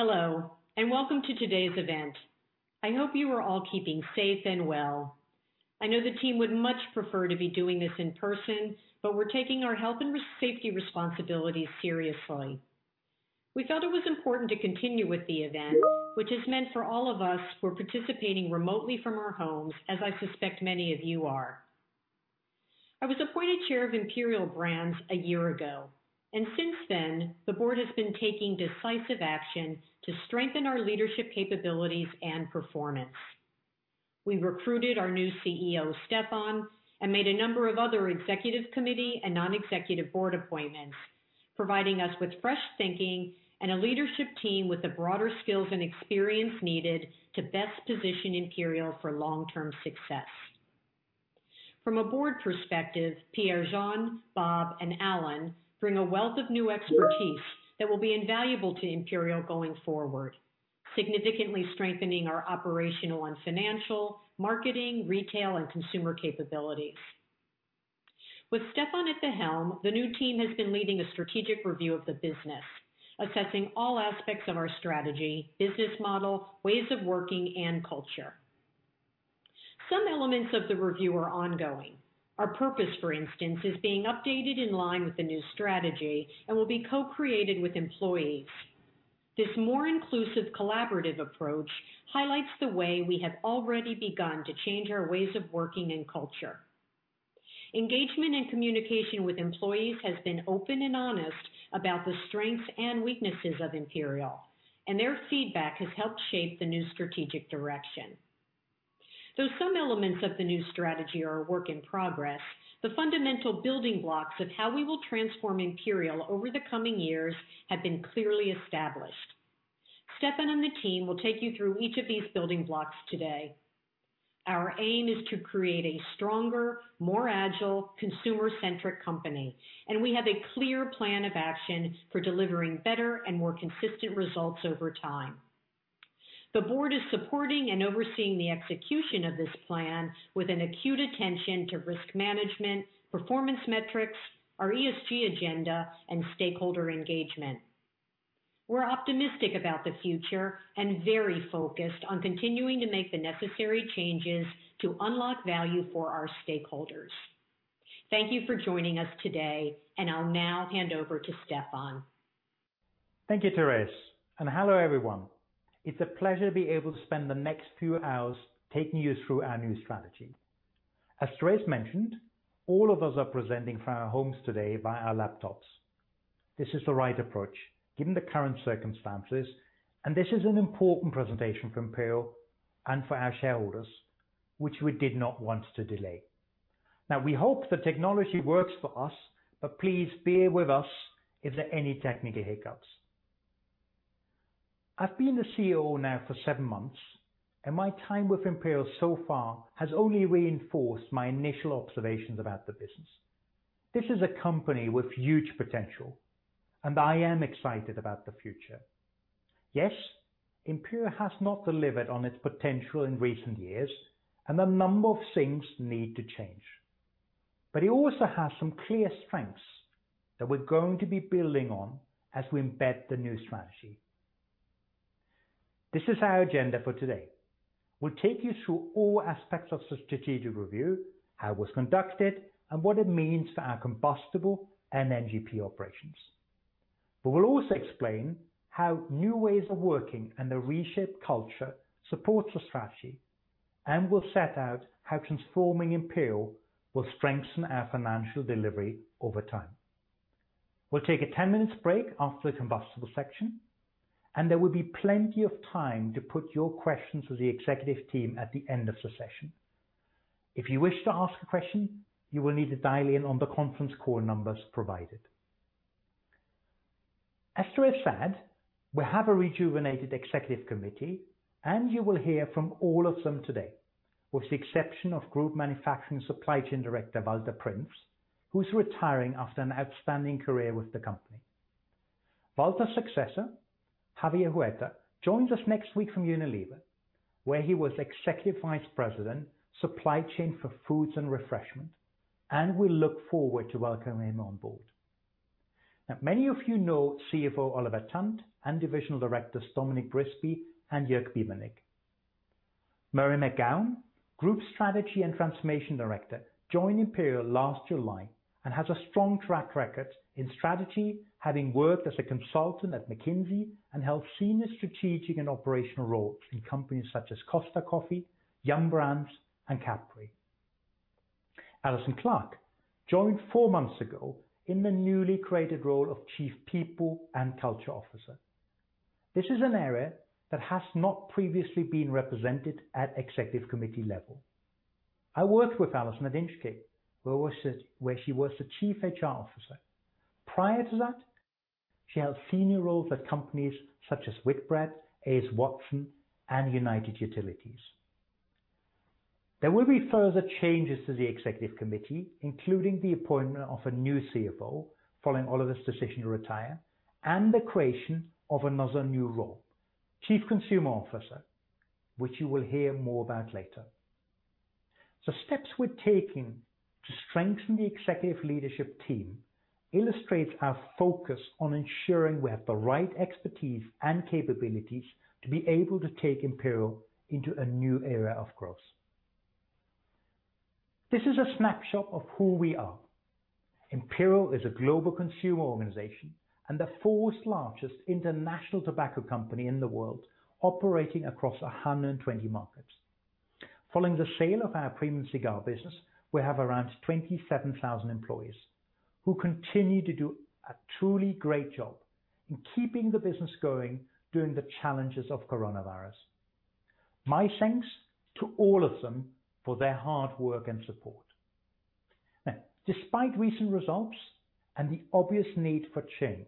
Hello, and welcome to today's event. I hope you are all keeping safe and well. I know the team would much prefer to be doing this in person, but we're taking our health and safety responsibilities seriously. We felt it was important to continue with the event, which is meant for all of us who are participating remotely from our homes, as I suspect many of you are. I was appointed chair of Imperial Brands a year ago, and since then, the board has been taking decisive action to strengthen our leadership capabilities and performance. We recruited our new CEO, Stefan Bomhard, and made a number of other executive committee and non-executive board appointments, providing us with fresh thinking and a leadership team with the broader skills and experience needed to best position Imperial for long-term success. From a board perspective, Pierre-Jean Jérôme Sivignon, Bob Kunze-Concewitz, and Alan Johnson bring a wealth of new expertise that will be invaluable to Imperial going forward, significantly strengthening our operational and financial, marketing, retail, and consumer capabilities. With Stefan at the helm, the new team has been leading a strategic review of the business, assessing all aspects of our strategy, business model, ways of working, and culture. Some elements of the review are ongoing. Our purpose, for instance, is being updated in line with the new strategy and will be co-created with employees. This more inclusive, collaborative approach highlights the way we have already begun to change our ways of working and culture. Engagement and communication with employees has been open and honest about the strengths and weaknesses of Imperial, and their feedback has helped shape the new strategic direction. Though some elements of the new strategy are a work in progress, the fundamental building blocks of how we will transform Imperial over the coming years have been clearly established. Stefan and the team will take you through each of these building blocks today. Our aim is to create a stronger, more agile, consumer-centric company, and we have a clear plan of action for delivering better and more consistent results over time. The board is supporting and overseeing the execution of this plan with an acute attention to risk management, performance metrics, our ESG agenda, and stakeholder engagement. We're optimistic about the future and very focused on continuing to make the necessary changes to unlock value for our stakeholders. Thank you for joining us today, and I'll now hand over to Stefan. Thank you, Thérèse. Hello, everyone. It's a pleasure to be able to spend the next few hours taking you through our new strategy. As Thérèse mentioned, all of us are presenting from our homes today via our laptops. This is the right approach given the current circumstances. This is an important presentation for Imperial and for our shareholders, which we did not want to delay. We hope the technology works for us. Please bear with us if there are any technical hiccups. I've been the CEO now for seven months. My time with Imperial so far has only reinforced my initial observations about the business. This is a company with huge potential. I am excited about the future. Yes, Imperial has not delivered on its potential in recent years, and a number of things need to change, but it also has some clear strengths that we're going to be building on as we embed the new strategy. This is our agenda for today. We'll take you through all aspects of the strategic review, how it was conducted, and what it means for our combustible and NGP operations. We'll also explain how new ways of working and a reshaped culture supports the strategy, and we'll set out how transforming Imperial will strengthen our financial delivery over time. We'll take a 10-minute break after the combustible section, and there will be plenty of time to put your questions to the executive team at the end of the session. If you wish to ask a question, you will need to dial in on the conference call numbers provided. As Thérèse said, we have a rejuvenated executive committee, and you will hear from all of them today, with the exception of Group Manufacturing Supply Chain Director Walter Prinz, who's retiring after an outstanding career with the company. Walter's successor, Javier Huerta, joins us next week from Unilever, where he was Executive Vice President, Supply Chain for Foods and Refreshment, and we look forward to welcoming him on board. Many of you know CFO Oliver Tant and Divisional Directors Dominic Brisby and Jörg Biebernick. Murray McGowan, Group Strategy and Transformation Director, joined Imperial last July and has a strong track record in strategy, having worked as a consultant at McKinsey and held senior strategic and operational roles in companies such as Costa Coffee, Yum! Brands, and Capri. Alison Clarke joined four months ago in the newly created role of Chief People and Culture Officer. This is an area that has not previously been represented at executive committee level. I worked with Alison at Inchcape, where she was the Chief HR Officer. Prior to that, she held senior roles at companies such as Whitbread, AS Watson, and United Utilities. There will be further changes to the executive committee, including the appointment of a new CFO following Oliver's decision to retire, and the creation of another new role, Chief Consumer Officer, which you will hear more about later. The steps we're taking to strengthen the executive leadership team illustrates our focus on ensuring we have the right expertise and capabilities to be able to take Imperial into a new era of growth. This is a snapshot of who we are. Imperial is a global consumer organization and the fourth largest international tobacco company in the world, operating across 120 markets. Following the sale of our premium cigar business, we have around 27,000 employees who continue to do a truly great job in keeping the business going during the challenges of coronavirus. My thanks to all of them for their hard work and support. Now, despite recent results and the obvious need for change,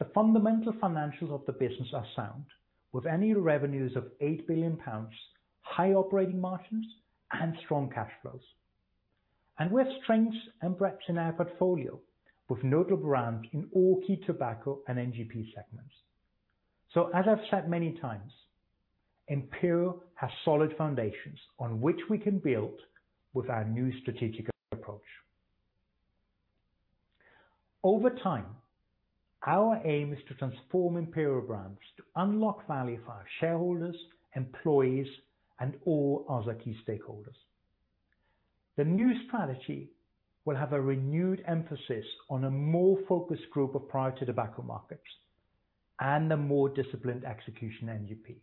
the fundamental financials of the business are sound, with annual revenues of 8 billion pounds, high operating margins, and strong cash flows. We have strengths and breadth in our portfolio with notable brands in all key tobacco and NGP segments. As I've said many times, Imperial has solid foundations on which we can build with our new strategic approach. Over time, our aim is to transform Imperial Brands to unlock value for our shareholders, employees, and all other key stakeholders. The new strategy will have a renewed emphasis on a more focused group of priority tobacco markets and a more disciplined execution in NGP.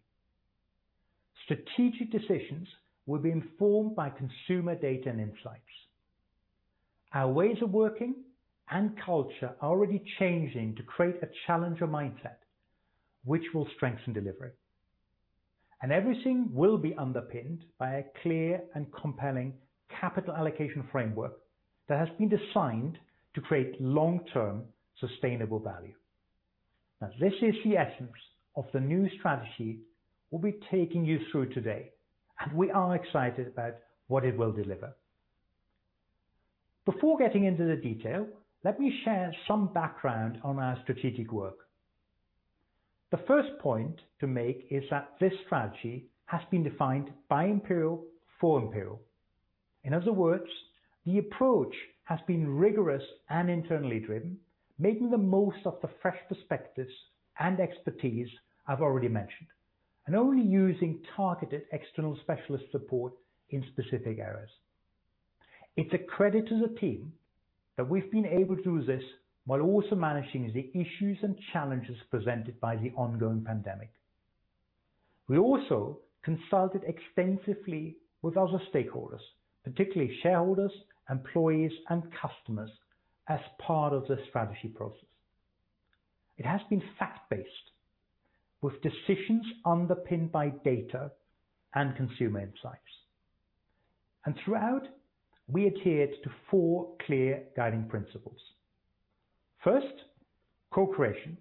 Strategic decisions will be informed by consumer data and insights. Our ways of working and culture are already changing to create a challenger mindset, which will strengthen delivery. Everything will be underpinned by a clear and compelling capital allocation framework that has been designed to create long-term sustainable value. This is the essence of the new strategy we'll be taking you through today, and we are excited about what it will deliver. Before getting into the detail, let me share some background on our strategic work. The first point to make is that this strategy has been defined by Imperial for Imperial. In other words, the approach has been rigorous and internally driven, making the most of the fresh perspectives and expertise I've already mentioned, and only using targeted external specialist support in specific areas. It's a credit to the team that we've been able to do this while also managing the issues and challenges presented by the ongoing pandemic. We also consulted extensively with other stakeholders, particularly shareholders, employees, and customers, as part of the strategy process. It has been fact-based with decisions underpinned by data and consumer insights. Throughout, we adhered to four clear guiding principles. First, co-creation.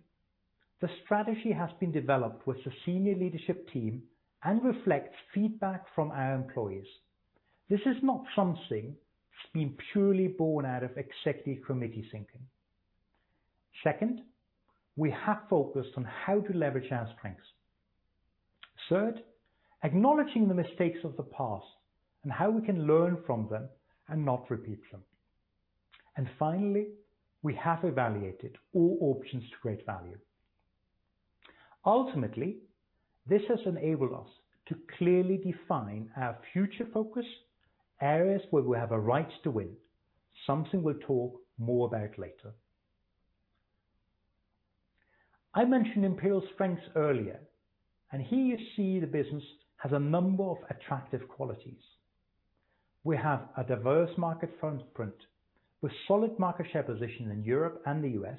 The strategy has been developed with the senior leadership team and reflects feedback from our employees. This is not something that's been purely born out of executive committee thinking. Second, we have focused on how to leverage our strengths. Acknowledging the mistakes of the past and how we can learn from them and not repeat them. Finally, we have evaluated all options to create value. Ultimately, this has enabled us to clearly define our future focus, areas where we have a Right to Win, something we'll talk more about later. I mentioned Imperial's strengths earlier, and here you see the business has a number of attractive qualities. We have a diverse market footprint with solid market share position in Europe and the U.S.,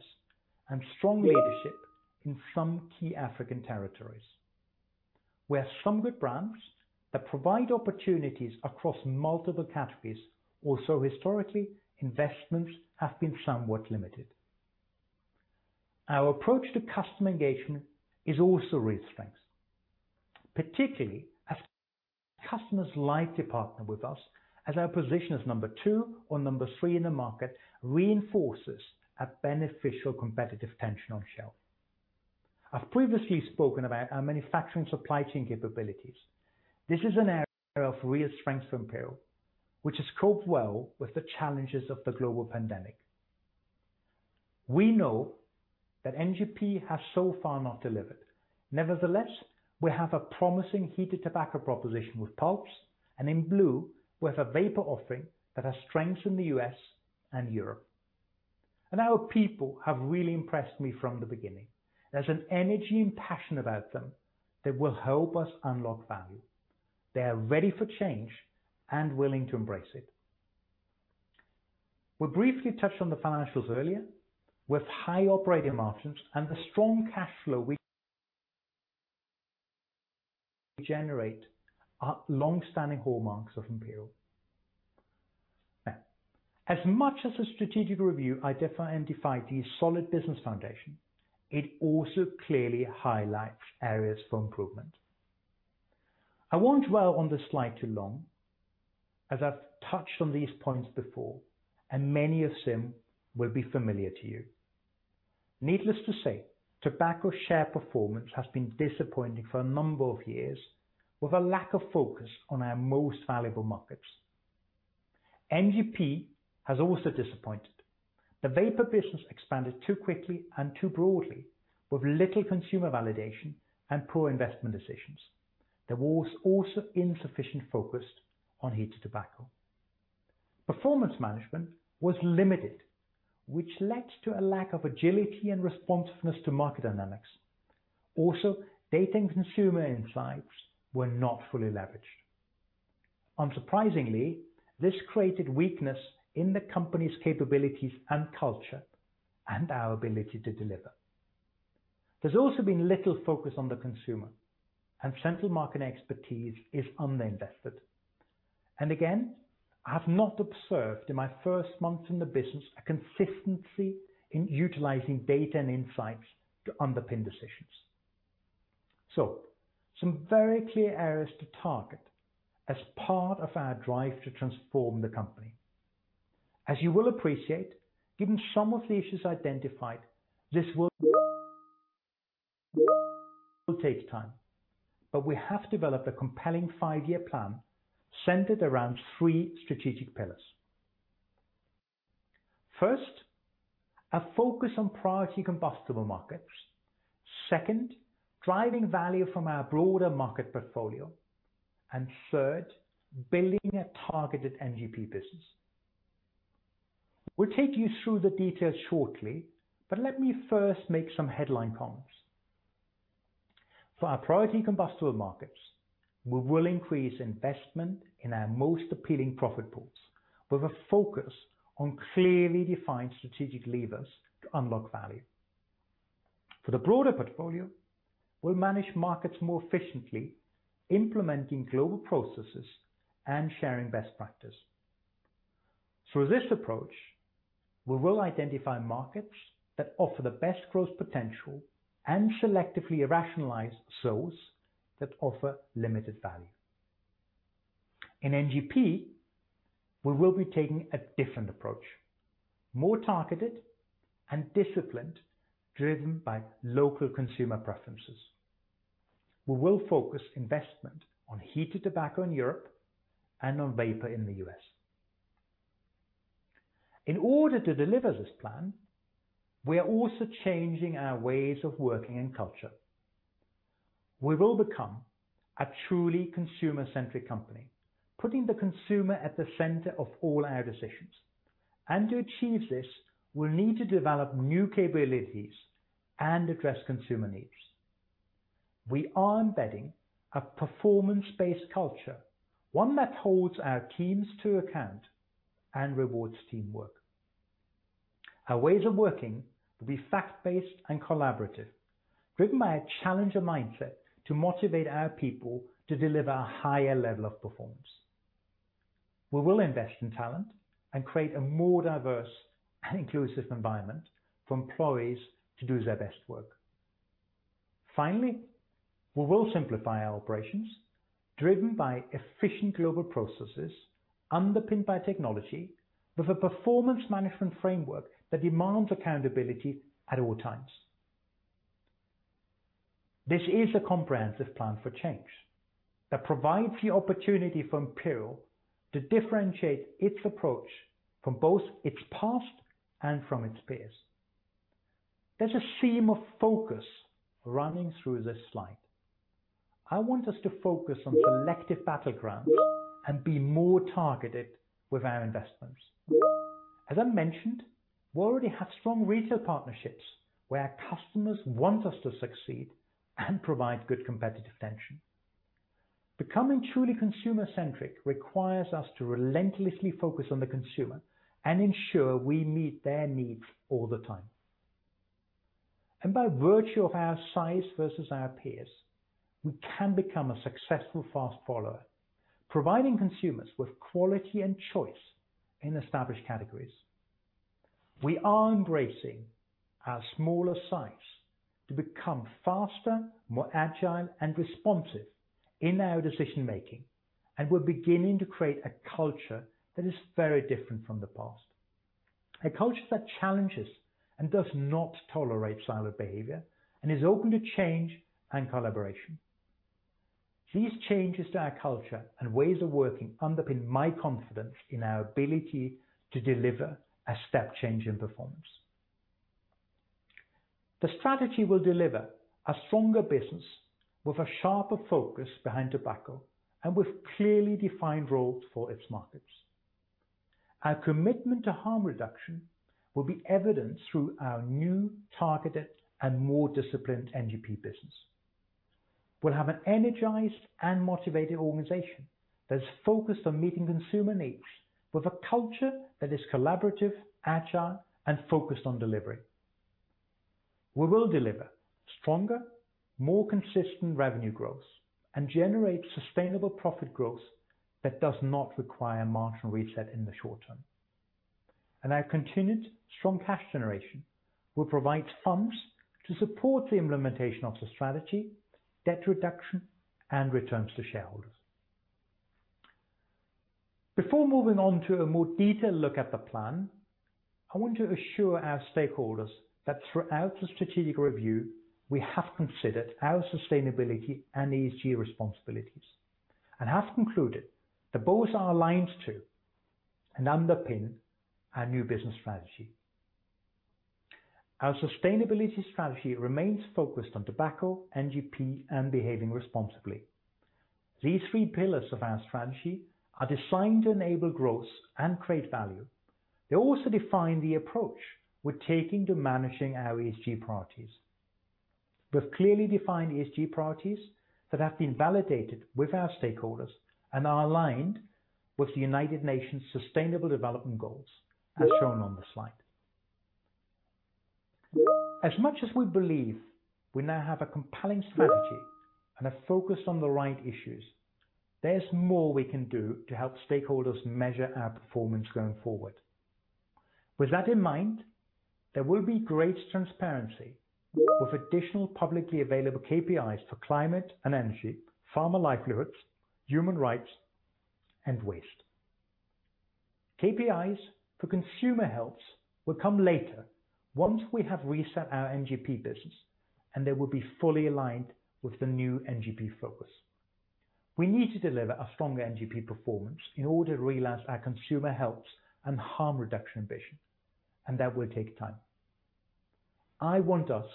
and strong leadership in some key African territories. We have some good brands that provide opportunities across multiple categories, although historically, investments have been somewhat limited. Our approach to customer engagement is also a real strength, particularly as customers like to partner with us as our position as number two or number three in the market reinforces a beneficial competitive tension on shelf. I've previously spoken about our manufacturing supply chain capabilities. This is an area of real strength for Imperial, which has coped well with the challenges of the global pandemic. We know that NGP has so far not delivered. Nevertheless, we have a promising heated tobacco proposition with Pulze and in blu with a vapor offering that has strengths in the U.S. and Europe. Our people have really impressed me from the beginning. There's an energy and passion about them that will help us unlock value. They are ready for change and willing to embrace it. We briefly touched on the financials earlier with high operating margins and the strong cash flow we generate are longstanding hallmarks of Imperial. As much as the strategic review identified these solid business foundations, it also clearly highlights areas for improvement. I won't dwell on this slide too long, as I've touched on these points before, and many of them will be familiar to you. Needless to say, tobacco share performance has been disappointing for a number of years, with a lack of focus on our most valuable markets. NGP has also disappointed. The vapor business expanded too quickly and too broadly, with little consumer validation and poor investment decisions. There was also insufficient focus on heated tobacco. Performance management was limited, which led to a lack of agility and responsiveness to market dynamics. Data and consumer insights were not fully leveraged. Unsurprisingly, it created weakness in the company's capabilities and culture, and our ability to deliver. There's also been little focus on the consumer and central market expertise is under-invested. I have not observed in my first months in the business a consistency in utilizing data and insights to underpin decisions. Some very clear areas to target as part of our drive to transform the company. As you will appreciate, given some of the issues identified, this will take time, but we have developed a compelling five-year plan centered around three strategic pillars. First, a focus on priority combustible markets. Second, driving value from our broader market portfolio, and third, building a targeted NGP business. We will take you through the details shortly, but let me first make some headline comments. For our priority combustible markets, we will increase investment in our most appealing profit pools, with a focus on clearly defined strategic levers to unlock value. For the broader portfolio, we will manage markets more efficiently, implementing global processes and sharing best practice. Through this approach, we will identify markets that offer the best growth potential and selectively rationalize those that offer limited value. In NGP, we will be taking a different approach, more targeted and disciplined, driven by local consumer preferences. We will focus investment on heated tobacco in Europe and on vapor in the U.S. In order to deliver this plan, we are also changing our ways of working and culture. We will become a truly consumer-centric company, putting the consumer at the center of all our decisions. To achieve this, we'll need to develop new capabilities and address consumer needs. We are embedding a performance-based culture, one that holds our teams to account and rewards teamwork. Our ways of working will be fact-based and collaborative, driven by a challenger mindset to motivate our people to deliver a higher level of performance. We will invest in talent and create a more diverse and inclusive environment for employees to do their best work. Finally, we will simplify our operations driven by efficient global processes, underpinned by technology with a performance management framework that demands accountability at all times. This is a comprehensive plan for change that provides the opportunity for Imperial to differentiate its approach from both its past and from its peers. There's a theme of focus running through this slide. I want us to focus on selective battlegrounds and be more targeted with our investments. As I mentioned, we already have strong retail partnerships where our customers want us to succeed and provide good competitive tension. Becoming truly consumer-centric requires us to relentlessly focus on the consumer and ensure we meet their needs all the time. By virtue of our size versus our peers, we can become a successful fast follower, providing consumers with quality and choice in established categories. We are embracing our smaller size to become faster, more agile, and responsive in our decision-making, and we're beginning to create a culture that is very different from the past, a culture that challenges and does not tolerate siloed behavior and is open to change and collaboration. These changes to our culture and ways of working underpin my confidence in our ability to deliver a step-change in performance. The strategy will deliver a stronger business with a sharper focus behind tobacco and with clearly defined roles for its markets. Our commitment to Tobacco Harm Reduction will be evidenced through our new targeted and more disciplined NGP business. We'll have an energized and motivated organization that is focused on meeting consumer needs with a culture that is collaborative, agile, and focused on delivery. We will deliver stronger, more consistent revenue growth and generate sustainable profit growth that does not require a marginal reset in the short term. Our continued strong cash generation will provide funds to support the implementation of the strategy, debt reduction, and returns to shareholders. Before moving on to a more detailed look at the plan, I want to assure our stakeholders that throughout the strategic review, we have considered our sustainability and ESG responsibilities, and have concluded that both are aligned to and underpin our new business strategy. Our sustainability strategy remains focused on tobacco, NGP, and behaving responsibly. These three pillars of our strategy are designed to enable growth and create value. They also define the approach we're taking to managing our ESG priorities. We've clearly defined ESG priorities that have been validated with our stakeholders and are aligned with the United Nations Sustainable Development Goals, as shown on the slide. As much as we believe we now have a compelling strategy and are focused on the right issues, there's more we can do to help stakeholders measure our performance going forward. With that in mind, there will be great transparency with additional publicly available KPIs for climate and energy, farmer livelihoods, human rights, and waste. KPIs for consumer health will come later once we have reset our NGP business, and they will be fully aligned with the new NGP focus. We need to deliver a stronger NGP performance in order to realize our consumer health and Tobacco Harm Reduction vision, and that will take time. I want us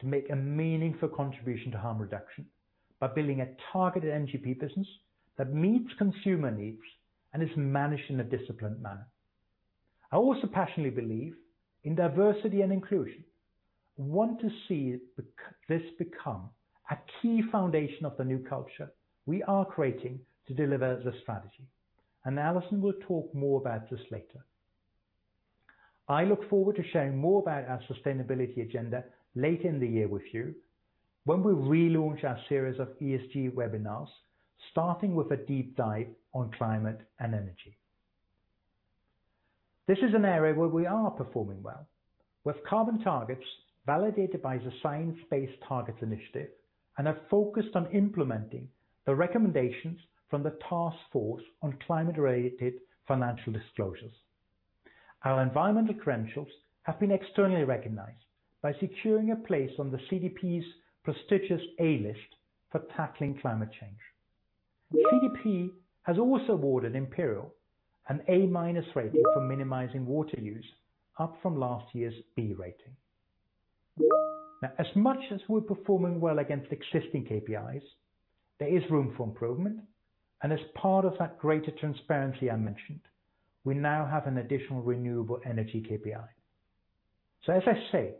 to make a meaningful contribution to Tobacco Harm Reduction by building a targeted NGP business that meets consumer needs and is managed in a disciplined manner. I also passionately believe in diversity and inclusion. I want to see this become a key foundation of the new culture we are creating to deliver the strategy. Alison will talk more about this later. I look forward to sharing more about our sustainability agenda later in the year with you, when we relaunch our series of ESG webinars, starting with a deep dive on climate and energy. This is an area where we are performing well, with carbon targets validated by the Science Based Targets initiative and are focused on implementing the recommendations from the Task Force on Climate-related Financial Disclosures. Our environmental credentials have been externally recognized by securing a place on the CDP's prestigious A List for tackling climate change. CDP has also awarded Imperial an A-minus rating for minimizing water use, up from last year's B rating. As much as we're performing well against existing KPIs, there is room for improvement. As part of that greater transparency I mentioned, we now have an additional renewable energy KPI. As I say,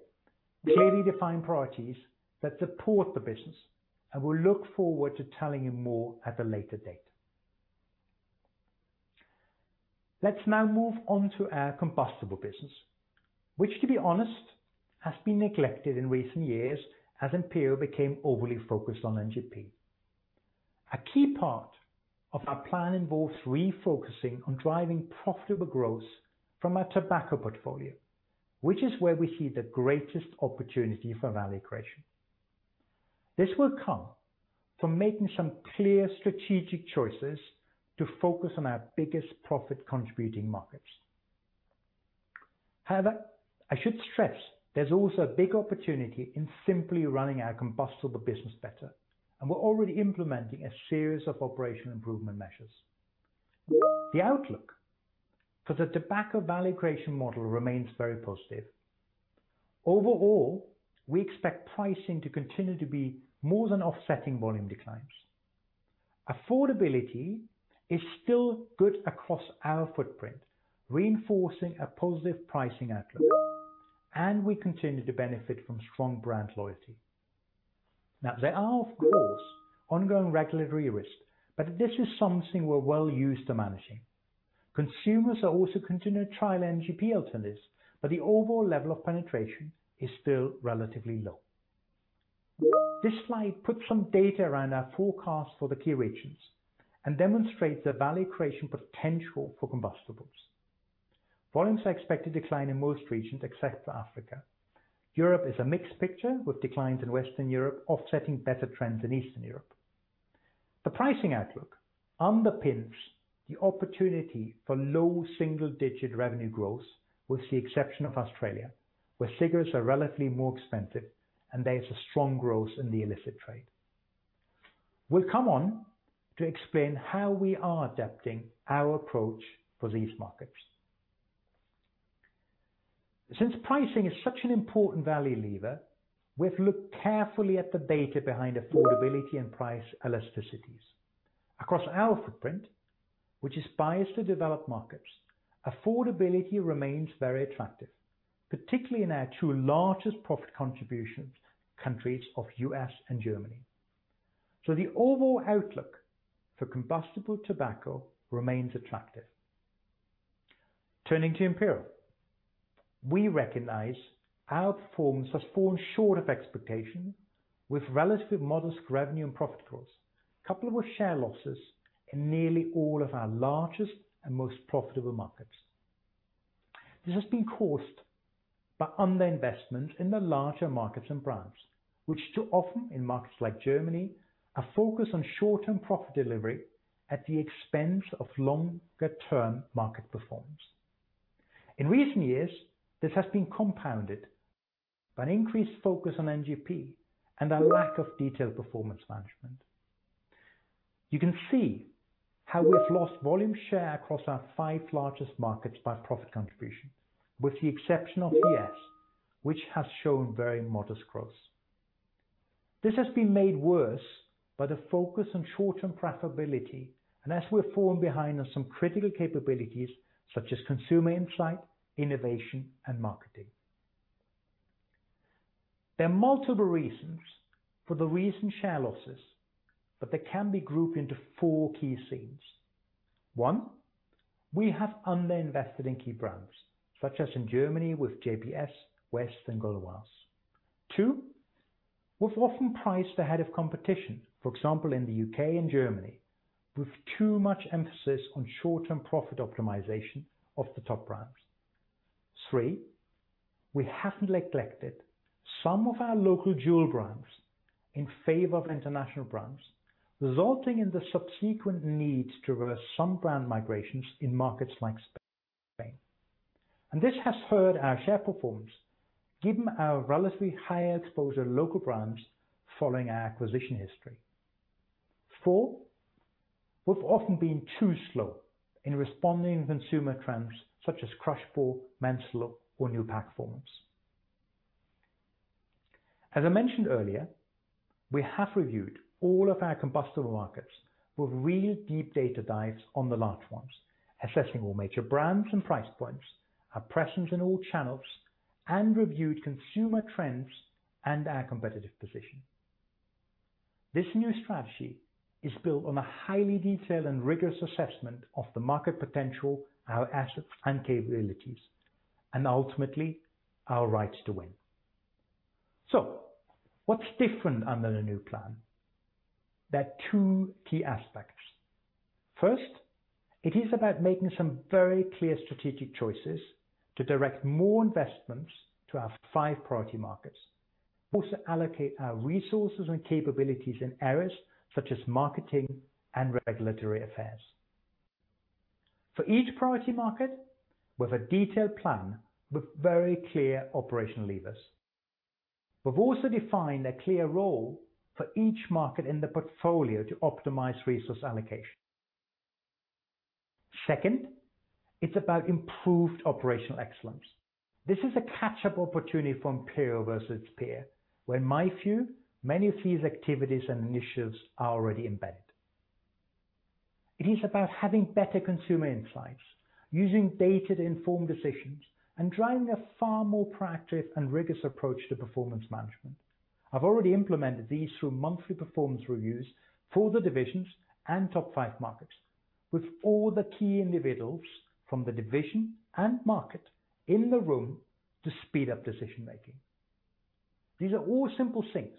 clearly defined priorities that support the business, and we look forward to telling you more at a later date. Let's now move on to our combustible business, which to be honest, has been neglected in recent years as Imperial became overly focused on NGP. A key part of our plan involves refocusing on driving profitable growth from our tobacco portfolio, which is where we see the greatest opportunity for value creation. This will come from making some clear strategic choices to focus on our biggest profit-contributing markets. I should stress there's also a big opportunity in simply running our combustible business better, and we're already implementing a series of operational improvement measures. The outlook for the tobacco value creation model remains very positive. We expect pricing to continue to be more than offsetting volume declines. Affordability is still good across our footprint, reinforcing a positive pricing outlook, and we continue to benefit from strong brand loyalty. There are, of course, ongoing regulatory risks, but this is something we're well used to managing. Consumers are also continuing to trial NGP alternatives, but the overall level of penetration is still relatively low. This slide puts some data around our forecast for the key regions and demonstrates the value creation potential for combustibles. Volumes are expected to decline in most regions except for Africa. Europe is a mixed picture, with declines in Western Europe offsetting better trends in Eastern Europe. The pricing outlook underpins the opportunity for low single-digit revenue growth, with the exception of Australia, where cigarettes are relatively more expensive and there is a strong growth in the illicit trade. We'll come on to explain how we are adapting our approach for these markets. Since pricing is such an important value lever, we've looked carefully at the data behind affordability and price elasticities. Across our footprint, which is biased to developed markets, affordability remains very attractive, particularly in our two largest profit contribution countries of U.S. and Germany. The overall outlook for combustible tobacco remains attractive. Turning to Imperial, we recognize our performance has fallen short of expectation with relatively modest revenue and profit growth, coupled with share losses in nearly all of our largest and most profitable markets. This has been caused by underinvestment in the larger markets and brands, which too often in markets like Germany, are focused on short-term profit delivery at the expense of longer-term market performance. In recent years, this has been compounded by an increased focus on NGP and a lack of detailed performance management. You can see how we've lost volume share across our five largest markets by profit contribution, with the exception of the US, which has shown very modest growth. This has been made worse by the focus on short-term profitability, and as we're falling behind on some critical capabilities such as consumer insight, innovation, and marketing. There are multiple reasons for the recent share losses, but they can be grouped into four key themes. One, we have underinvested in key brands such as in Germany with JPS, West, and Gauloises. Two, we've often priced ahead of competition, for example, in the U.K. and Germany, with too much emphasis on short-term profit optimization of the top brands. Three, we have neglected some of our local jewel brands in favor of international brands, resulting in the subsequent need to reverse some brand migrations in markets like Spain. This has hurt our share performance given our relatively higher exposure local brands following our acquisition history. Four, we've often been too slow in responding to consumer trends such as crushball, menthol, or new pack forms. As I mentioned earlier, we have reviewed all of our combustible markets with really deep data dives on the large ones, assessing all major brands and price points, our presence in all channels, and reviewed consumer trends and our competitive position. This new strategy is built on a highly detailed and rigorous assessment of the market potential, our assets and capabilities, and ultimately our Rights to Win. What's different under the new plan? There are two key aspects. First, it is about making some very clear strategic choices to direct more investments to our five priority markets, also allocate our resources and capabilities in areas such as marketing and regulatory affairs. For each priority market, we have a detailed plan with very clear operational levers. We've also defined a clear role for each market in the portfolio to optimize resource allocation. Second, it is about improved operational excellence. This is a catch-up opportunity for Imperial versus its peer, where in my view, many of these activities and initiatives are already embedded. It is about having better consumer insights, using data to inform decisions, and driving a far more proactive and rigorous approach to performance management. I've already implemented these through monthly performance reviews for the divisions and top five markets with all the key individuals from the division and market in the room to speed up decision-making. These are all simple things,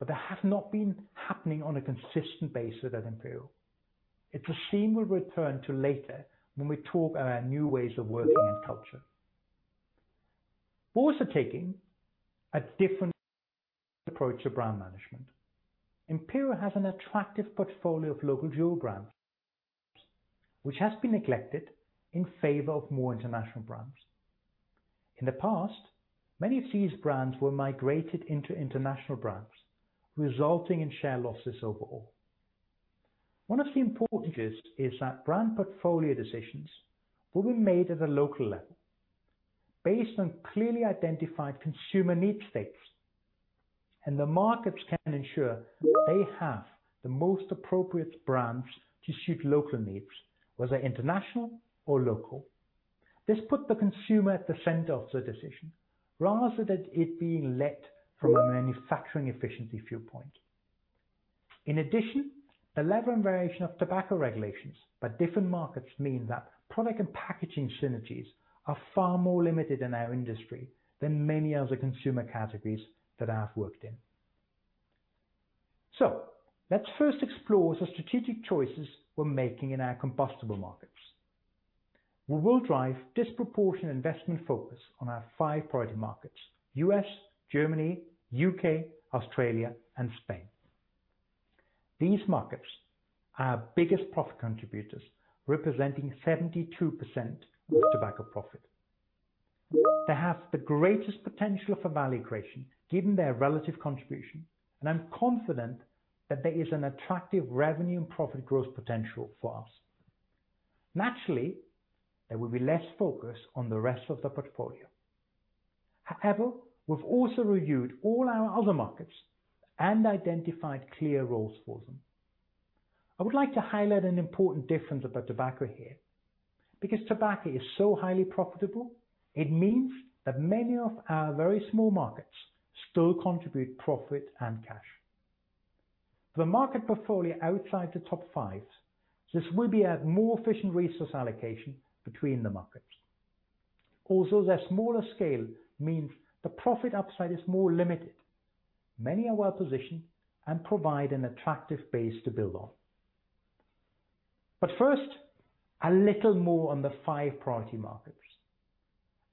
but they have not been happening on a consistent basis at Imperial. It's a theme we'll return to later when we talk about new ways of working and culture. We're also taking a different approach to brand management. Imperial has an attractive portfolio of local jewel brands, which has been neglected in favor of more international brands. In the past, many of these brands were migrated into international brands, resulting in share losses overall. One of the important is that brand portfolio decisions will be made at a local level based on clearly identified consumer need states, and the markets can ensure they have the most appropriate brands to suit local needs, whether international or local. This put the consumer at the center of the decision, rather than it being led from a manufacturing efficiency viewpoint. In addition, the level and variation of tobacco regulations by different markets mean that product and packaging synergies are far more limited in our industry than many other consumer categories that I've worked in. Let's first explore the strategic choices we're making in our combustible markets. We will drive disproportionate investment focus on our five priority markets: U.S., Germany, U.K., Australia, and Spain. These markets are our biggest profit contributors, representing 72% of tobacco profit. They have the greatest potential for value creation given their relative contribution, and I'm confident that there is an attractive revenue and profit growth potential for us. Naturally, there will be less focus on the rest of the portfolio. However, we've also reviewed all our other markets and identified clear roles for them. I would like to highlight an important difference about tobacco here. Because tobacco is so highly profitable, it means that many of our very small markets still contribute profit and cash. For the market portfolio outside the top five, this will be a more efficient resource allocation between the markets. Although their smaller scale means the profit upside is more limited, many are well-positioned and provide an attractive base to build on. First, a little more on the five priority markets.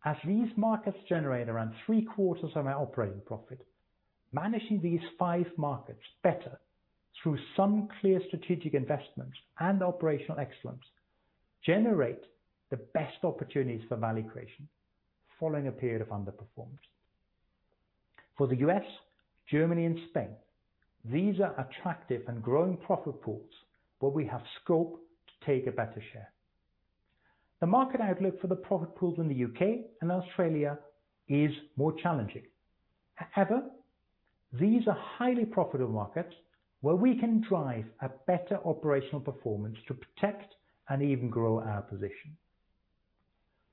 As these markets generate around 3/4 of our operating profit, managing these five markets better through some clear strategic investments and operational excellence generate the best opportunities for value creation following a period of underperformance. For the U.S., Germany, and Spain, these are attractive and growing profit pools, but we have scope to take a better share. The market outlook for the profit pools in the U.K. and Australia is more challenging. However, these are highly profitable markets where we can drive a better operational performance to protect and even grow our position.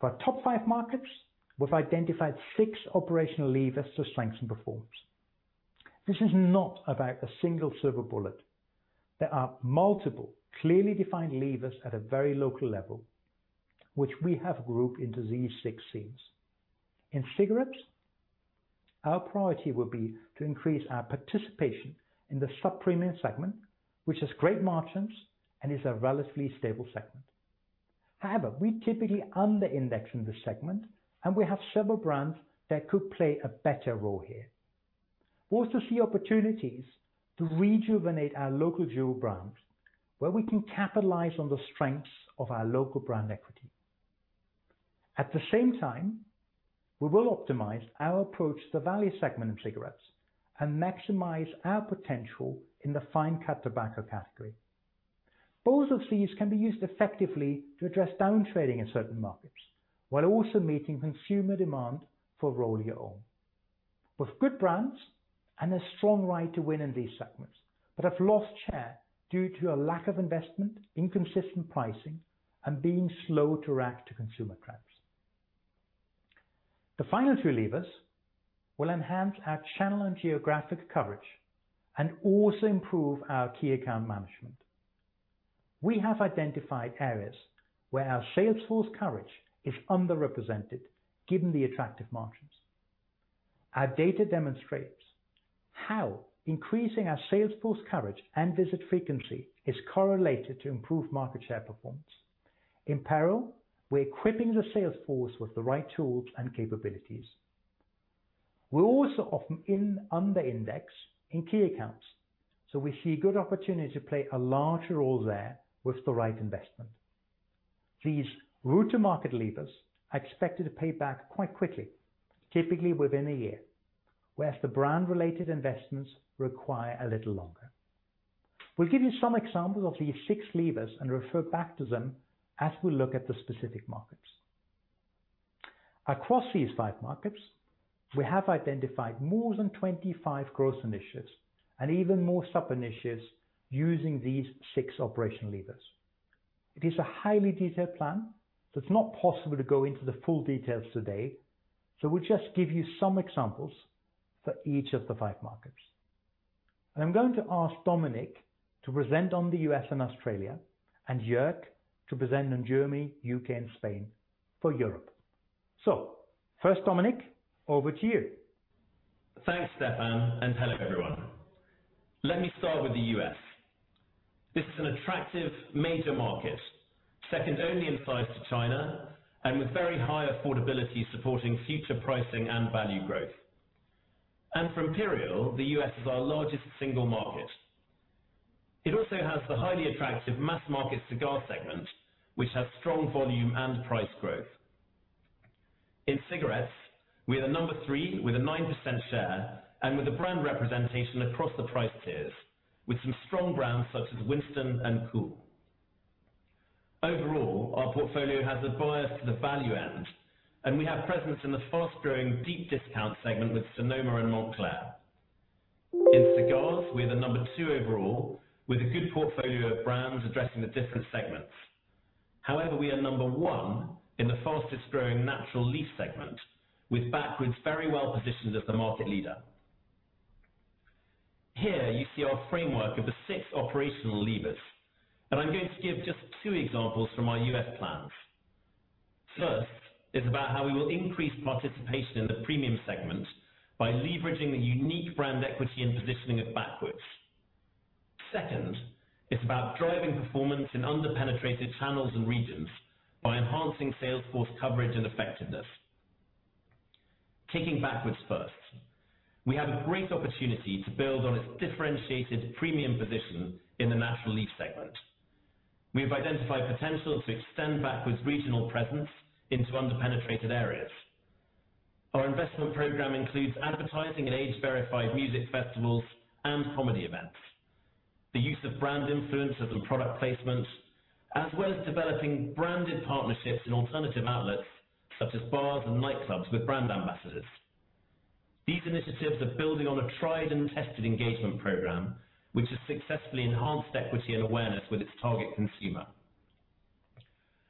For our top five markets, we've identified six operational levers to strengthen performance. This is not about a single silver bullet. There are multiple clearly defined levers at a very local level, which we have grouped into these six themes. In cigarettes, our priority will be to increase our participation in the sub-premium segment, which has great margins and is a relatively stable segment. However, we typically under-index in this segment, and we have several brands that could play a better role here. We also see opportunities to rejuvenate our local jewel brands, where we can capitalize on the strengths of our local brand equity. At the same time, we will optimize our approach to the value segment in cigarettes and maximize our potential in the fine-cut tobacco category. Both of these can be used effectively to address down trading in certain markets, while also meeting consumer demand for Roll Your Own. With good brands and a strong Right to Win in these segments, but have lost share due to a lack of investment, inconsistent pricing, and being slow to react to consumer trends. The final two levers will enhance our channel and geographic coverage and also improve our key account management. We have identified areas where our sales force coverage is underrepresented, given the attractive margins. Our data demonstrates how increasing our sales force coverage and visit frequency is correlated to improved market share performance. Imperial, we're equipping the sales force with the right tools and capabilities. We're also often under-index in key accounts, so we see good opportunity to play a larger role there with the right investment. These route-to-market levers are expected to pay back quite quickly, typically within a year, whereas the brand-related investments require a little longer. We'll give you some examples of these six levers and refer back to them as we look at the specific markets. Across these five markets, we have identified more than 25 growth initiatives and even more sub-initiatives using these six operational levers. It is a highly detailed plan, so it's not possible to go into the full details today. We'll just give you some examples for each of the five markets. I'm going to ask Dominic to present on the U.S. and Australia, and Jörg to present on Germany, U.K., and Spain for Europe. First, Dominic, over to you. Thanks, Stefan. Hello, everyone. Let me start with the U.S. This is an attractive major market, second only in size to China, and with very high affordability supporting future pricing and value growth. For Imperial, the U.S. is our largest single market. It also has the highly attractive mass-market cigar segment, which has strong volume and price growth. In cigarettes, we are the number three with a 9% share and with a brand representation across the price tiers, with some strong brands such as Winston and Kool. Overall, our portfolio has a bias to the value-end, and we have presence in the fast-growing deep discount segment with Sonoma and Montclair. In cigars, we are the number two overall, with a good portfolio of brands addressing the different segments. However, we are number one in the fastest-growing natural leaf segment, with Backwoods very well-positioned as the market leader. Here you see our framework of the six operational levers, and I'm going to give just two examples from our U.S. plans. First is about how we will increase participation in the premium segment by leveraging the unique brand equity and positioning of Backwoods. Second is about driving performance in under-penetrated channels and regions by enhancing sales force coverage and effectiveness. Taking Backwoods first, we have a great opportunity to build on its differentiated premium position in the natural leaf segment. We have identified potential to extend Backwoods' regional presence into under-penetrated areas. Our investment program includes advertising at age-verified music festivals and comedy events, the use of brand influencers and product placements, as well as developing branded partnerships in alternative outlets such as bars and nightclubs with brand ambassadors. These initiatives are building on a tried and tested engagement program, which has successfully enhanced equity and awareness with its target consumer.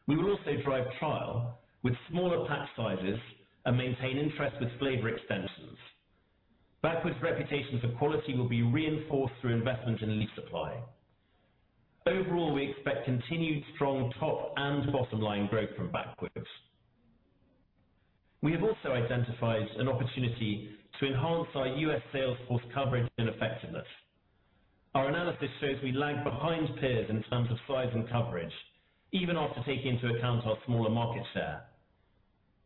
We will also drive trial with smaller pack sizes and maintain interest with flavor extensions. Backwoods' reputation for quality will be reinforced through investment in leaf supply. Overall, we expect continued strong top and bottom-line growth from Backwoods. We have also identified an opportunity to enhance our U.S. sales force coverage and effectiveness. Our analysis shows we lag behind peers in terms of size and coverage, even after taking into account our smaller market share.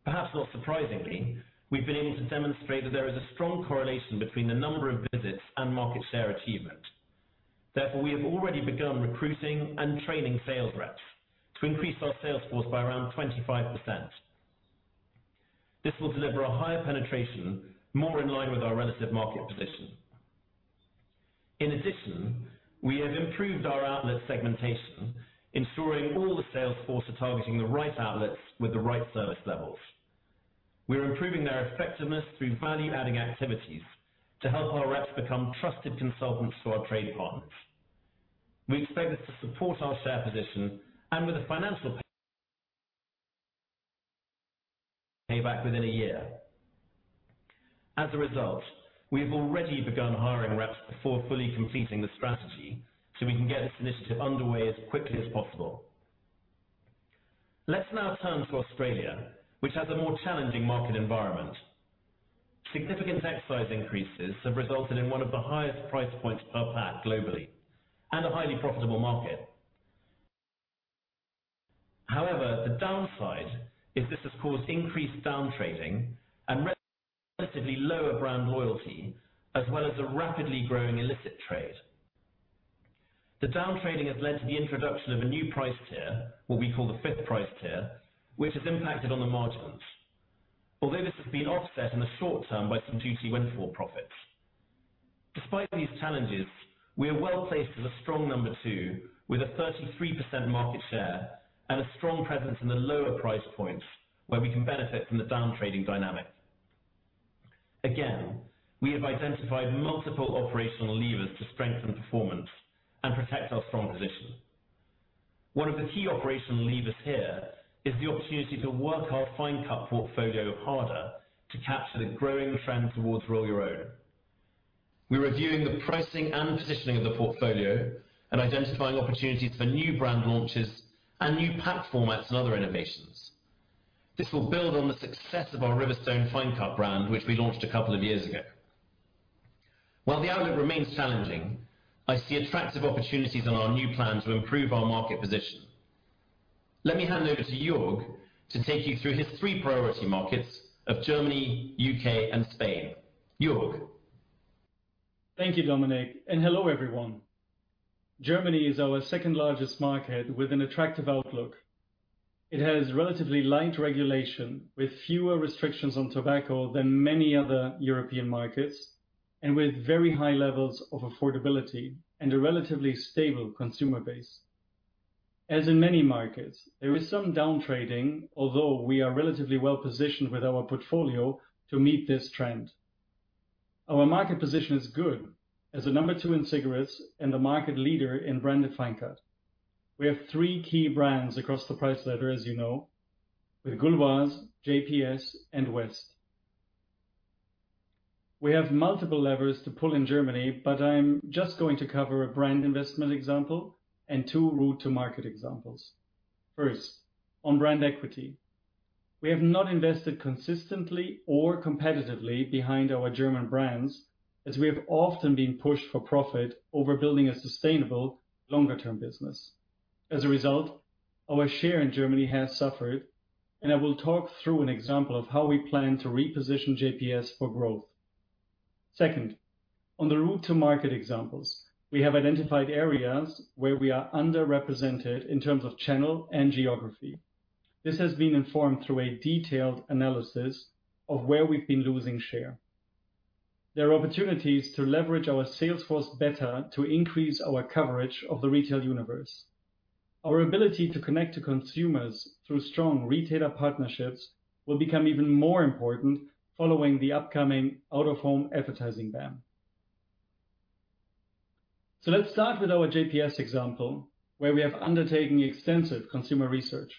Perhaps not surprisingly, we've been able to demonstrate that there is a strong correlation between the number of visits and market share achievement. We have already begun recruiting and training sales reps to increase our sales force by around 25%. This will deliver a higher penetration, more in line with our relative market position. In addition, we have improved our outlet segmentation, ensuring all the sales force are targeting the right outlets with the right service levels. We are improving their effectiveness through value-adding activities to help our reps become trusted consultants to our trade partners. We expect this to support our share position, and with a financial payback within a year. As a result, we have already begun hiring reps before fully completing the strategy, so we can get this initiative underway as quickly as possible. Let's now turn to Australia, which has a more challenging market environment. Significant excise increases have resulted in one of the highest price points per pack globally, and a highly profitable market. However, the downside is this has caused increased downtrading and relatively lower brand loyalty, as well as a rapidly growing illicit trade. The downtrading has led to the introduction of a new price tier, what we call the fifth price tier, which has impacted on the margins. Although this has been offset in the short term by some duty windfall profits. Despite these challenges, we are well-placed as a strong number two with a 33% market share and a strong presence in the lower price points, where we can benefit from the downtrading dynamic. Again, we have identified multiple operational levers to strengthen performance and protect our strong position. One of the key operational levers here is the opportunity to work our fine-cut portfolio harder to capture the growing trend towards Roll Your Own. We're reviewing the pricing and positioning of the portfolio and identifying opportunities for new brand launches and new pack formats and other innovations. This will build on the success of our Riverstone fine-cut brand, which we launched a couple of years ago. While the outlook remains challenging, I see attractive opportunities in our new plan to improve our market position. Let me hand over to Jörg to take you through his three priority markets of Germany, U.K., and Spain. Jörg? Thank you, Dominic. Hello, everyone. Germany is our second-largest market with an attractive outlook. It has relatively light regulation, with fewer restrictions on tobacco than many other European markets, and with very high levels of affordability and a relatively stable consumer base. As in many markets, there is some downtrading, although we are relatively well-positioned with our portfolio to meet this trend. Our market position is good. As the number two in cigarettes and the market leader in branded fine-cut. We have three key brands across the price ladder, as you know, with Gauloises, JPS, and West. We have multiple levers to pull in Germany, but I'm just going to cover a brand investment example and two route-to-market examples. First, on brand equity. We have not invested consistently or competitively behind our German brands, as we have often been pushed for profit over building a sustainable longer-term business. Our share in Germany has suffered, and I will talk through an example of how we plan to reposition JPS for growth. Second, on the route-to-market examples. We have identified areas where we are underrepresented in terms of channel and geography. This has been informed through a detailed analysis of where we've been losing share. There are opportunities to leverage our sales force better to increase our coverage of the retail universe. Our ability to connect to consumers through strong retailer partnerships will become even more important following the upcoming out of home advertising ban. Let's start with our JPS example, where we have undertaken extensive consumer research.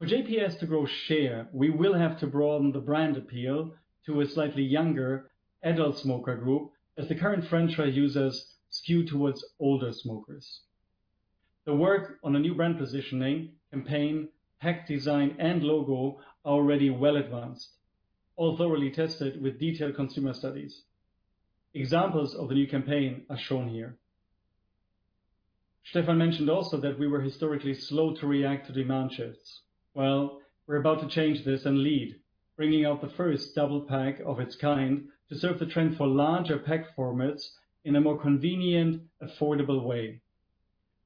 For JPS to grow share, we will have to broaden the brand appeal to a slightly younger adult smoker group as the current franchise users skew towards older smokers. The work on a new brand positioning, campaign, pack design, and logo are already well-advanced, all thoroughly tested with detailed consumer studies. Examples of the new campaign are shown here. Stefan mentioned also that we were historically slow to react to demand shifts. Well, we're about to change this and lead, bringing out the first double pack of its kind to serve the trend for larger pack formats in a more convenient, affordable way.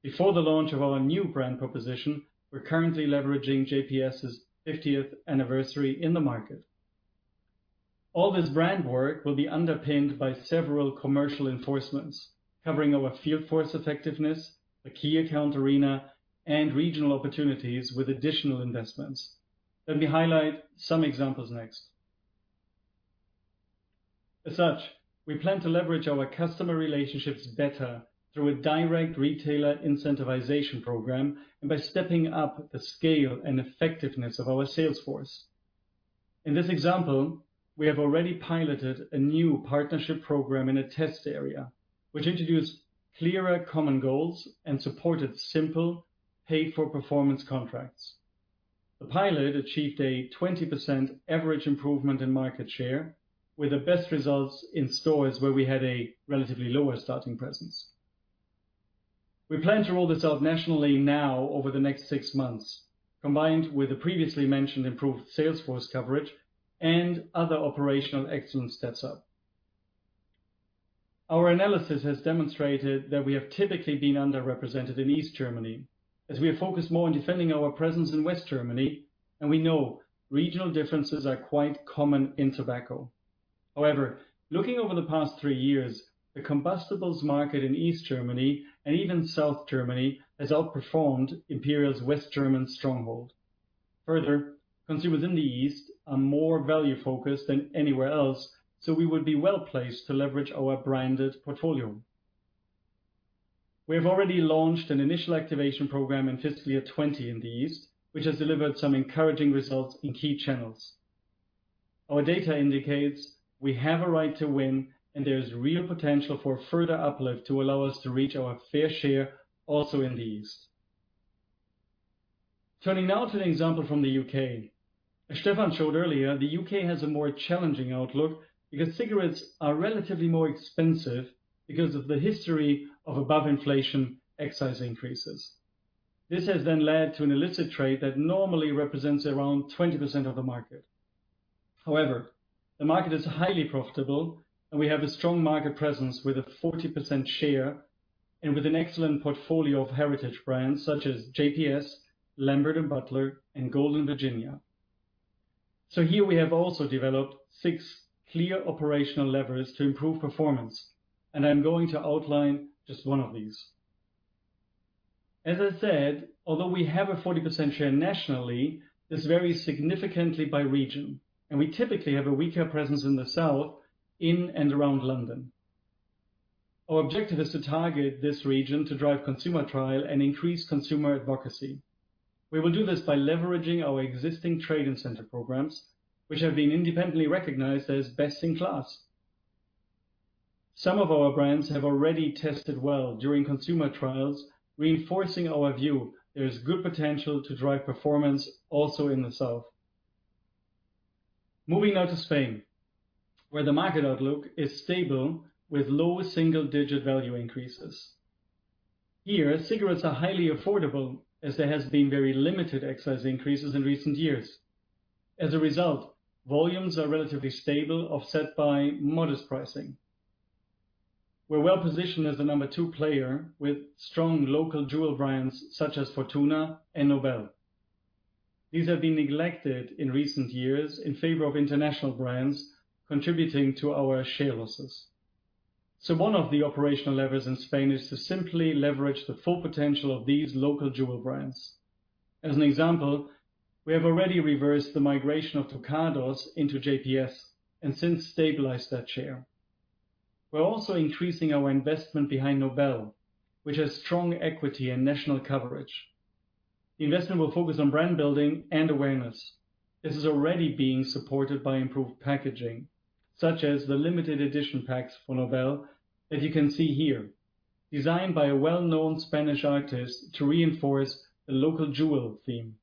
Before the launch of our new brand proposition, we're currently leveraging JPS's 50th anniversary in the market. All this brand work will be underpinned by several commercial enforcements, covering our field force effectiveness, the key account arena, and regional opportunities with additional investments. Let me highlight some examples next. As such, we plan to leverage our customer relationships better through a direct retailer incentivization program and by stepping up the scale and effectiveness of our sales force. In this example, we have already piloted a new partnership program in a test area, which introduced clearer common goals and supported simple pay-for-performance contracts. The pilot achieved a 20% average improvement in market share, with the best results in stores where we had a relatively lower starting presence. We plan to roll this out nationally now over the next six months, combined with the previously mentioned improved sales force coverage and other operational excellence steps up. Our analysis has demonstrated that we have typically been underrepresented in East Germany, as we are focused more on defending our presence in West Germany, and we know regional differences are quite common in tobacco. Looking over the past three years, the combustibles market in East Germany, and even South Germany, has outperformed Imperial's West German stronghold. Consumers in the East are more value-focused than anywhere else, so we would be well-placed to leverage our branded portfolio. We have already launched an initial activation program in fiscal year 2020 in the East, which has delivered some encouraging results in key channels. Our data indicates we have a Right to Win, and there is real potential for further uplift to allow us to reach our fair share also in the East. Turning now to an example from the U.K. As Stefan showed earlier, the U.K. has a more challenging outlook because cigarettes are relatively more expensive because of the history of above-inflation excise increases. This has then led to an illicit trade that normally represents around 20% of the market. However, the market is highly profitable, and we have a strong market presence with a 40% share and with an excellent portfolio of heritage brands such as JPS, Lambert & Butler, and Golden Virginia. Here we have also developed six clear operational levers to improve performance, and I'm going to outline just one of these. As I said, although we have a 40% share nationally, this varies significantly by region, and we typically have a weaker presence in the South in and around London. Our objective is to target this region to drive consumer trial and increase consumer advocacy. We will do this by leveraging our existing trade incentive programs, which have been independently recognized as best in class. Some of our brands have already tested well during consumer trials, reinforcing our view there is good potential to drive performance also in the South. Moving now to Spain, where the market outlook is stable with low single-digit value increases. Here, cigarettes are highly affordable, as there has been very limited excise increases in recent years. As a result, volumes are relatively stable, offset by modest pricing. We're well-positioned as the number two player with strong local jewel brands such as Fortuna and Nobel. These have been neglected in recent years in favor of international brands, contributing to our share losses. One of the operational levers in Spain is to simply leverage the full potential of these local jewel brands. As an example, we have already reversed the migration of Ducados into JPS and since stabilized that share. We're also increasing our investment behind Nobel, which has strong equity and national coverage. The investment will focus on brand building and awareness. This is already being supported by improved packaging, such as the limited edition packs for Nobel, as you can see here, designed by a well-known Spanish artist to reinforce the local jewel theme.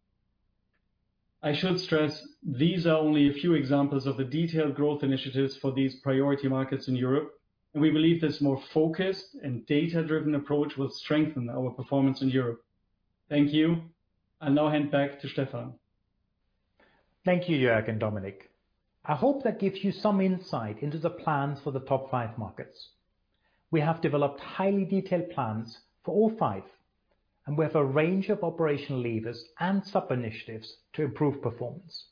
I should stress these are only a few examples of the detailed growth initiatives for these priority markets in Europe. We believe this more focused and data-driven approach will strengthen our performance in Europe. Thank you. I'll now hand back to Stefan. Thank you, Jörg and Dominic. I hope that gives you some insight into the plans for the top five markets. We have developed highly detailed plans for all five, and we have a range of operational levers and sub-initiatives to improve performance.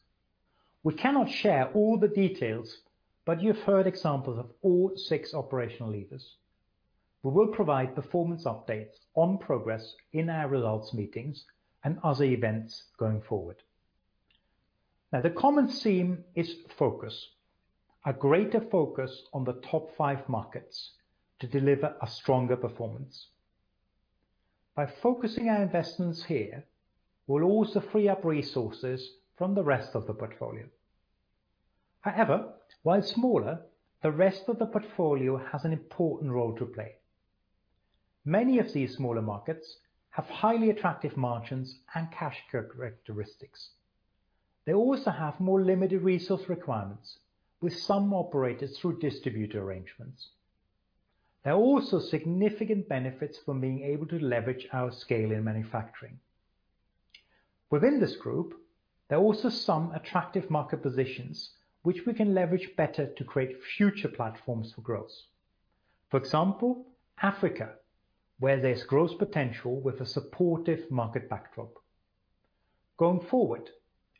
We cannot share all the details, but you've heard examples of all six operational levers. We will provide performance updates on progress in our results meetings and other events going forward. The common theme is focus, a greater focus on the top five markets to deliver a stronger performance. By focusing our investments here, we'll also free up resources from the rest of the portfolio. While smaller, the rest of the portfolio has an important role to play. Many of these smaller markets have highly attractive margins and cash characteristics. They also have more limited resource requirements, with some operated through distributor arrangements. There are also significant benefits from being able to leverage our scale in manufacturing. Within this group, there are also some attractive market positions which we can leverage better to create future platforms for growth. For example, Africa, where there's growth potential with a supportive market backdrop. Going forward,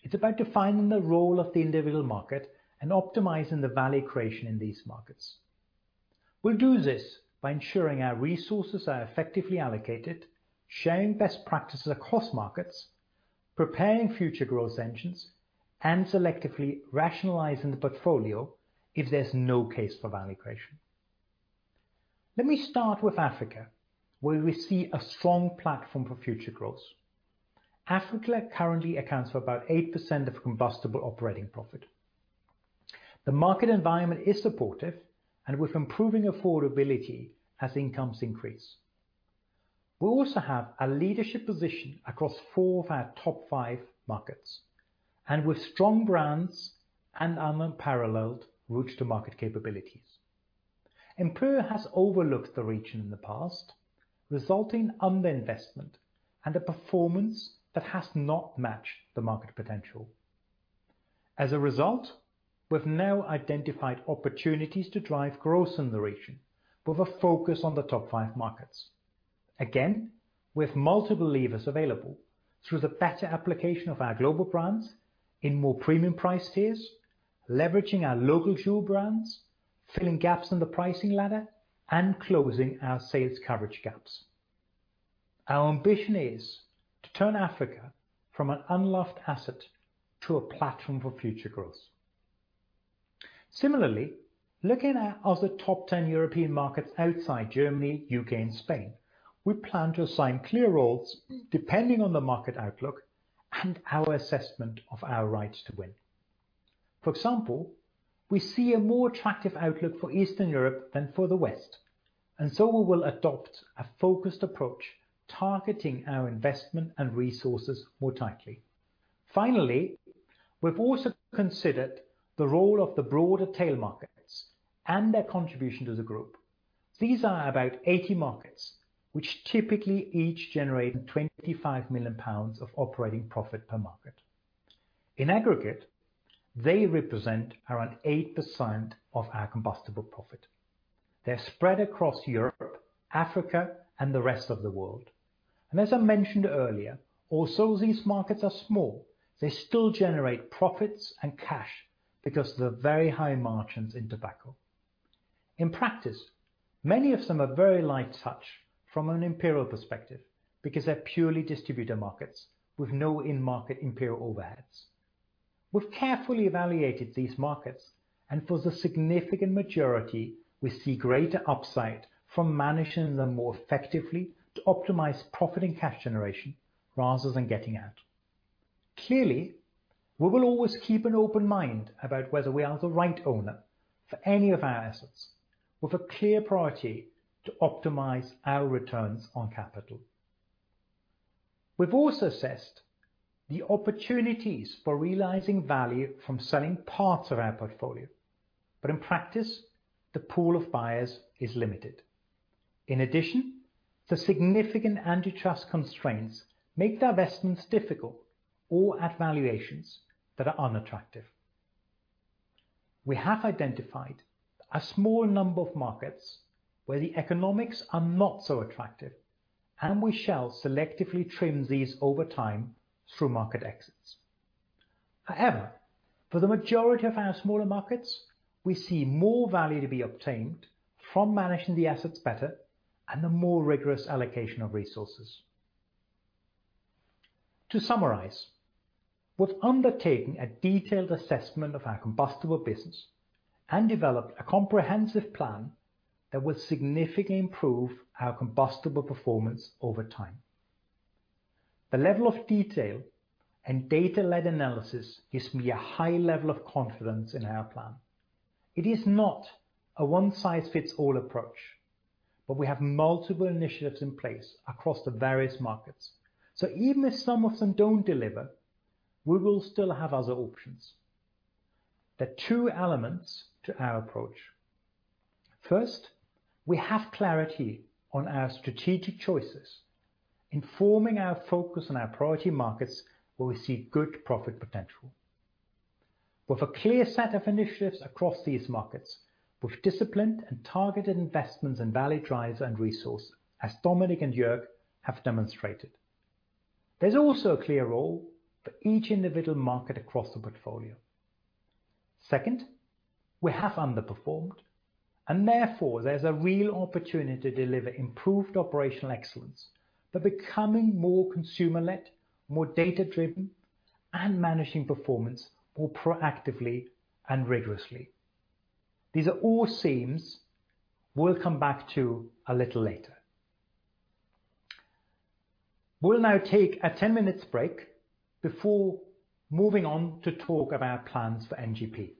it's about defining the role of the individual market and optimizing the value creation in these markets. We'll do this by ensuring our resources are effectively allocated, sharing best practices across markets, preparing future growth engines, and selectively rationalizing the portfolio if there's no case for value creation. Let me start with Africa, where we see a strong platform for future growth. Africa currently accounts for about 8% of combustible operating profit. The market environment is supportive and with improving affordability as incomes increase. We also have a leadership position across four of our top five markets and with strong brands and unparalleled route-to-market capabilities. Imperial has overlooked the region in the past, resulting in underinvestment and a performance that has not matched the market potential. As a result, we've now identified opportunities to drive growth in the region with a focus on the top five markets. Again, with multiple levers available through the better application of our global brands in more premium price tiers, leveraging our local jewel brands, filling gaps in the pricing ladder, and closing our sales coverage gaps. Our ambition is to turn Africa from an unloved asset to a platform for future growth. Similarly, looking at other top 10 European markets outside Germany, U.K., and Spain, we plan to assign clear roles depending on the market outlook and our assessment of our Rights to Win. For example, we see a more attractive outlook for Eastern Europe than for the West, and so we will adopt a focused approach, targeting our investment and resources more tightly. Finally, we've also considered the role of the broader tail markets and their contribution to the group. These are about 80 markets, which typically each generate 25 million pounds of operating profit per market. In aggregate, they represent around 8% of our combustible profit. They're spread across Europe, Africa, and the rest of the world. As I mentioned earlier, although these markets are small, they still generate profits and cash because of the very high margins in tobacco. In practice, many of some are very light touch from an Imperial perspective because they're purely distributor markets with no in-market Imperial overheads. We've carefully evaluated these markets, and for the significant majority, we see greater upside from managing them more effectively to optimize profit and cash generation rather than getting out. Clearly, we will always keep an open mind about whether we are the right owner for any of our assets with a clear priority to optimize our returns on capital. We've also assessed the opportunities for realizing value from selling parts of our portfolio, but in practice, the pool of buyers is limited. In addition, the significant antitrust constraints make divestments difficult or at valuations that are unattractive. We have identified a small number of markets where the economics are not so attractive, and we shall selectively trim these over time through market exits. However, for the majority of our smaller markets, we see more value to be obtained from managing the assets better and the more rigorous allocation of resources. To summarize, we've undertaken a detailed assessment of our combustible business and developed a comprehensive plan that will significantly improve our combustible performance over time. The level of detail and data-led analysis gives me a high level of confidence in our plan. It is not a one-size-fits-all approach. We have multiple initiatives in place across the various markets. Even if some of them don't deliver, we will still have other options. There are two elements to our approach. First, we have clarity on our strategic choices, informing our focus on our priority markets where we see good profit potential. With a clear set of initiatives across these markets with disciplined and targeted investments in value drivers and resource, as Dominic and Jörg have demonstrated. There's also a clear role for each individual market across the portfolio. Second, we have underperformed, and therefore, there's a real opportunity to deliver improved operational excellence by becoming more consumer-led, more data-driven, and managing performance more proactively and rigorously. These are all themes we'll come back to a little later. We'll now take a 10 minutes break before moving on to talk about plans for NGP.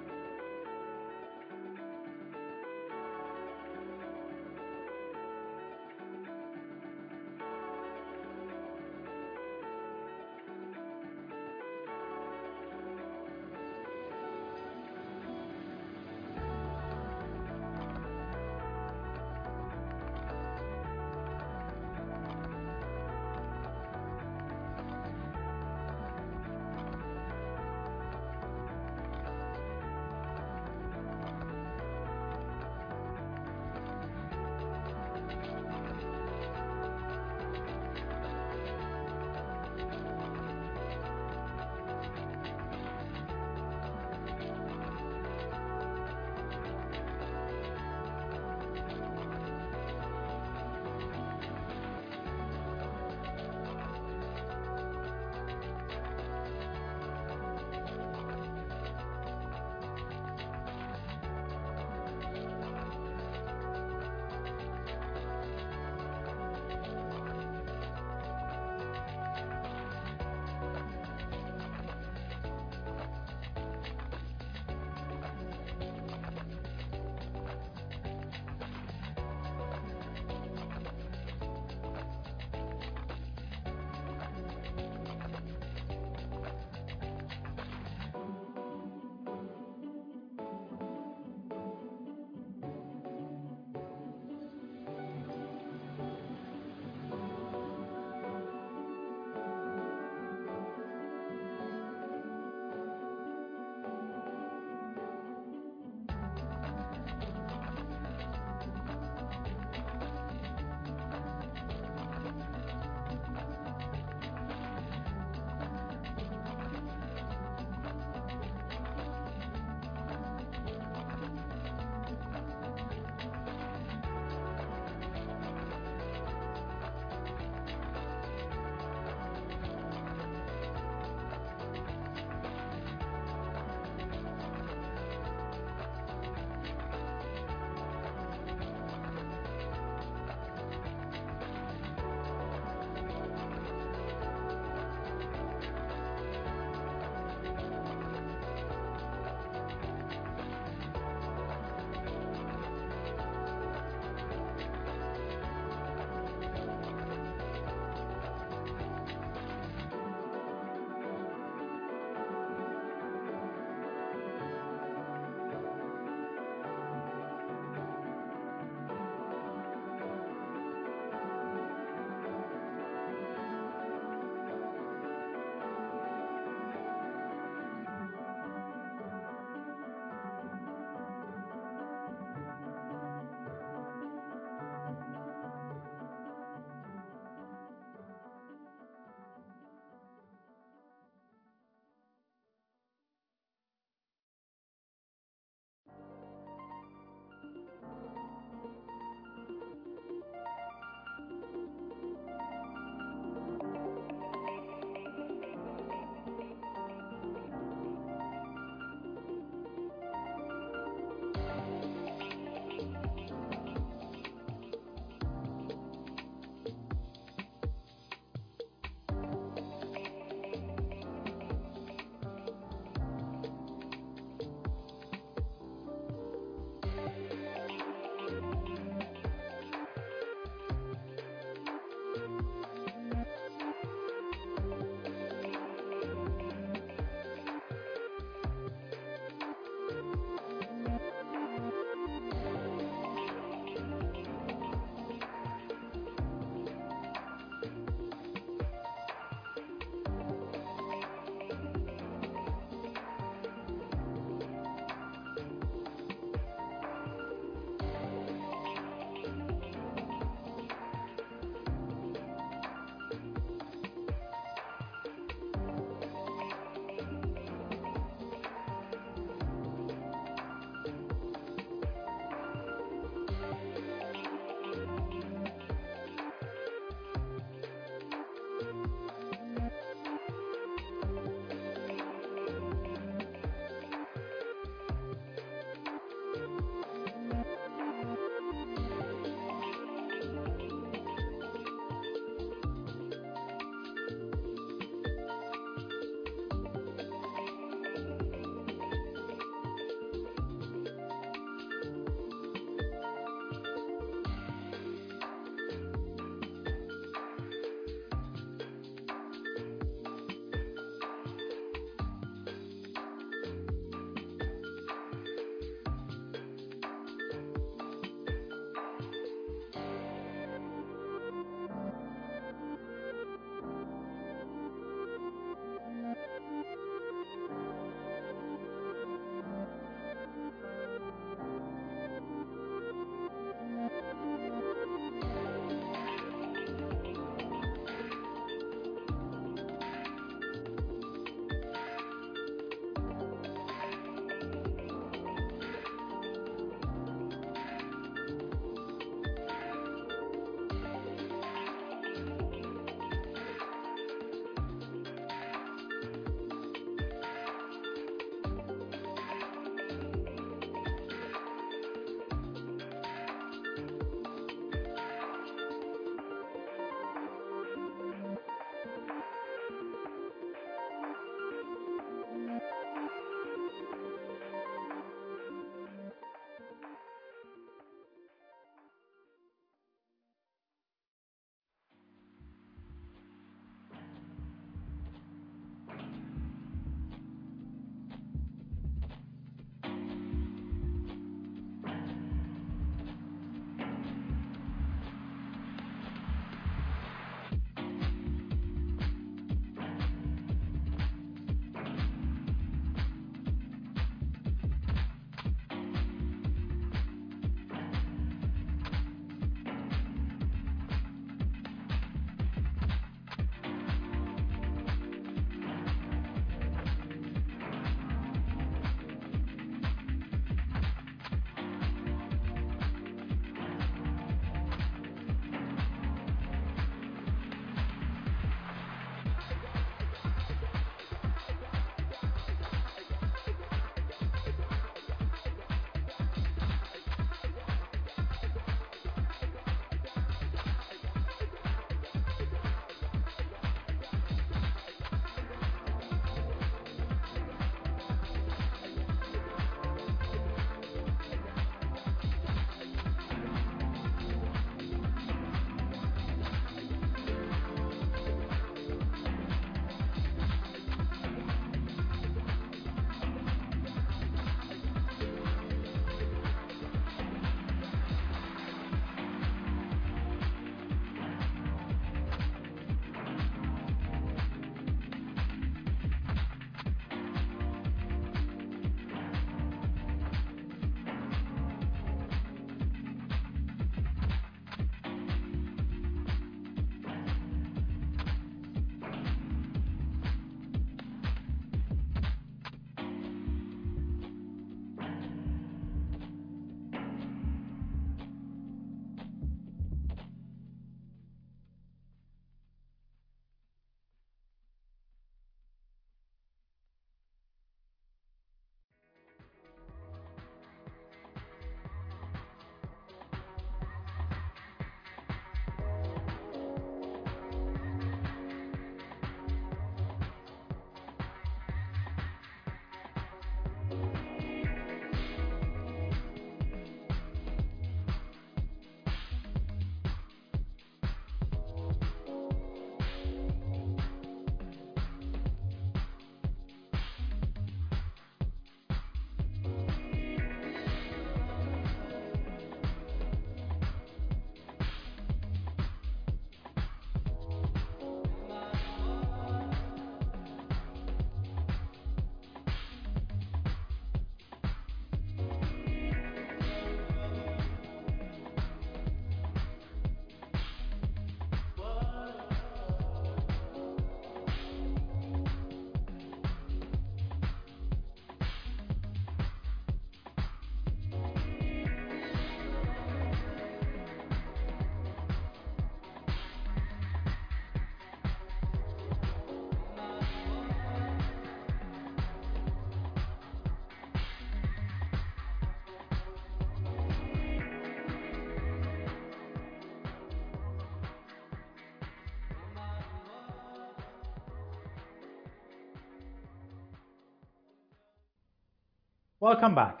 Welcome back.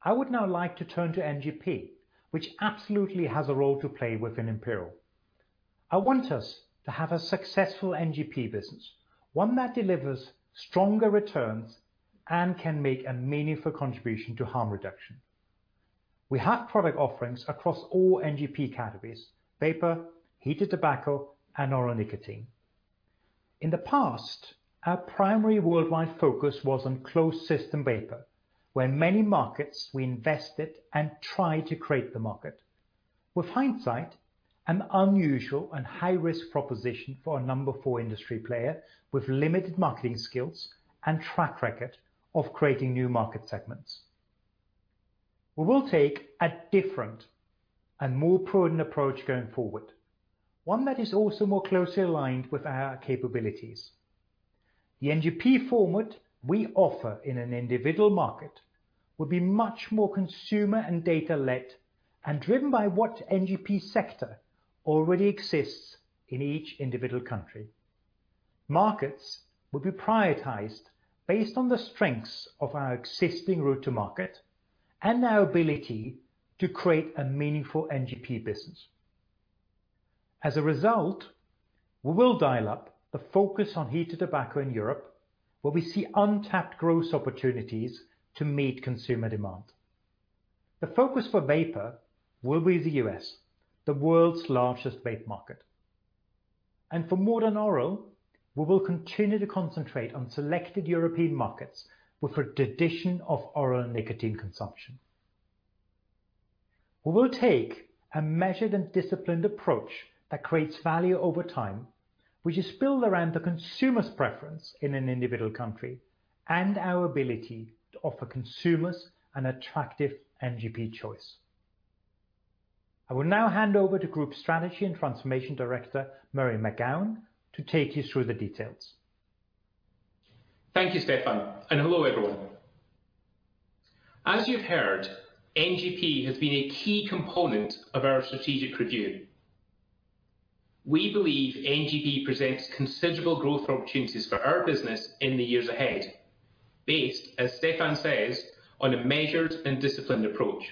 I would now like to turn to NGP, which absolutely has a role to play within Imperial. I want us to have a successful NGP business, one that delivers stronger returns and can make a meaningful contribution to Tobacco Harm Reduction. We have product offerings across all NGP categories, vapor, heated tobacco, and oral nicotine. In the past, our primary worldwide focus was on closed-system vapor, where many markets we invested and tried to create the market. With hindsight, an unusual and high-risk proposition for a number four industry player with limited marketing skills and track record of creating new market segments. We will take a different and more prudent approach going forward, one that is also more closely aligned with our capabilities. The NGP format we offer in an individual market will be much more consumer and data-led and driven by what NGP sector already exists in each individual country. Markets will be prioritized based on the strengths of our existing route-to-market and our ability to create a meaningful NGP business. As a result, we will dial up the focus on heated tobacco in Europe, where we see untapped growth opportunities to meet consumer demand. The focus for vapor will be the U.S., the world's largest vape market. For modern oral, we will continue to concentrate on selected European markets with a tradition of oral nicotine consumption. We will take a measured and disciplined approach that creates value over time, which is built around the consumer's preference in an individual country and our ability to offer consumers an attractive NGP choice. I will now hand over to Group Strategy and Transformation Director Murray McGowan to take you through the details. Thank you, Stefan, and hello, everyone. As you've heard, NGP has been a key component of our strategic review. We believe NGP presents considerable growth opportunities for our business in the years ahead, based, as Stefan says, on a measured and disciplined approach.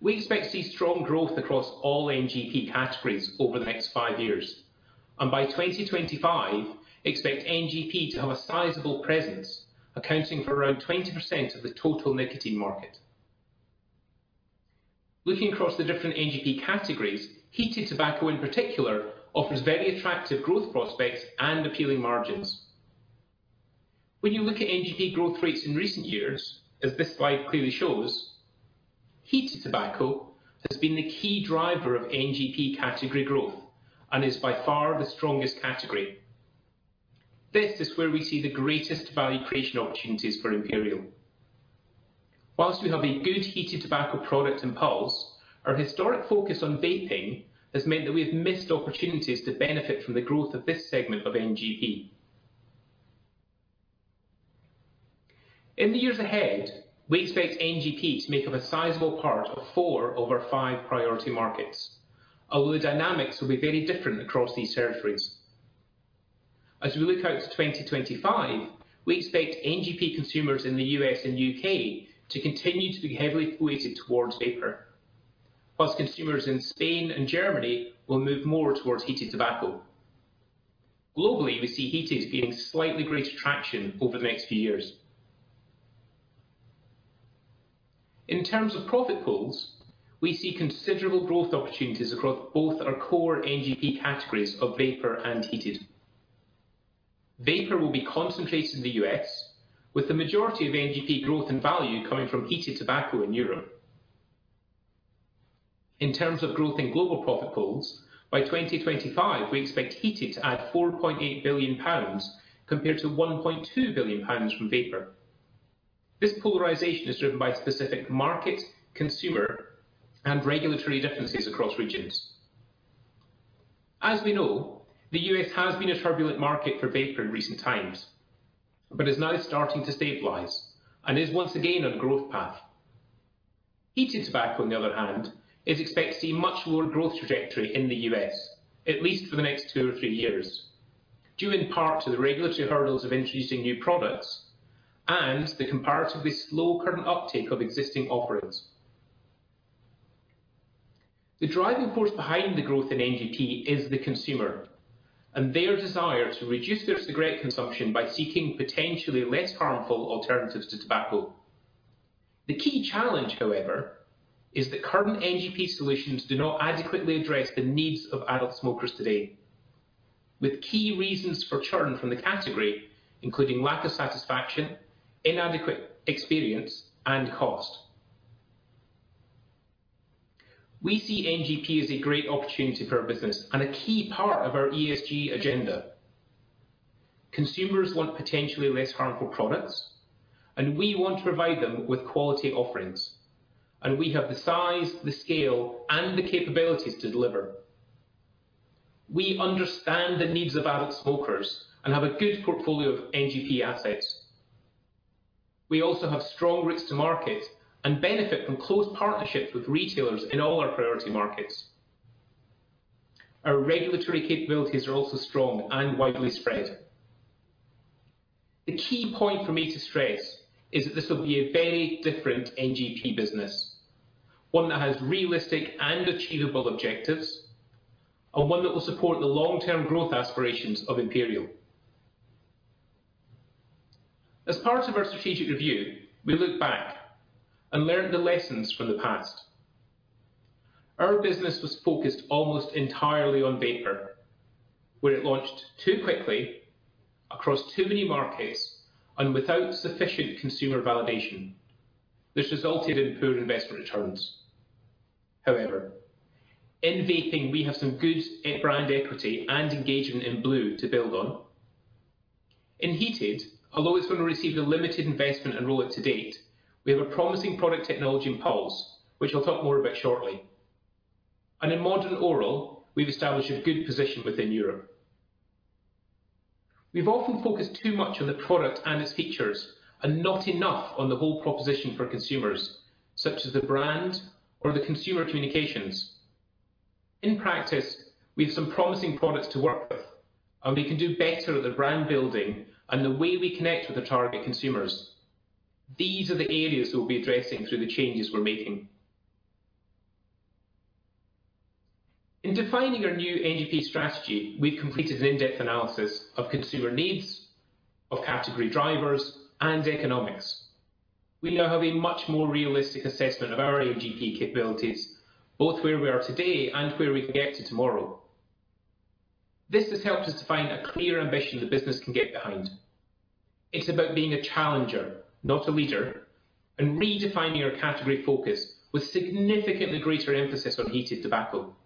We expect to see strong growth across all NGP categories over the next five years, and by 2025, expect NGP to have a sizable presence, accounting for around 20% of the total nicotine market. Looking across the different NGP categories, heated tobacco in particular offers very attractive growth prospects and appealing margins. When you look at NGP growth rates in recent years, as this slide clearly shows, heated tobacco has been the key driver of NGP category growth and is by far the strongest category. This is where we see the greatest value creation opportunities for Imperial. Whilst we have a good heated tobacco product in Pulze, our historic focus on vaping has meant that we have missed opportunities to benefit from the growth of this segment of NGP. In the years ahead, we expect NGP to make up a sizable part of four of our five priority markets, although the dynamics will be very different across these territories. As we look out to 2025, we expect NGP consumers in the U.S. and U.K. to continue to be heavily weighted towards vapor. Consumers in Spain and Germany will move more towards heated tobacco. Globally, we see heated gaining slightly greater traction over the next few years. In terms of profit pools, we see considerable growth opportunities across both our core NGP categories of vapor and heated. Vapor will be concentrated in the U.S., with the majority of NGP growth and value coming from heated tobacco in Europe. In terms of growth in global profit pools, by 2025, we expect heated to add 4.8 billion pounds compared to 1.2 billion pounds from vapor. This polarization is driven by specific market, consumer, and regulatory differences across regions. As we know, the U.S. has been a turbulent market for vapor in recent times, but is now starting to stabilize and is once again on a growth path. Heated tobacco, on the other hand, is expected to see much more growth trajectory in the U.S., at least for the next two or three years, due in part to the regulatory hurdles of introducing new products and the comparatively slow current uptake of existing offerings. The driving force behind the growth in NGP is the consumer and their desire to reduce their cigarette consumption by seeking potentially less harmful alternatives to tobacco. The key challenge, however, is that current NGP solutions do not adequately address the needs of adult smokers today, with key reasons for churn from the category, including lack of satisfaction, inadequate experience, and cost. We see NGP as a great opportunity for our business and a key part of our ESG agenda. Consumers want potentially less harmful products, we want to provide them with quality offerings. We have the size, the scale, and the capabilities to deliver. We understand the needs of adult smokers and have a good portfolio of NGP assets. We also have strong routes-to-market and benefit from close partnerships with retailers in all our priority markets. Our regulatory capabilities are also strong and widely spread. The key point for me to stress is that this will be a very different NGP business, one that has realistic and achievable objectives, and one that will support the long-term growth aspirations of Imperial. As part of our strategic review, we looked back and learned the lessons from the past. Our business was focused almost entirely on vapor, where it launched too quickly across too many markets and without sufficient consumer validation. This resulted in poor investment returns. In vaping, we have some good brand equity and engagement in blu to build on. In heated, although it's only received a limited investment and rollout to date, we have a promising product technology in Pulze, which I'll talk more about shortly. In modern oral, we've established a good position within Europe. We've often focused too much on the product and its features, and not enough on the whole proposition for consumers, such as the brand or the consumer communications. In practice, we have some promising products to work with, and we can do better at the brand building and the way we connect with the target consumers. These are the areas that we'll be addressing through the changes we're making. In defining our new NGP strategy, we've completed an in-depth analysis of consumer needs, of category drivers, and economics. We now have a much more realistic assessment of our NGP capabilities, both where we are today and where we can get to tomorrow. This has helped us to find a clear ambition the business can get behind. It's about being a challenger, not a leader, and redefining our category focus with significantly greater emphasis on heated tobacco.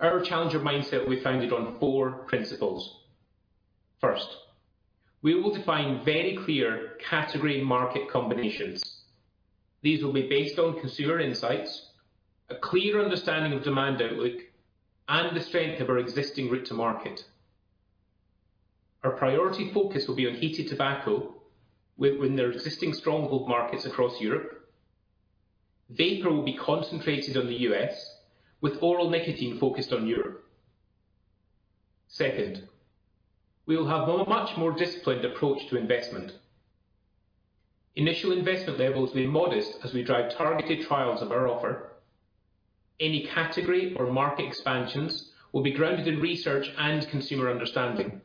Our challenger mindset will be founded on four principles. First, we will define very clear category market combinations. These will be based on consumer insights, a clear understanding of demand outlook, and the strength of our existing route-to-market. Our priority focus will be on heated tobacco within their existing stronghold markets across Europe. Vapor will be concentrated on the U.S., with oral nicotine focused on Europe. Second, we will have a much more disciplined approach to investment. Initial investment levels will be modest as we drive targeted trials of our offer. Any category or market expansions will be grounded in research and consumer understanding.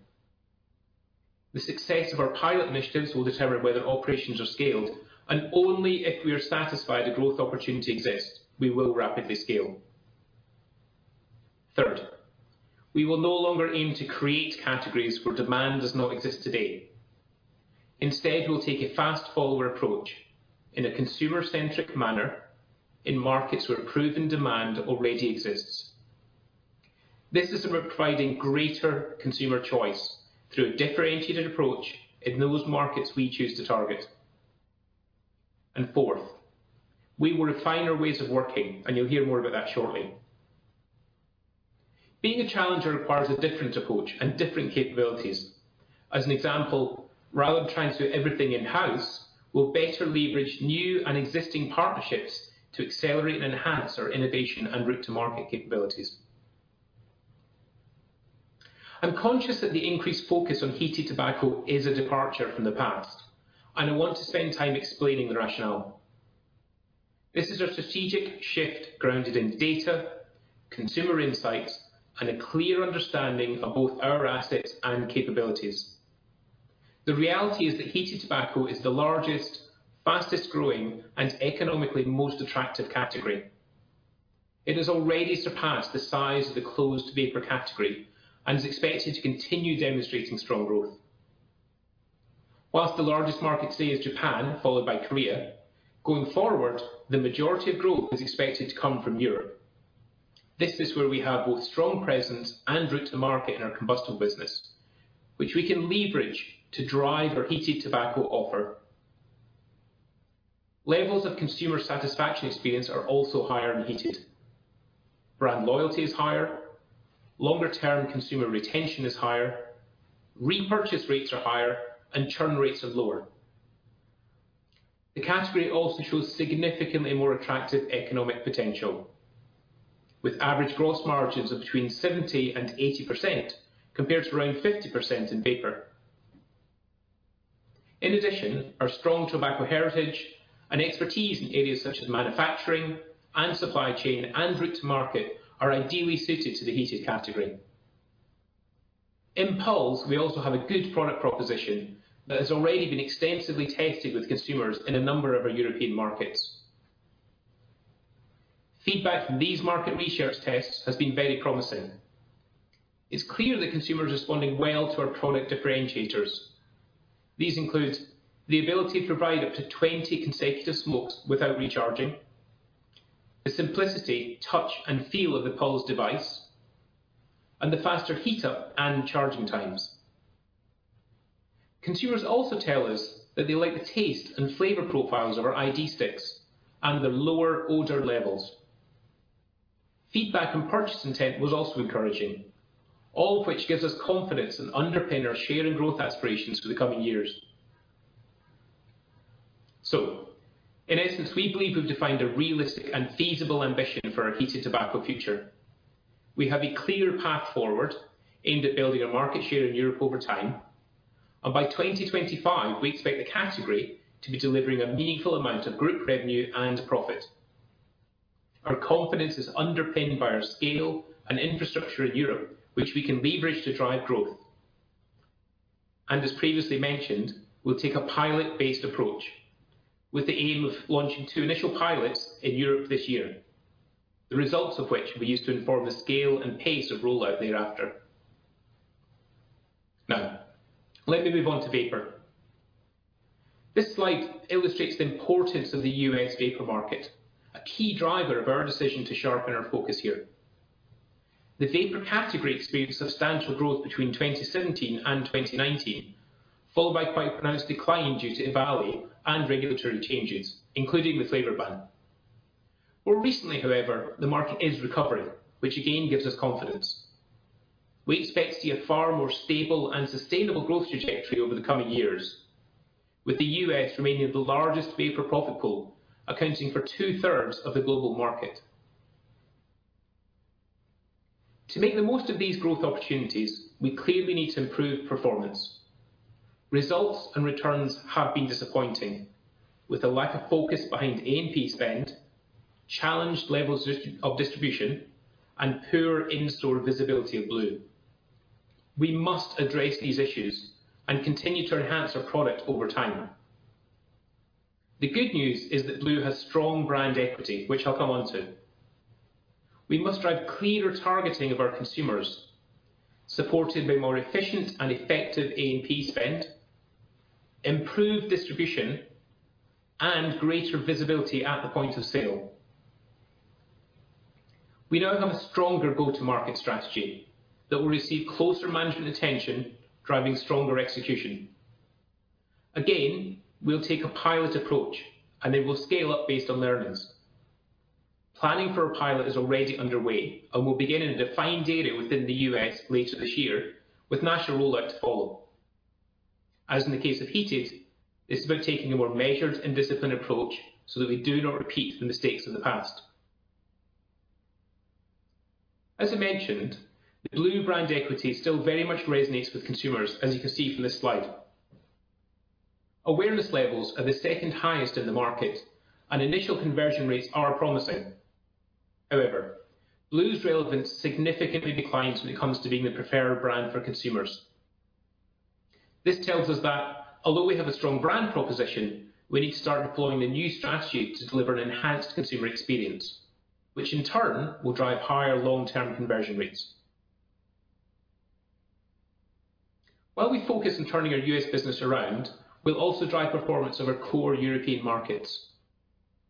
The success of our pilot initiatives will determine whether operations are scaled, and only if we are satisfied a growth opportunity exists, we will rapidly scale. Third, we will no longer aim to create categories where demand does not exist today. Instead, we'll take a fast follower approach in a consumer-centric manner in markets where proven demand already exists. This is about providing greater consumer choice through a differentiated approach in those markets we choose to target. Fourth, we will refine our ways of working, and you'll hear more about that shortly. Being a challenger requires a different approach and different capabilities. As an example, rather than trying to do everything in-house, we'll better leverage new and existing partnerships to accelerate and enhance our innovation and route-to-market capabilities. I'm conscious that the increased focus on heated tobacco is a departure from the past, and I want to spend time explaining the rationale. This is a strategic shift grounded in data, consumer insights, and a clear understanding of both our assets and capabilities. The reality is that heated tobacco is the largest, fastest-growing, and economically most attractive category. It has already surpassed the size of the closed vapor category and is expected to continue demonstrating strong growth. While the largest market today is Japan, followed by Korea, going forward, the majority of growth is expected to come from Europe. This is where we have both strong presence and route-to-market in our combustible business, which we can leverage to drive our heated tobacco offer. Levels of consumer satisfaction experience are also higher in heated. Brand loyalty is higher, longer-term consumer retention is higher, repurchase rates are higher, and churn rates are lower. The category also shows significantly more attractive economic potential, with average gross margins of between 70% and 80%, compared to around 50% in vapor. In addition, our strong tobacco heritage and expertise in areas such as manufacturing and supply chain and route-to-market are ideally suited to the heated category. In Pulze, we also have a good product proposition that has already been extensively tested with consumers in a number of our European markets. Feedback from these market research tests has been very promising. It's clear that consumers are responding well to our product differentiators. These include the ability to provide up to 20 consecutive smokes without recharging, the simplicity, touch, and feel of the Pulze device, and the faster heat up and charging times. Consumers also tell us that they like the taste and flavor profiles of our iD sticks and their lower odor levels. Feedback and purchase intent was also encouraging, all of which gives us confidence and underpin our share and growth aspirations for the coming years. In essence, we believe we've defined a realistic and feasible ambition for our heated tobacco future. We have a clear path forward aimed at building our market share in Europe over time. By 2025, we expect the category to be delivering a meaningful amount of group revenue and profit. Our confidence is underpinned by our scale and infrastructure in Europe, which we can leverage to drive growth. As previously mentioned, we'll take a pilot-based approach with the aim of launching two initial pilots in Europe this year, the results of which will be used to inform the scale and pace of rollout thereafter. Now, let me move on to vapor. This slide illustrates the importance of the U.S. vapor market, a key driver of our decision to sharpen our focus here. The vapor category experienced substantial growth between 2017 and 2019, followed by quite pronounced decline due to EVALI and regulatory changes, including the flavor ban. More recently, however, the market is recovering, which again gives us confidence. We expect to see a far more stable and sustainable growth trajectory over the coming years, with the U.S. remaining the largest vapor profit pool, accounting for 2/3 of the global market. To make the most of these growth opportunities, we clearly need to improve performance. Results and returns have been disappointing, with a lack of focus behind A&P spend, challenged levels of distribution, and poor in-store visibility of blu. We must address these issues and continue to enhance our product over time. The good news is that blu has strong brand equity, which I'll come on to. We must drive clearer targeting of our consumers, supported by more efficient and effective A&P spend, improved distribution, and greater visibility at the point of sale. We now have a stronger go-to-market strategy that will receive closer management attention, driving stronger execution. Again, we'll take a pilot approach, and then we'll scale up based on learnings. Planning for a pilot is already underway and will begin in a defined area within the U.S. later this year, with national rollout to follow. As in the case of heated, it's about taking a more measured and disciplined approach so that we do not repeat the mistakes of the past. As I mentioned, the blu brand equity still very much resonates with consumers, as you can see from this slide. Awareness levels are the second highest in the market, and initial conversion rates are promising. However, blu's relevance significantly declines when it comes to being the preferred brand for consumers. This tells us that although we have a strong brand proposition, we need to start deploying the new strategy to deliver an enhanced consumer experience, which in turn will drive higher long-term conversion rates. While we focus on turning our U.S. business around, we'll also drive performance of our core European markets.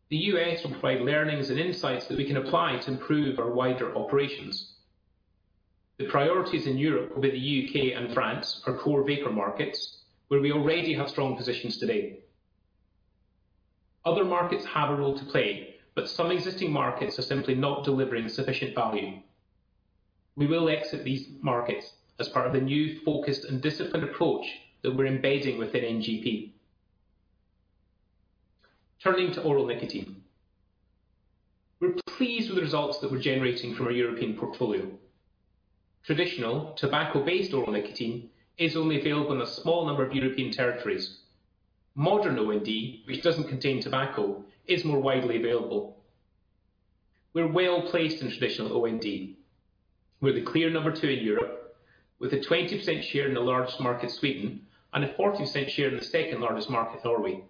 The U.S. will provide learnings and insights that we can apply to improve our wider operations. The priorities in Europe will be the U.K. and France, our core vapor markets, where we already have strong positions today. Other markets have a role to play, but some existing markets are simply not delivering sufficient value. We will exit these markets as part of the new focused and disciplined approach that we're embedding within NGP. Turning to oral nicotine. We're pleased with the results that we're generating from our European portfolio. Traditional tobacco-based oral nicotine is only available in a small number of European territories. Modern OND, which doesn't contain tobacco, is more widely available. We're well-placed in traditional OND. We're the clear number two in Europe with a 20% share in the largest market, Sweden, and a 40% share in the second largest market, Norway.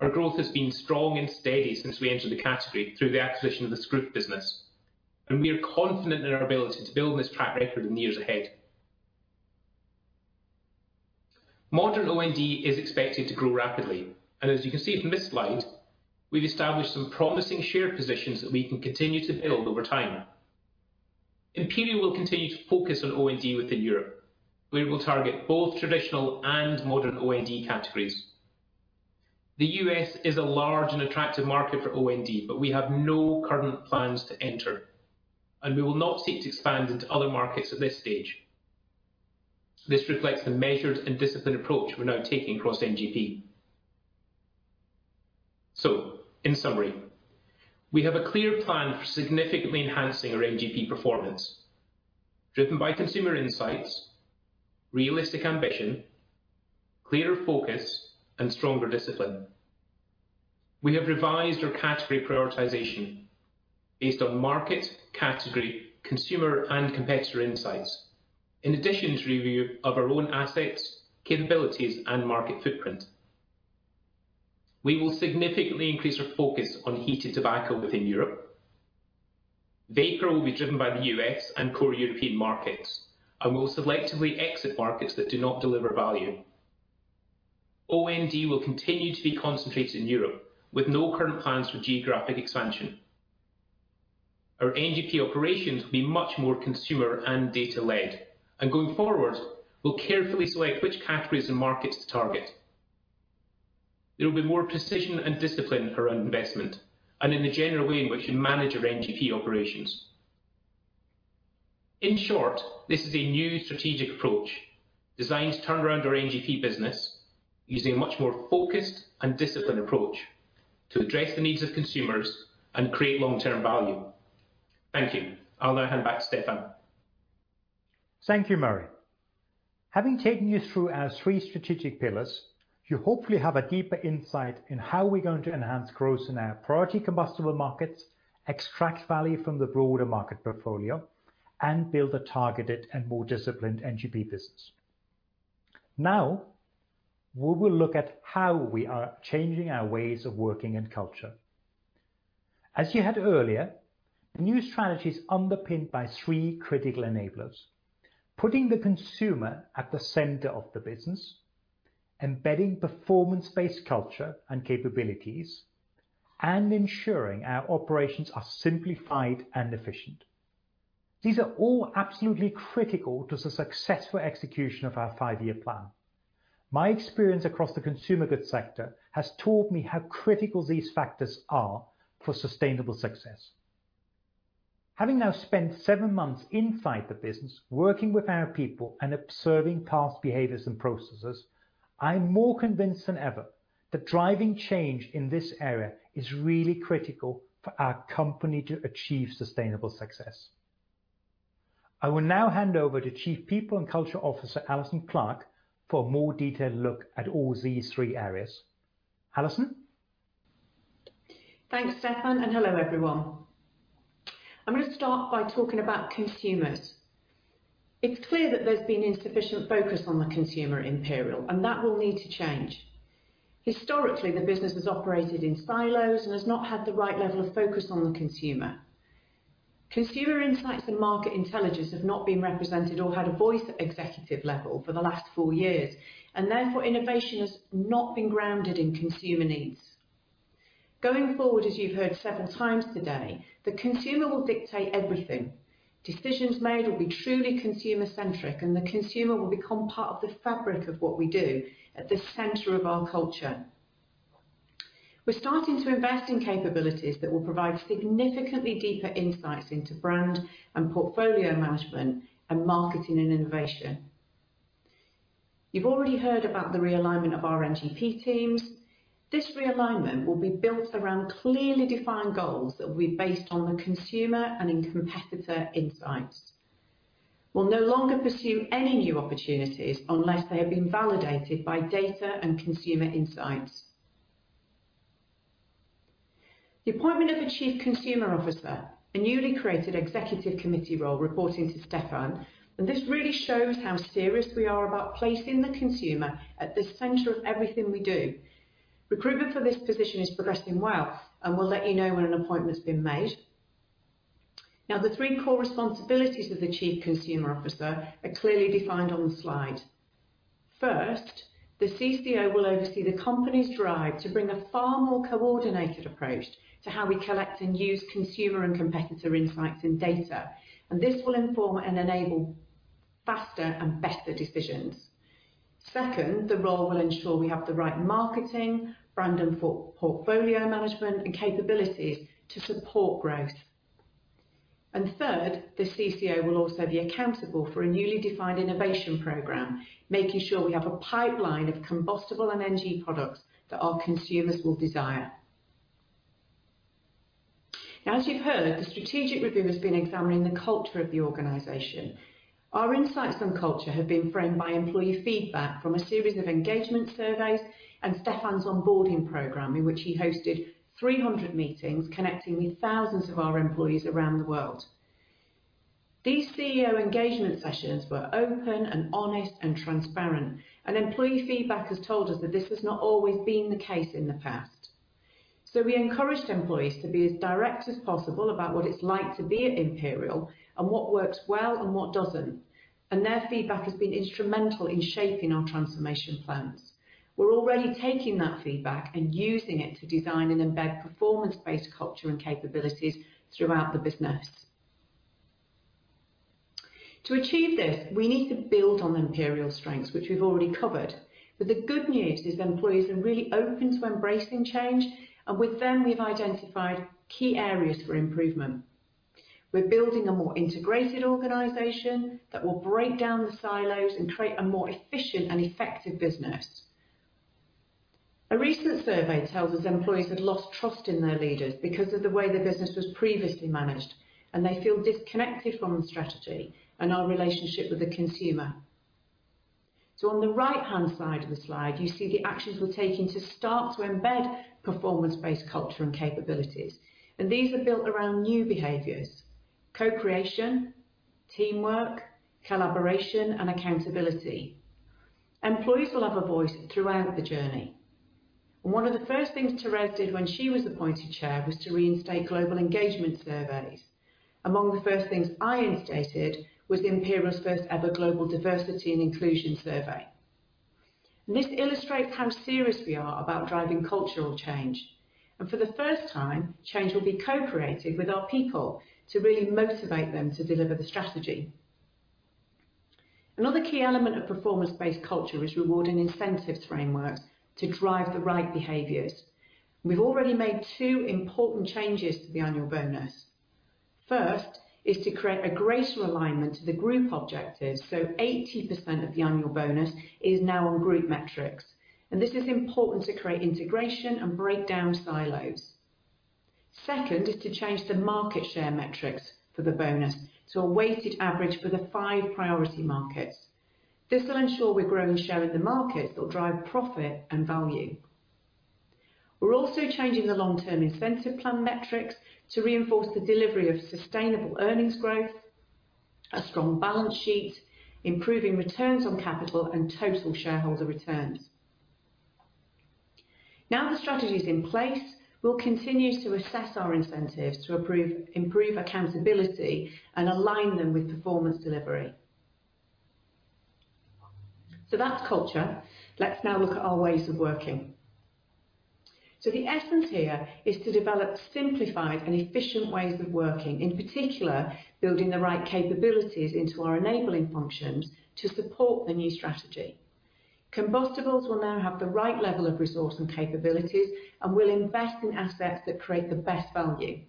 Our growth has been strong and steady since we entered the category through the acquisition of the Skruf business, and we are confident in our ability to build on this track record in the years ahead. Modern OND is expected to grow rapidly, and as you can see from this slide, we've established some promising share positions that we can continue to build over time. Imperial will continue to focus on OND within Europe, where we'll target both traditional and modern OND categories. The U.S. is a large and attractive market for OND, but we have no current plans to enter, and we will not seek to expand into other markets at this stage. This reflects the measured and disciplined approach we're now taking across NGP. In summary, we have a clear plan for significantly enhancing our NGP performance, driven by consumer insights, realistic ambition, clearer focus, and stronger discipline. We have revised our category prioritization based on market, category, consumer, and competitor insights, in addition to review of our own assets, capabilities, and market footprint. We will significantly increase our focus on heated tobacco within Europe. Vapor will be driven by the U.S. and core European markets, and we'll selectively exit markets that do not deliver value. OND will continue to be concentrated in Europe with no current plans for geographic expansion. Our NGP operations will be much more consumer and data-led, and going forward, we'll carefully select which categories and markets to target. There will be more precision and discipline around investment and in the general way in which we manage our NGP operations. In short, this is a new strategic approach designed to turn around our NGP business using a much more focused and disciplined approach to address the needs of consumers and create long-term value. Thank you. I'll now hand back to Stefan. Thank you, Murray. Having taken you through our three strategic pillars, you hopefully have a deeper insight in how we're going to enhance growth in our priority combustible markets, extract value from the broader market portfolio, and build a targeted and more disciplined NGP business. Now, we will look at how we are changing our ways of working and culture. As you heard earlier, the new strategy is underpinned by three critical enablers, putting the consumer at the center of the business, embedding performance-based culture and capabilities, and ensuring our operations are simplified and efficient. These are all absolutely critical to the successful execution of our five-year plan. My experience across the consumer goods sector has taught me how critical these factors are for sustainable success. Having now spent seven months inside the business, working with our people, and observing past behaviors and processes, I'm more convinced than ever that driving change in this area is really critical for our company to achieve sustainable success. I will now hand over to Chief People and Culture Officer, Alison Clarke, for a more detailed look at all these three areas. Alison? Thanks, Stefan, and hello, everyone. I'm going to start by talking about consumers. It's clear that there's been insufficient focus on the consumer at Imperial, and that will need to change. Historically, the business has operated in silos and has not had the right level of focus on the consumer. Consumer insights and market intelligence have not been represented or had a voice at executive level for the last four years, and therefore, innovation has not been grounded in consumer needs. Going forward, as you've heard several times today, the consumer will dictate everything. Decisions made will be truly consumer-centric, and the consumer will become part of the fabric of what we do at the center of our culture. We're starting to invest in capabilities that will provide significantly deeper insights into brand and portfolio management and marketing and innovation. You've already heard about the realignment of our NGP teams. This realignment will be built around clearly defined goals that will be based on the consumer and in competitor insights. We'll no longer pursue any new opportunities unless they have been validated by data and consumer insights. The appointment of a Chief Consumer Officer, a newly created executive committee role reporting to Stefan, this really shows how serious we are about placing the consumer at the center of everything we do. Recruitment for this position is progressing well, and we'll let you know when an appointment's been made. Now, the three core responsibilities of the Chief Consumer Officer are clearly defined on the slide. First, the CCO will oversee the company's drive to bring a far more coordinated approach to how we collect and use consumer and competitor insights and data. This will inform and enable faster and better decisions. Second, the role will ensure we have the right marketing, brand, and portfolio management and capabilities to support growth. Third, the CCO will also be accountable for a newly defined Innovation Program, making sure we have a pipeline of combustible and NGP products that our consumers will desire. Now, as you've heard, the strategic review has been examining the culture of the organization. Our insights on culture have been framed by employee feedback from a series of engagement surveys and Stefan's onboarding program, in which he hosted 300 meetings connecting with thousands of our employees around the world. These CEO engagement sessions were open and honest and transparent. Employee feedback has told us that this has not always been the case in the past. We encouraged employees to be as direct as possible about what it's like to be at Imperial and what works well and what doesn't. Their feedback has been instrumental in shaping our transformation plans. We're already taking that feedback and using it to design and embed performance-based culture and capabilities throughout the business. To achieve this, we need to build on Imperial's strengths, which we've already covered. The good news is employees are really open to embracing change, and with them, we've identified key areas for improvement. We're building a more integrated organization that will break down the silos and create a more efficient and effective business. A recent survey tells us employees had lost trust in their leaders because of the way the business was previously managed, and they feel disconnected from the strategy and our relationship with the consumer. On the right-hand side of the slide, you see the actions we're taking to start to embed performance-based culture and capabilities, and these are built around new behaviors, co-creation, teamwork, collaboration, and accountability. Employees will have a voice throughout the journey. One of the first things Thérèse did when she was appointed chair was to reinstate global engagement surveys. Among the first things I instated was Imperial's first ever global diversity and inclusion survey. This illustrates how serious we are about driving cultural change. For the first time, change will be co-created with our people to really motivate them to deliver the strategy. Another key element of performance-based culture is reward and incentives frameworks to drive the right behaviors. We've already made two important changes to the annual bonus. First is to create a greater alignment to the group objectives, so 80% of the annual bonus is now on group metrics. This is important to create integration and break down silos. Second is to change the market share metrics for the bonus to a weighted average for the five priority markets. This will ensure we're growing share of the market that will drive profit and value. We're also changing the long-term incentive plan metrics to reinforce the delivery of sustainable earnings growth, a strong balance sheet, improving returns on capital, and total shareholder returns. Now the strategy's in place, we'll continue to assess our incentives to improve accountability and align them with performance delivery. That's culture. Let's now look at our ways of working. The essence here is to develop simplified and efficient ways of working, in particular, building the right capabilities into our enabling functions to support the new strategy. Combustibles will now have the right level of resource and capabilities and will invest in assets that create the best value.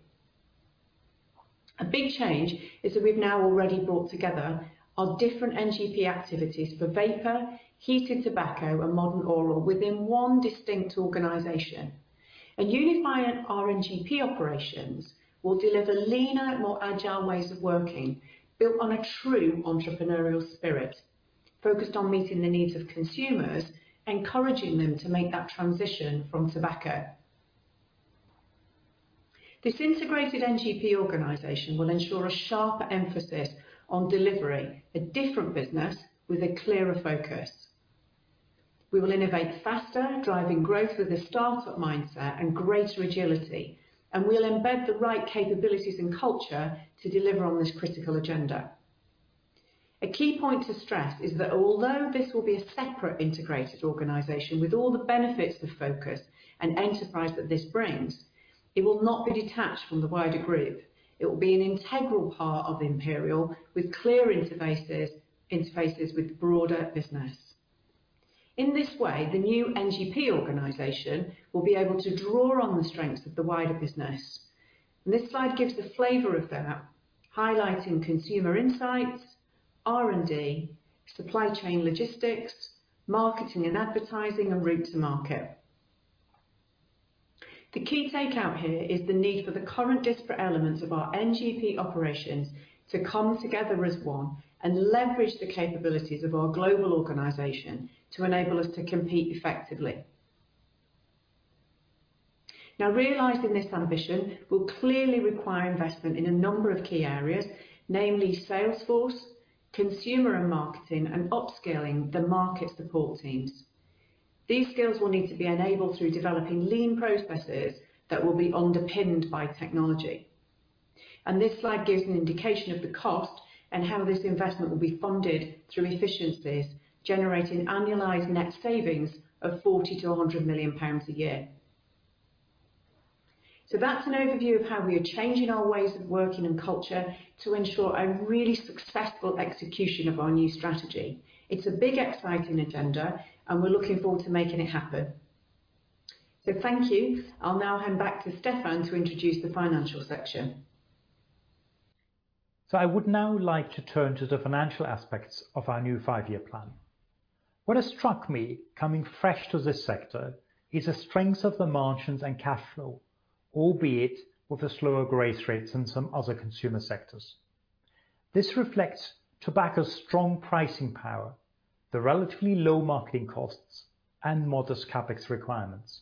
A big change is that we've now already brought together our different NGP activities for vapor, heated tobacco, and modern oral within one distinct organization. Unifying our NGP operations will deliver leaner, more agile ways of working, built on a true entrepreneurial spirit, focused on meeting the needs of consumers, encouraging them to make that transition from tobacco. This integrated NGP organization will ensure a sharper emphasis on delivering a different business with a clearer focus. We will innovate faster, driving growth with a startup mindset and greater agility, and we'll embed the right capabilities and culture to deliver on this critical agenda. A key point to stress is that although this will be a separate integrated organization with all the benefits of focus and enterprise that this brings, it will not be detached from the wider group. It will be an integral part of Imperial with clear interfaces with the broader business. In this way, the new NGP organization will be able to draw on the strengths of the wider business. This slide gives the flavor of that, highlighting consumer insights, R&D, supply chain logistics, marketing and advertising, and route-to-market. The key takeout here is the need for the current disparate elements of our NGP operations to come together as one and leverage the capabilities of our global organization to enable us to compete effectively. Realizing this ambition will clearly require investment in a number of key areas, namely sales force, consumer and marketing, and upscaling the market support teams. These skills will need to be enabled through developing lean processes that will be underpinned by technology. This slide gives an indication of the cost and how this investment will be funded through efficiencies, generating annualized net savings of 40 million-100 million pounds a year. That's an overview of how we are changing our ways of working and culture to ensure a really successful execution of our new strategy. It's a big, exciting agenda, and we're looking forward to making it happen. Thank you. I'll now hand back to Stefan to introduce the financial section. I would now like to turn to the financial aspects of our new five-year plan. What has struck me coming fresh to this sector is the strength of the margins and cash flow, albeit with the slower growth rates in some other consumer sectors. This reflects tobacco's strong pricing power, the relatively low marketing costs, and modest CapEx requirements.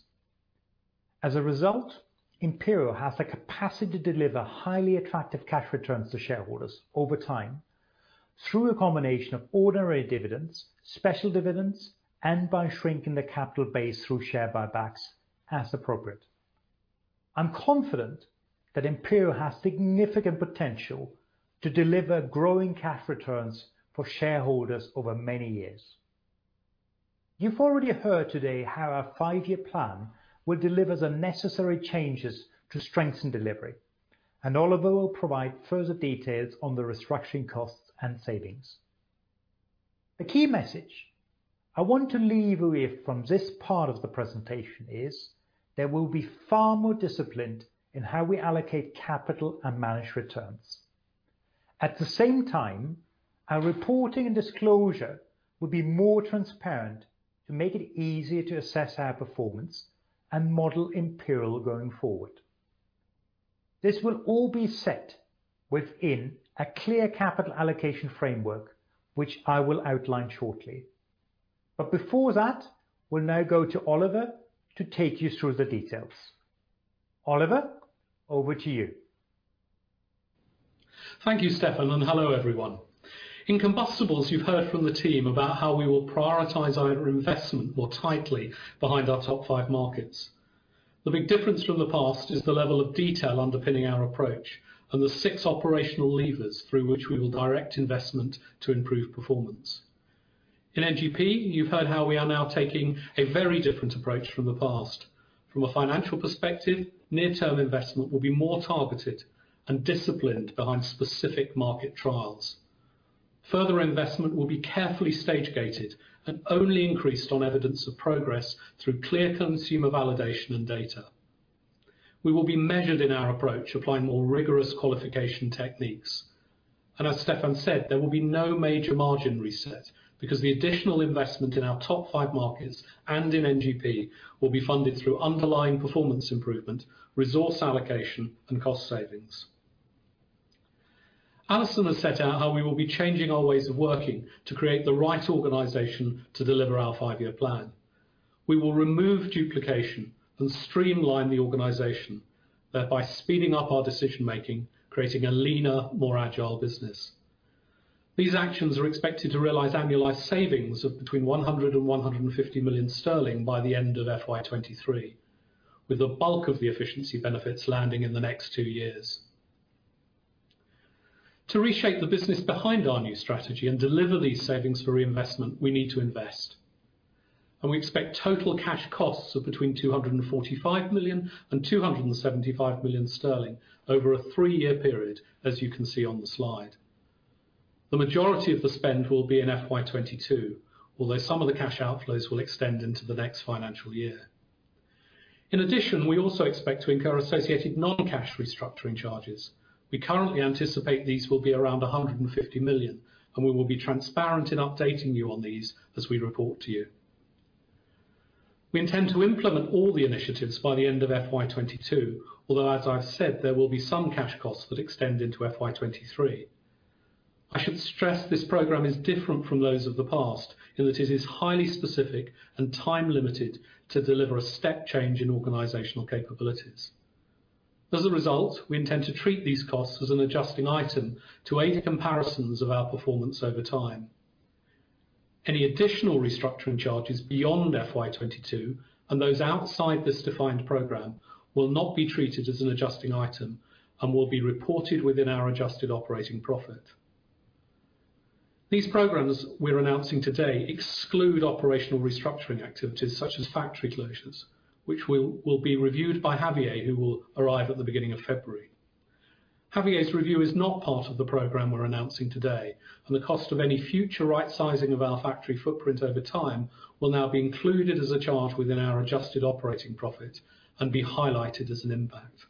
As a result, Imperial has the capacity to deliver highly attractive cash returns to shareholders over time through a combination of ordinary dividends, special dividends, and by shrinking the capital base through share buybacks as appropriate. I'm confident that Imperial has significant potential to deliver growing cash returns for shareholders over many years. You've already heard today how our five-year plan will deliver the necessary changes to strengthen delivery, and Oliver will provide further details on the restructuring costs and savings. The key message I want to leave with you from this part of the presentation is that we'll be far more disciplined in how we allocate capital and manage returns. At the same time, our reporting and disclosure will be more transparent to make it easier to assess our performance and model Imperial going forward. This will all be set within a clear capital allocation framework, which I will outline shortly. Before that, we'll now go to Oliver to take you through the details. Oliver, over to you. Thank you, Stefan, and hello, everyone. In Combustibles, you've heard from the team about how we will prioritize our investment more tightly behind our top five markets. The big difference from the past is the level of detail underpinning our approach and the six operational levers through which we will direct investment to improve performance. In NGP, you've heard how we are now taking a very different approach from the past. From a financial perspective, near-term investment will be more targeted and disciplined behind specific market trials. Further investment will be carefully stage-gated and only increased on evidence of progress through clear consumer validation and data. We will be measured in our approach, applying more rigorous qualification techniques. As Stefan said, there will be no major margin reset because the additional investment in our top five markets and in NGP will be funded through underlying performance improvement, resource allocation, and cost savings. Alison has set out how we will be changing our ways of working to create the right organization to deliver our five-year plan. We will remove duplication and streamline the organization, thereby speeding up our decision-making, creating a leaner, more agile business. These actions are expected to realize annualized savings of between 100 million sterling and 150 million sterling by the end of FY 2023, with the bulk of the efficiency benefits landing in the next two years. To reshape the business behind our new strategy and deliver these savings for reinvestment, we need to invest, and we expect total cash costs of between 245 million and 275 million sterling over a three-year period, as you can see on the slide. The majority of the spend will be in FY 2022, although some of the cash outflows will extend into the next financial year. In addition, we also expect to incur associated non-cash restructuring charges. We currently anticipate these will be around 150 million, and we will be transparent in updating you on these as we report to you. We intend to implement all the initiatives by the end of FY 2022, although as I've said, there will be some cash costs that extend into FY 2023. I should stress this program is different from those of the past in that it is highly specific and time limited to deliver a step-change in organizational capabilities. As a result, we intend to treat these costs as an adjusting item to aid comparisons of our performance over time. Any additional restructuring charges beyond FY 2022 and those outside this defined program will not be treated as an adjusting item and will be reported within our adjusted operating profit. These programs we're announcing today exclude operational restructuring activities such as factory closures, which will be reviewed by Javier Huerta, who will arrive at the beginning of February. Javier's review is not part of the program we're announcing today, and the cost of any future right-sizing of our factory footprint over time will now be included as a charge within our adjusted operating profit and be highlighted as an impact.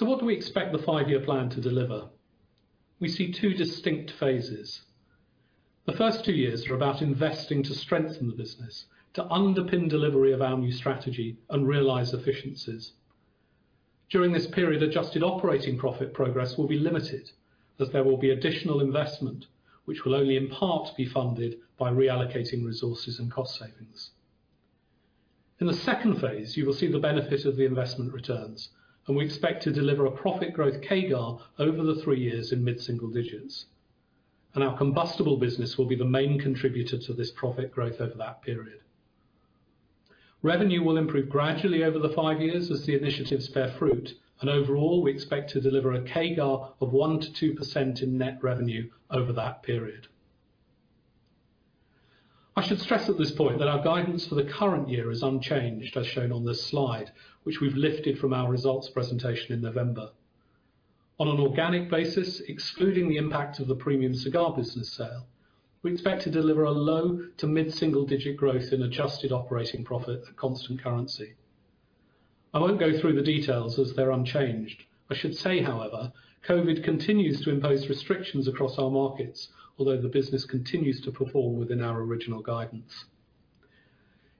What do we expect the five-year plan to deliver? We see two distinct phases. The first two years are about investing to strengthen the business, to underpin delivery of our new strategy and realize efficiencies. During this period, adjusted operating profit progress will be limited as there will be additional investment, which will only in part be funded by reallocating resources and cost savings. In phase II, you will see the benefit of the investment returns, and we expect to deliver a profit growth CAGR over the three years in mid-single digits. Our combustible business will be the main contributor to this profit growth over that period. Revenue will improve gradually over the five years as the initiatives bear fruit. Overall, we expect to deliver a CAGR of 1%-2% in net revenue over that period. I should stress at this point that our guidance for the current year is unchanged, as shown on this slide, which we've lifted from our results presentation in November. On an organic basis, excluding the impact of the premium cigar business sale, we expect to deliver a low-to-mid-single digit growth in adjusted operating profit at constant currency. I won't go through the details as they're unchanged. I should say, however, COVID continues to impose restrictions across our markets, although the business continues to perform within our original guidance.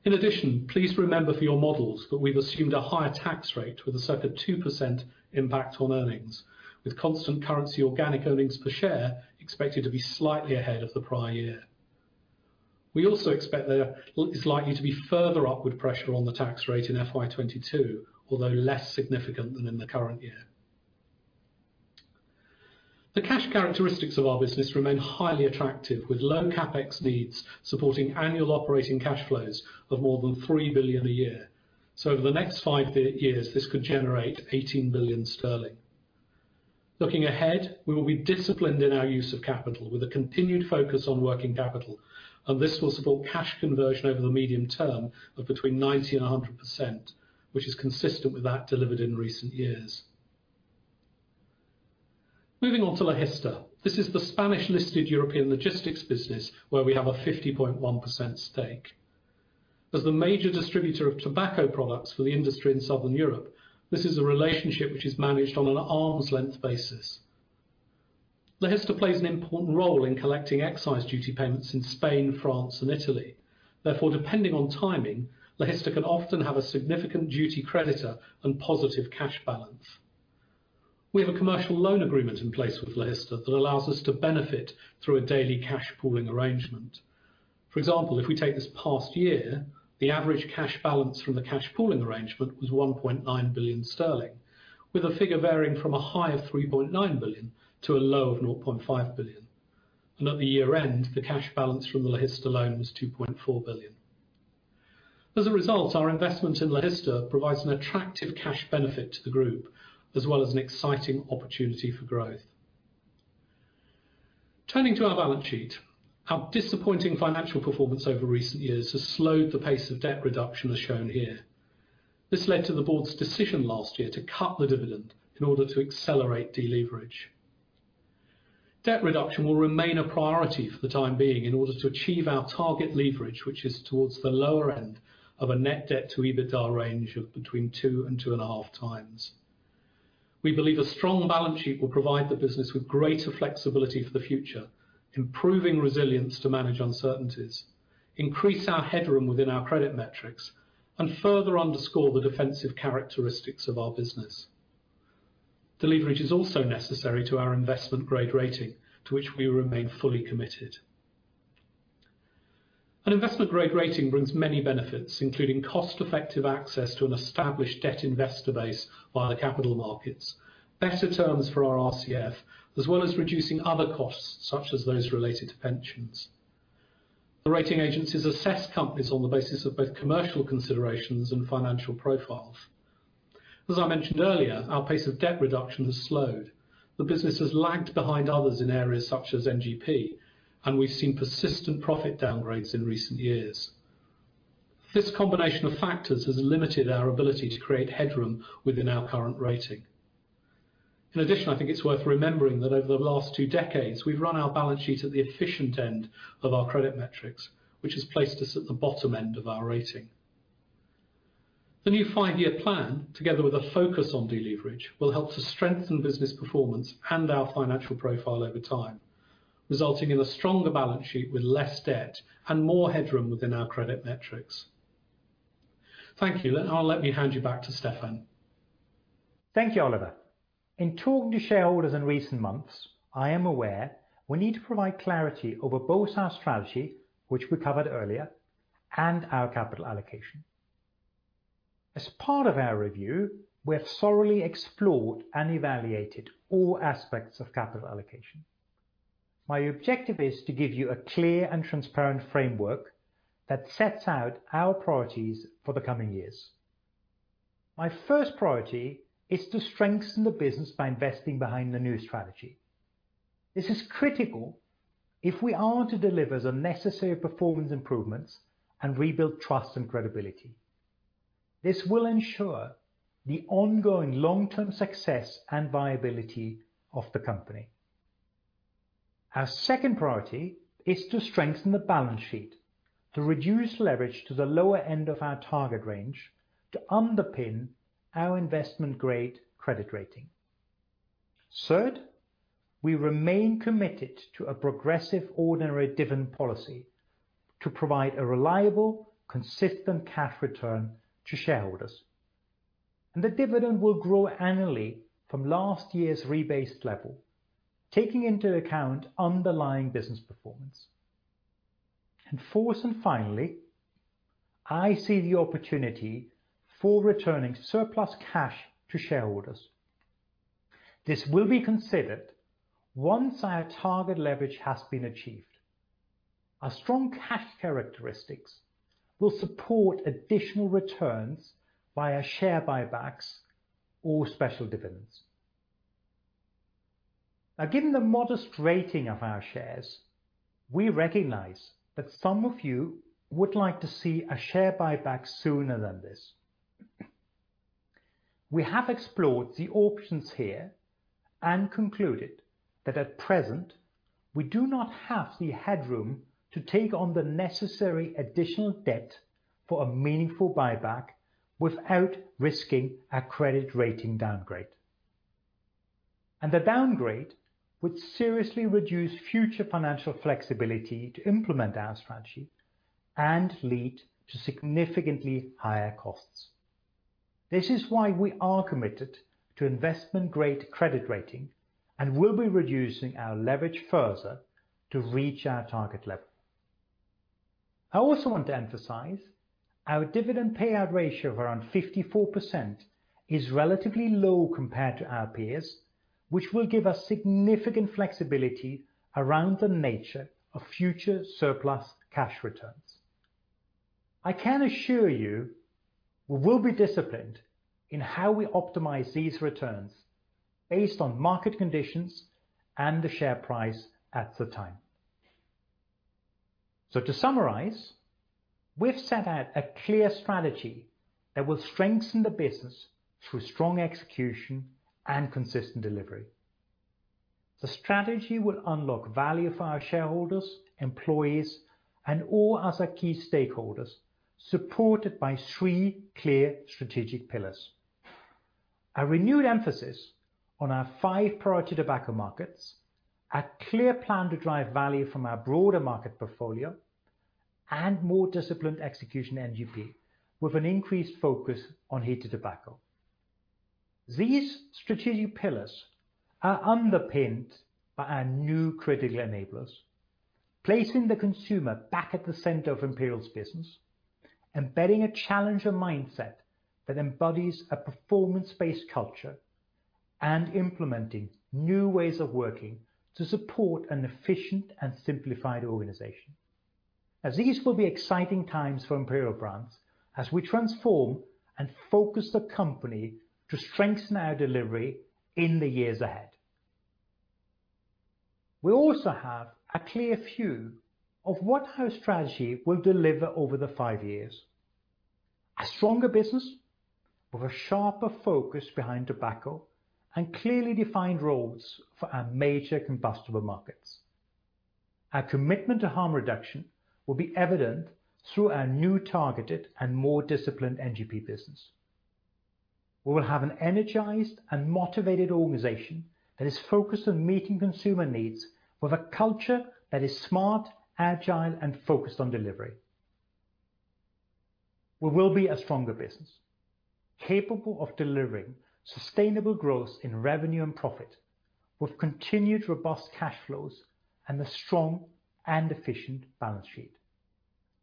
In addition, please remember for your models that we've assumed a higher tax rate with a 2% impact on earnings, with constant currency organic earnings per share expected to be slightly ahead of the prior year. We also expect there is likely to be further upward pressure on the tax rate in FY 2022, although less significant than in the current year. The cash characteristics of our business remain highly attractive, with low CapEx needs supporting annual operating cash flows of more than 3 billion a year. Over the next five years, this could generate 18 billion sterling. Looking ahead, we will be disciplined in our use of capital with a continued focus on working capital, and this will support cash conversion over the medium term of between 90%-100%, which is consistent with that delivered in recent years. Moving on to Logista. This is the Spanish-listed European logistics business where we have a 50.1% stake. As the major distributor of tobacco products for the industry in Southern Europe, this is a relationship which is managed on an arm's length basis. Logista plays an important role in collecting excise duty payments in Spain, France, and Italy. Depending on timing, Logista can often have a significant duty creditor and positive cash balance. We have a commercial loan agreement in place with Logista that allows us to benefit through a daily cash pooling arrangement. If we take this past year, the average cash balance from the cash pooling arrangement was 1.9 billion sterling, with a figure varying from a high of 3.9 billion to a low of 0.5 billion. At the year-end, the cash balance from the Logista loan was 2.4 billion. Our investment in Logista provides an attractive cash benefit to the group, as well as an exciting opportunity for growth. Turning to our balance sheet, our disappointing financial performance over recent years has slowed the pace of debt reduction, as shown here. This led to the board's decision last year to cut the dividend in order to accelerate deleverage. Debt reduction will remain a priority for the time being in order to achieve our target leverage, which is towards the lower end of a net debt to EBITDA range of between 2x and 2.5x. We believe a strong balance sheet will provide the business with greater flexibility for the future, improving resilience to manage uncertainties, increase our headroom within our credit metrics, and further underscore the defensive characteristics of our business. Deleverage is also necessary to our investment-grade rating, to which we remain fully committed. An investment-grade rating brings many benefits, including cost-effective access to an established debt investor base via the capital markets, better terms for our RCF, as well as reducing other costs, such as those related to pensions. The rating agencies assess companies on the basis of both commercial considerations and financial profiles. As I mentioned earlier, our pace of debt reduction has slowed. The business has lagged behind others in areas such as NGP, and we've seen persistent profit downgrades in recent years. This combination of factors has limited our ability to create headroom within our current rating. In addition, I think it's worth remembering that over the last two decades, we've run our balance sheet at the efficient end of our credit metrics, which has placed us at the bottom end of our rating. The new five-year plan, together with a focus on deleverage, will help to strengthen business performance and our financial profile over time, resulting in a stronger balance sheet with less debt and more headroom within our credit metrics. Thank you. Now let me hand you back to Stefan. Thank you, Oliver. In talking to shareholders in recent months, I am aware we need to provide clarity over both our strategy, which we covered earlier, and our capital allocation. As part of our review, we have thoroughly explored and evaluated all aspects of capital allocation. My objective is to give you a clear and transparent framework that sets out our priorities for the coming years. My first priority is to strengthen the business by investing behind the new strategy. This is critical if we are to deliver the necessary performance improvements and rebuild trust and credibility. This will ensure the ongoing long-term success and viability of the company. Our second priority is to strengthen the balance sheet, to reduce leverage to the lower end of our target range to underpin our investment-grade credit rating. Third, we remain committed to a progressive ordinary dividend policy to provide a reliable, consistent cash return to shareholders. The dividend will grow annually from last year's rebased level, taking into account underlying business performance. Fourth, finally, I see the opportunity for returning surplus cash to shareholders. This will be considered once our target leverage has been achieved. Our strong cash characteristics will support additional returns via share buybacks or special dividends. Now, given the modest rating of our shares, we recognize that some of you would like to see a share buyback sooner than this. We have explored the options here and concluded that at present, we do not have the headroom to take on the necessary additional debt for a meaningful buyback without risking a credit rating downgrade. A downgrade would seriously reduce future financial flexibility to implement our strategy and lead to significantly higher costs. This is why we are committed to investment-grade credit rating and will be reducing our leverage further to reach our target level. I also want to emphasize our dividend payout ratio of around 54% is relatively low compared to our peers, which will give us significant flexibility around the nature of future surplus cash returns. I can assure you we will be disciplined in how we optimize these returns based on market conditions and the share price at the time. To summarize, we've set out a clear strategy that will strengthen the business through strong execution and consistent delivery. The strategy will unlock value for our shareholders, employees, and all other key stakeholders, supported by three clear strategic pillars. A renewed emphasis on our five priority tobacco markets, a clear plan to drive value from our broader market portfolio, and more disciplined execution in NGP, with an increased focus on heated tobacco. These strategic pillars are underpinned by our new critical enablers, placing the consumer back at the center of Imperial Brands' business, embedding a challenger mindset that embodies a performance-based culture, and implementing new ways of working to support an efficient and simplified organization. These will be exciting times for Imperial Brands as we transform and focus the company to strengthen our delivery in the years ahead. We also have a clear view of what our strategy will deliver over the five years. A stronger business with a sharper focus behind tobacco and clearly defined roads for our major combustible markets. Our commitment to Tobacco Harm Reduction will be evident through our new targeted and more disciplined NGP business. We will have an energized and motivated organization that is focused on meeting consumer needs with a culture that is smart, agile, and focused on delivery. We will be a stronger business, capable of delivering sustainable growth in revenue and profit with continued robust cash flows and a strong and efficient balance sheet.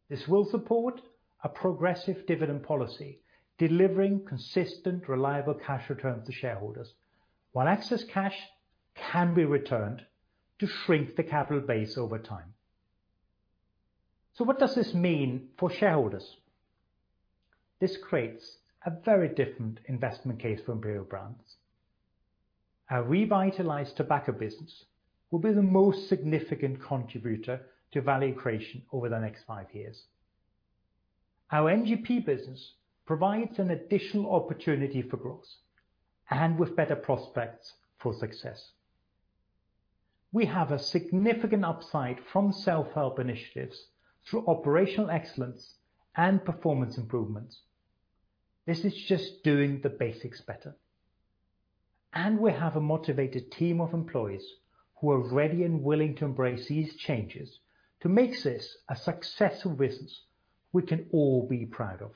This will support a progressive dividend policy, delivering consistent, reliable cash returns to shareholders, while excess cash can be returned to shrink the capital base over time. What does this mean for shareholders? This creates a very different investment case for Imperial Brands. Our revitalized tobacco business will be the most significant contributor to value creation over the next five years. Our NGP business provides an additional opportunity for growth and with better prospects for success. We have a significant upside from self-help initiatives through operational excellence and performance improvements. This is just doing the basics better. We have a motivated team of employees who are ready and willing to embrace these changes to make this a successful business we can all be proud of.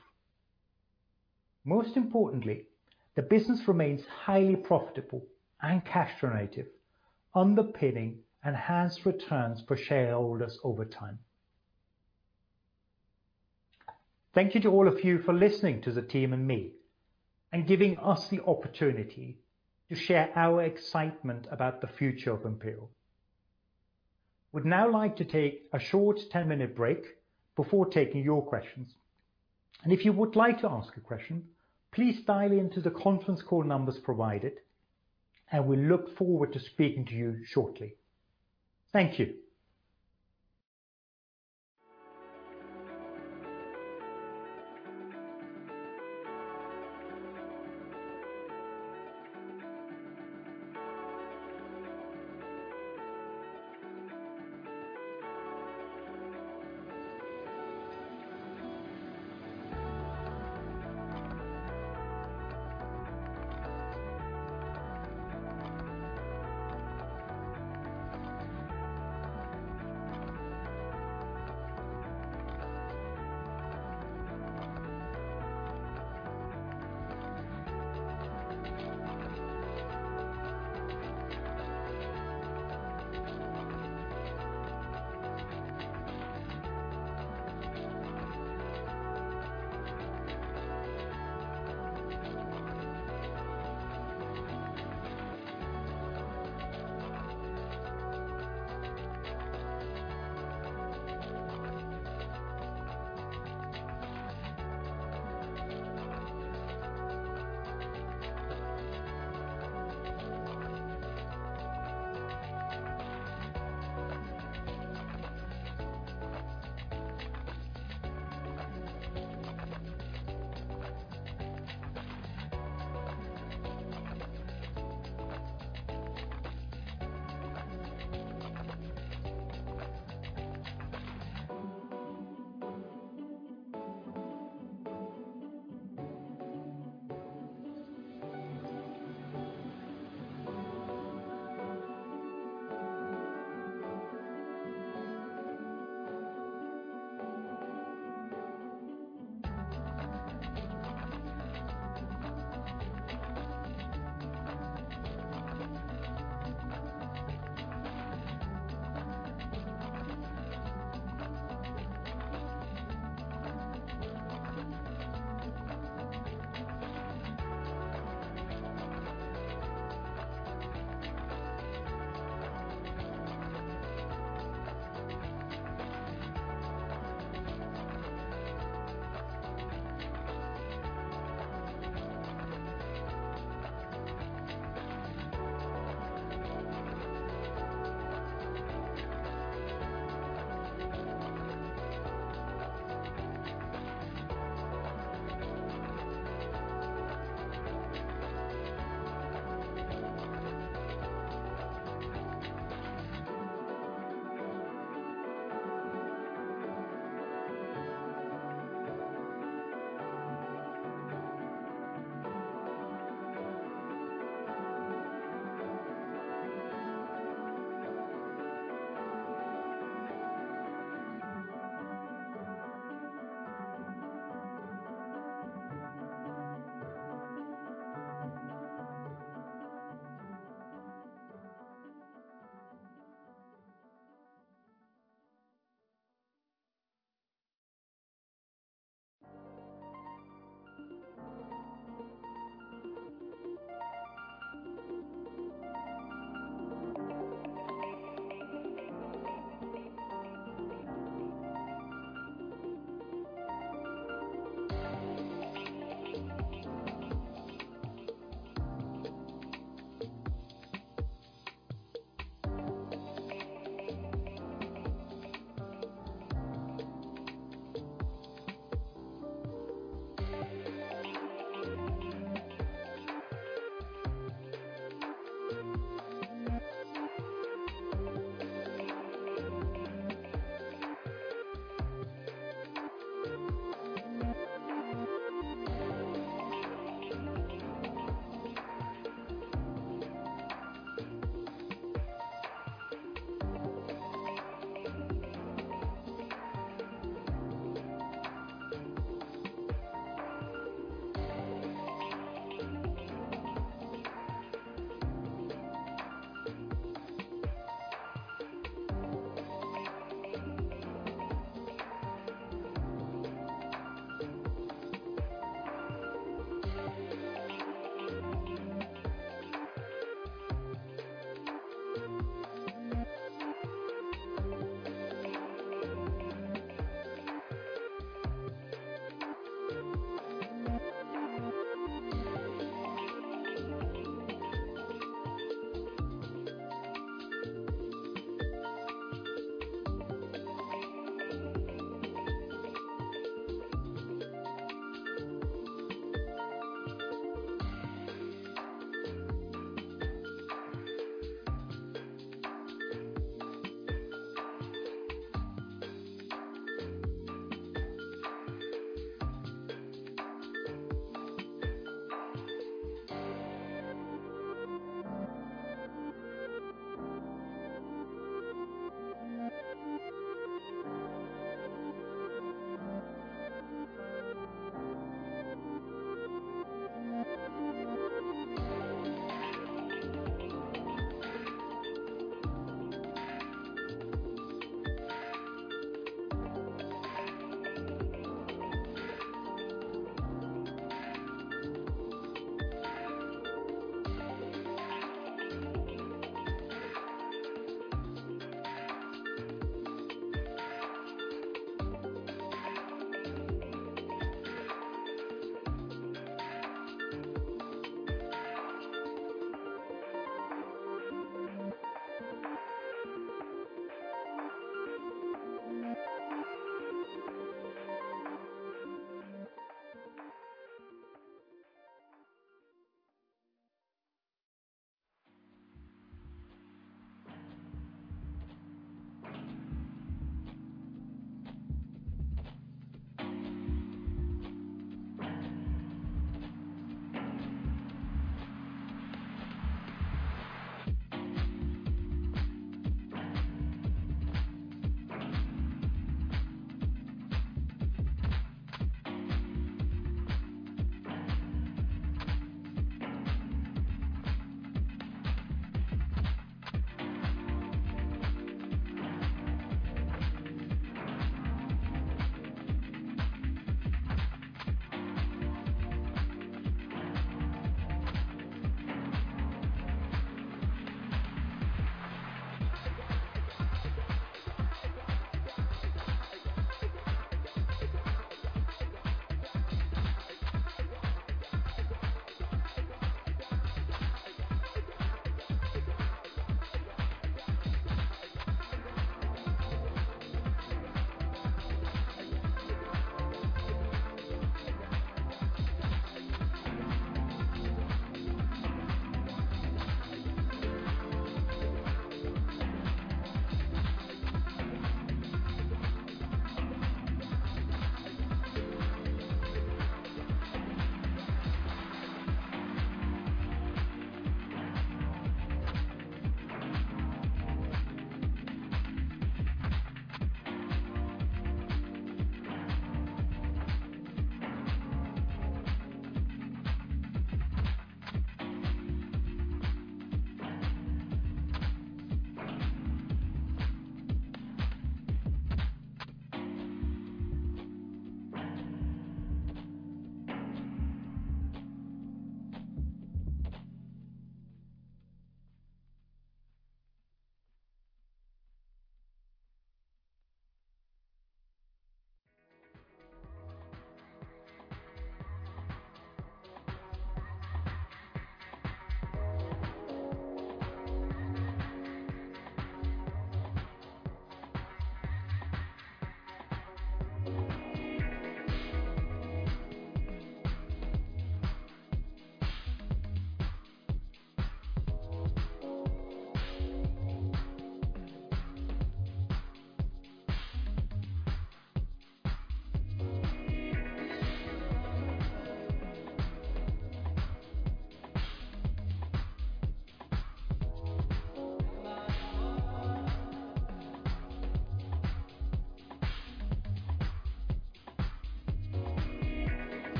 Most importantly, the business remains highly profitable and cash-generative, underpinning enhanced returns for shareholders over time. Thank you to all of you for listening to the team and me and giving us the opportunity to share our excitement about the future of Imperial. We'd now like to take a short 10-minute break before taking your questions. If you would like to ask a question, please dial into the conference call numbers provided, and we look forward to speaking to you shortly. Thank you.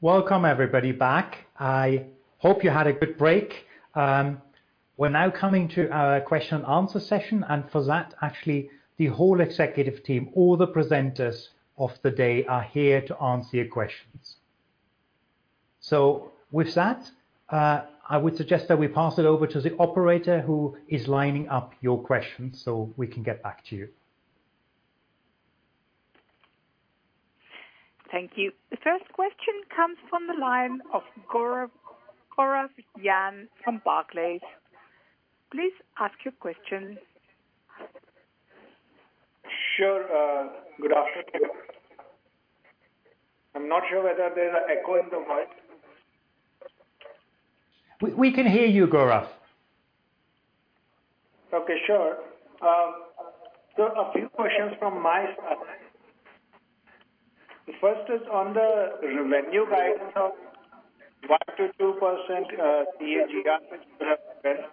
Welcome, everybody back. I hope you had a good break. We're now coming to our question and answer session. For that, actually, the whole executive team, all the presenters of the day are here to answer your questions. With that, I would suggest that we pass it over to the operator who is lining up your questions so we can get back to you. Thank you. The first question comes from the line of Gaurav Jain from Barclays. Please ask your question. Sure. Good afternoon. I'm not sure whether there's an echo in the mic. We can hear you, Gaurav. Okay, sure. A few questions from my side. The first is on the revenue guidance of 1%-2% CAGR which you have said.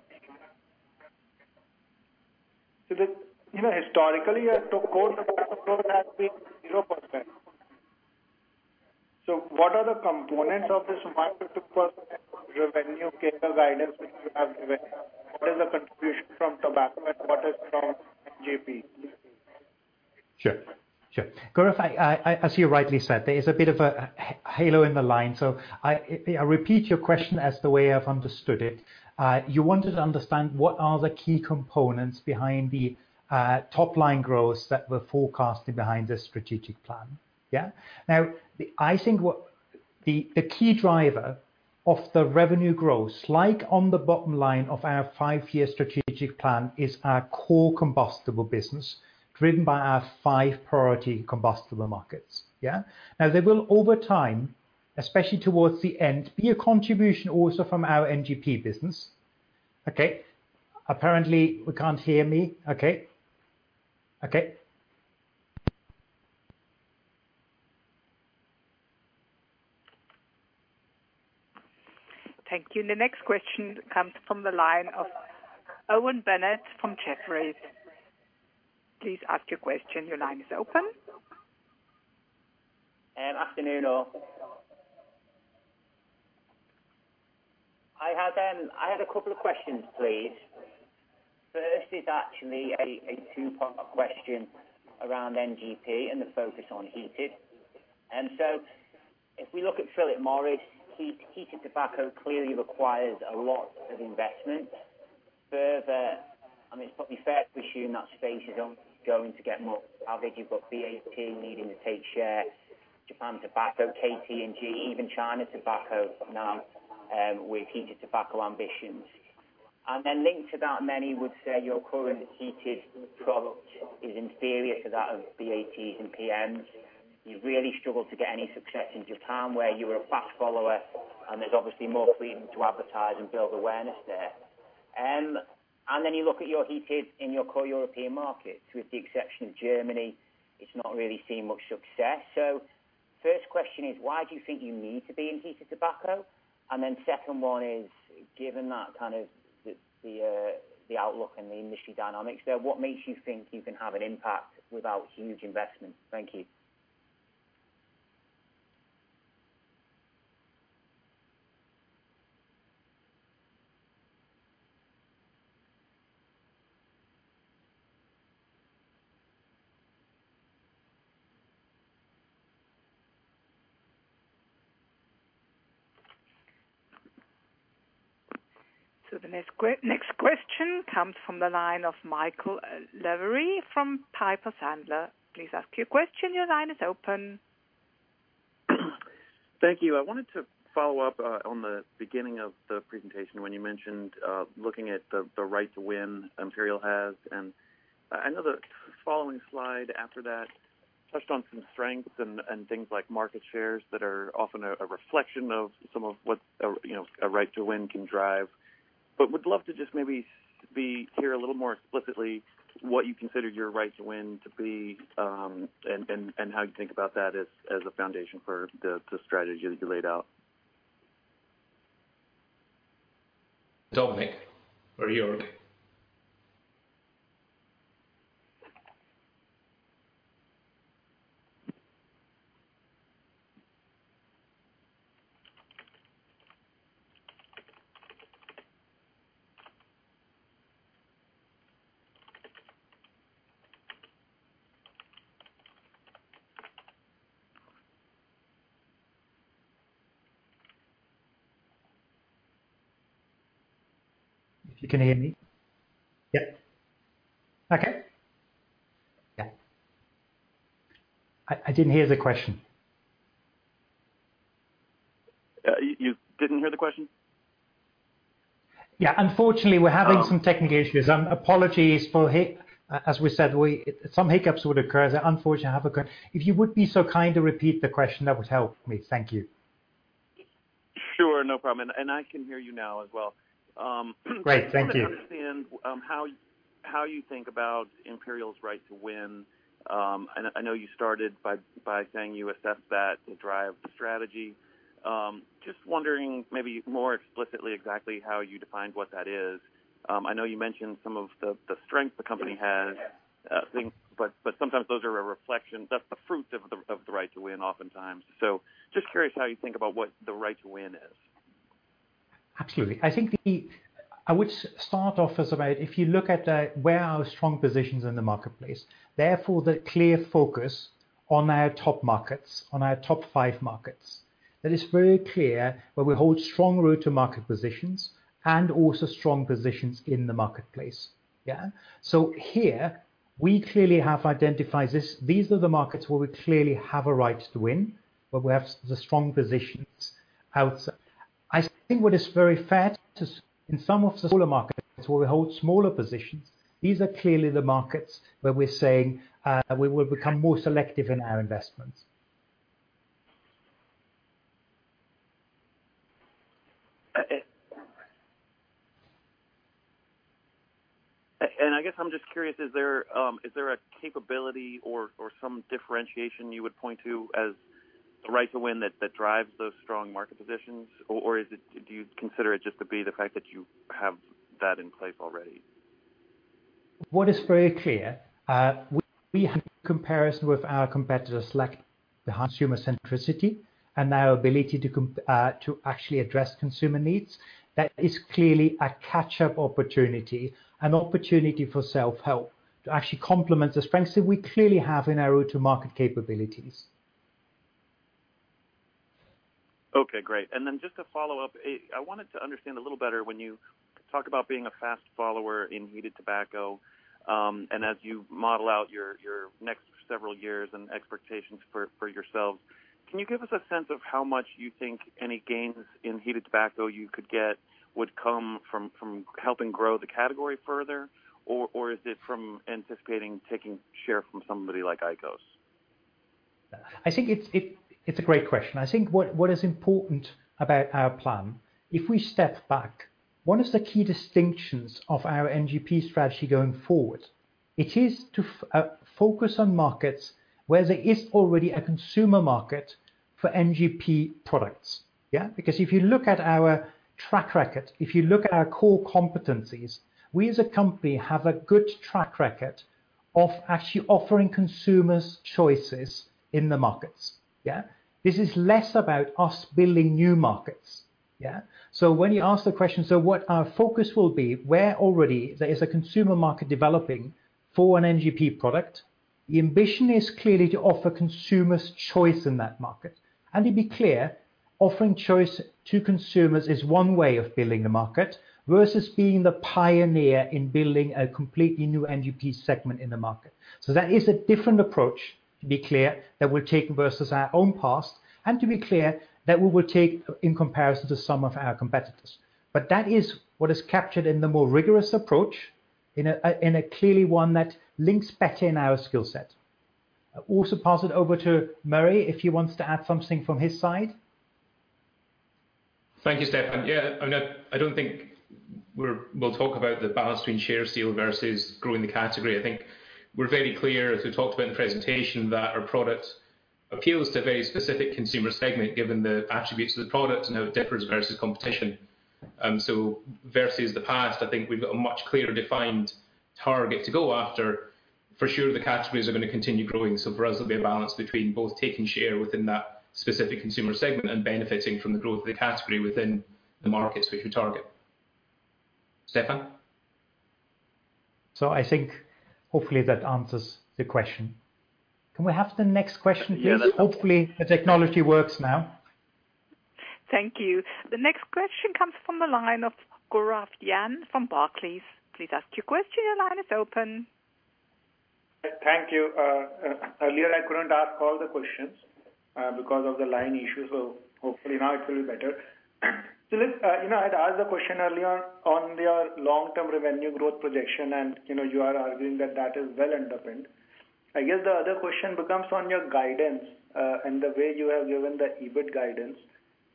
Historically, your tobacco growth has been 0%. What are the components of this 1%-2% revenue CAGR guidance which you have given? What is the contribution from tobacco and what is from NGP? Sure. Gaurav, as you rightly said, there is a bit of a halo in the line. I'll repeat your question as the way I've understood it. You wanted to understand what are the key components behind the top-line growth that we're forecasting behind this strategic plan. Yeah. I think the key driver of the revenue growth, like on the bottom line of our five-year strategic plan, is our core combustible business, driven by our five priority combustible markets. Yeah. They will, over time, especially towards the end, be a contribution also from our NGP business. Okay. Apparently, we can't hear me. Okay. Thank you. The next question comes from the line of Owen Bennett from Jefferies. Please ask your question. Your line is open. Afternoon, all. I have a couple of questions, please. First is actually a two-part question around NGP and the focus on heated. If we look at Philip Morris, heated tobacco clearly requires a lot of investment. Further, it's probably fair to assume that space is only going to get more avid. You've got BAT needing to take share, Japan Tobacco, KT&G, even China Tobacco now with heated tobacco ambitions. Linked to that, many would say your current heated product is inferior to that of BAT's and PM's. You've really struggled to get any success in Japan, where you were a fast follower, and there's obviously more freedom to advertise and build awareness there. You look at your heated in your core European markets. With the exception of Germany, it's not really seen much success. The first question is, why do you think you need to be in heated tobacco? The second one is, given that the outlook and the industry dynamics there, what makes you think you can have an impact without huge investment? Thank you. The next question comes from the line of Michael Lavery from Piper Sandler. Please ask your question. Your line is open. Thank you. I wanted to follow up on the beginning of the presentation when you mentioned looking at the Right to Win Imperial has. I know the following slide after that touched on some strengths and things like market shares that are often a reflection of some of what a Right to Win can drive. Would love to just maybe hear a little more explicitly what you consider your Right to Win to be, and how you think about that as a foundation for the strategy that you laid out. Dominic or Jörg. If you can hear me. Yep. Okay. Yeah. I didn't hear the question. You didn't hear the question? Yeah, unfortunately, we're having some technical issues. As we said, some hiccups would occur, as unfortunately have occurred. If you would be so kind to repeat the question, that would help me. Thank you. Sure, no problem. I can hear you now as well. Great. Thank you. I want to understand how you think about Imperial's Right to Win. I know you started by saying you assess that to drive the strategy. Just wondering maybe more explicitly, exactly how you define what that is. I know you mentioned some of the strengths the company has. Sometimes those are a reflection. That's the fruit of the Right to Win oftentimes. Just curious how you think about what the Right to Win is. Absolutely. I think I would start off as about if you look at where are our strong positions in the marketplace, therefore the clear focus on our top markets, on our top five markets. That is very clear where we hold strong route-to-market positions and also strong positions in the marketplace. Yeah. Here we clearly have identified this. These are the markets where we clearly have a Right to Win, where we have the strong positions outside. I think what is very fair to say in some of the smaller markets where we hold smaller positions, these are clearly the markets where we're saying we will become more selective in our investments. I guess I'm just curious, is there a capability or some differentiation you would point to as the Right to Win that drives those strong market positions, or do you consider it just to be the fact that you have that in place already? What is very clear, we have comparison with our competitors, like the consumer centricity and our ability to actually address consumer needs. That is clearly a catch-up opportunity, an opportunity for self-help to actually complement the strengths that we clearly have in our route-to-market capabilities. Okay, great. Just to follow up, I wanted to understand a little better when you talk about being a fast follower in heated tobacco, as you model out your next several years and expectations for yourselves, can you give us a sense of how much you think any gains in heated tobacco you could get would come from helping grow the category further, or is it from anticipating taking share from somebody like IQOS? I think it’s a great question. I think what is important about our plan, if we step back, what is the key distinctions of our NGP strategy going forward? Yeah. If you look at our track record, if you look at our core competencies, we as a company have a good track record of actually offering consumers choices in the markets. This is less about us building new markets. When you ask the question, so what our focus will be, where already there is a consumer market developing for an NGP product, the ambition is clearly to offer consumers choice in that market. To be clear, offering choice to consumers is one way of building the market versus being the pioneer in building a completely new NGP segment in the market. That is a different approach, to be clear, that we're taking versus our own past, and to be clear, that we will take in comparison to some of our competitors. That is what is captured in the more rigorous approach, in a clearly one that links better in our skillset. I'll also pass it over to Murray if he wants to add something from his side. Thank you, Stefan. I don't think we'll talk about the balance between share steal versus growing the category. I think we're very clear as we talked about in the presentation, that our product appeals to a very specific consumer segment, given the attributes of the product and how it differs versus competition. Versus the past, I think we've got a much clearer defined target to go after. For sure the categories are going to continue growing, for us it'll be a balance between both taking share within that specific consumer segment and benefiting from the growth of the category within the markets which we target. Stefan? I think hopefully that answers the question. Can we have the next question, please? Yeah. Hopefully the technology works now. Thank you. The next question comes from the line of Gaurav Jain from Barclays. Please ask your question, your line is open. Thank you. Earlier I couldn't ask all the questions because of the line issues, so hopefully now it will be better. Listen, I'd asked a question earlier on your long-term revenue growth projection, and you are arguing that that is well-underpinned. I guess the other question becomes on your guidance, and the way you have given the EBIT guidance,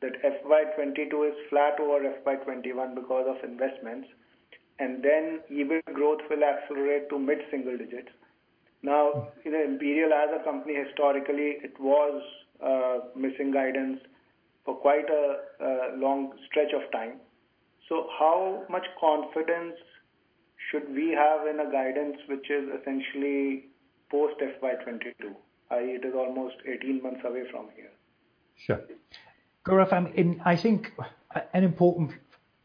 that FY 2022 is flat over FY 2021 because of investments. Then EBIT growth will accelerate to mid-single digits. Imperial Brands as a company, historically, it was missing guidance for quite a long stretch of time. How much confidence should we have in a guidance which is essentially post FY 2022, i.e., it is almost 18 months away from here? Sure. Gaurav, I think an important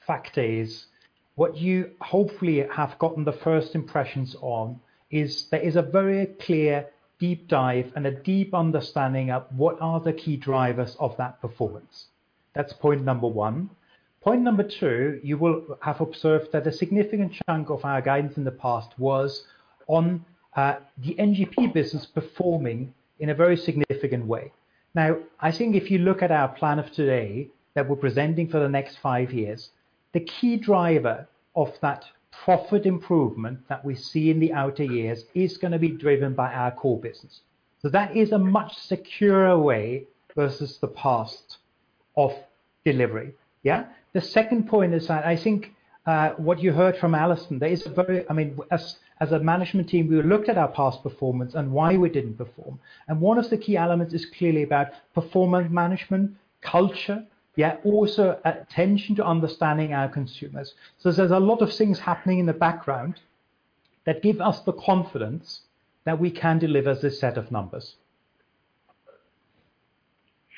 fact is what you hopefully have gotten the first impressions on is there is a very clear deep dive and a deep understanding of what are the key drivers of that performance. That's point number one. Point number two, you will have observed that a significant chunk of our guidance in the past was on the NGP business performing in a very significant way. I think if you look at our plan of today that we're presenting for the next five years, the key driver of that profit improvement that we see in the outer years is going to be driven by our core business. That is a much securer way versus the past of delivery. The second point is I think what you heard from Alison, as a management team, we looked at our past performance and why we didn't perform. One of the key elements is clearly about performance management, culture, also attention to understanding our consumers. There's a lot of things happening in the background that give us the confidence that we can deliver this set of numbers.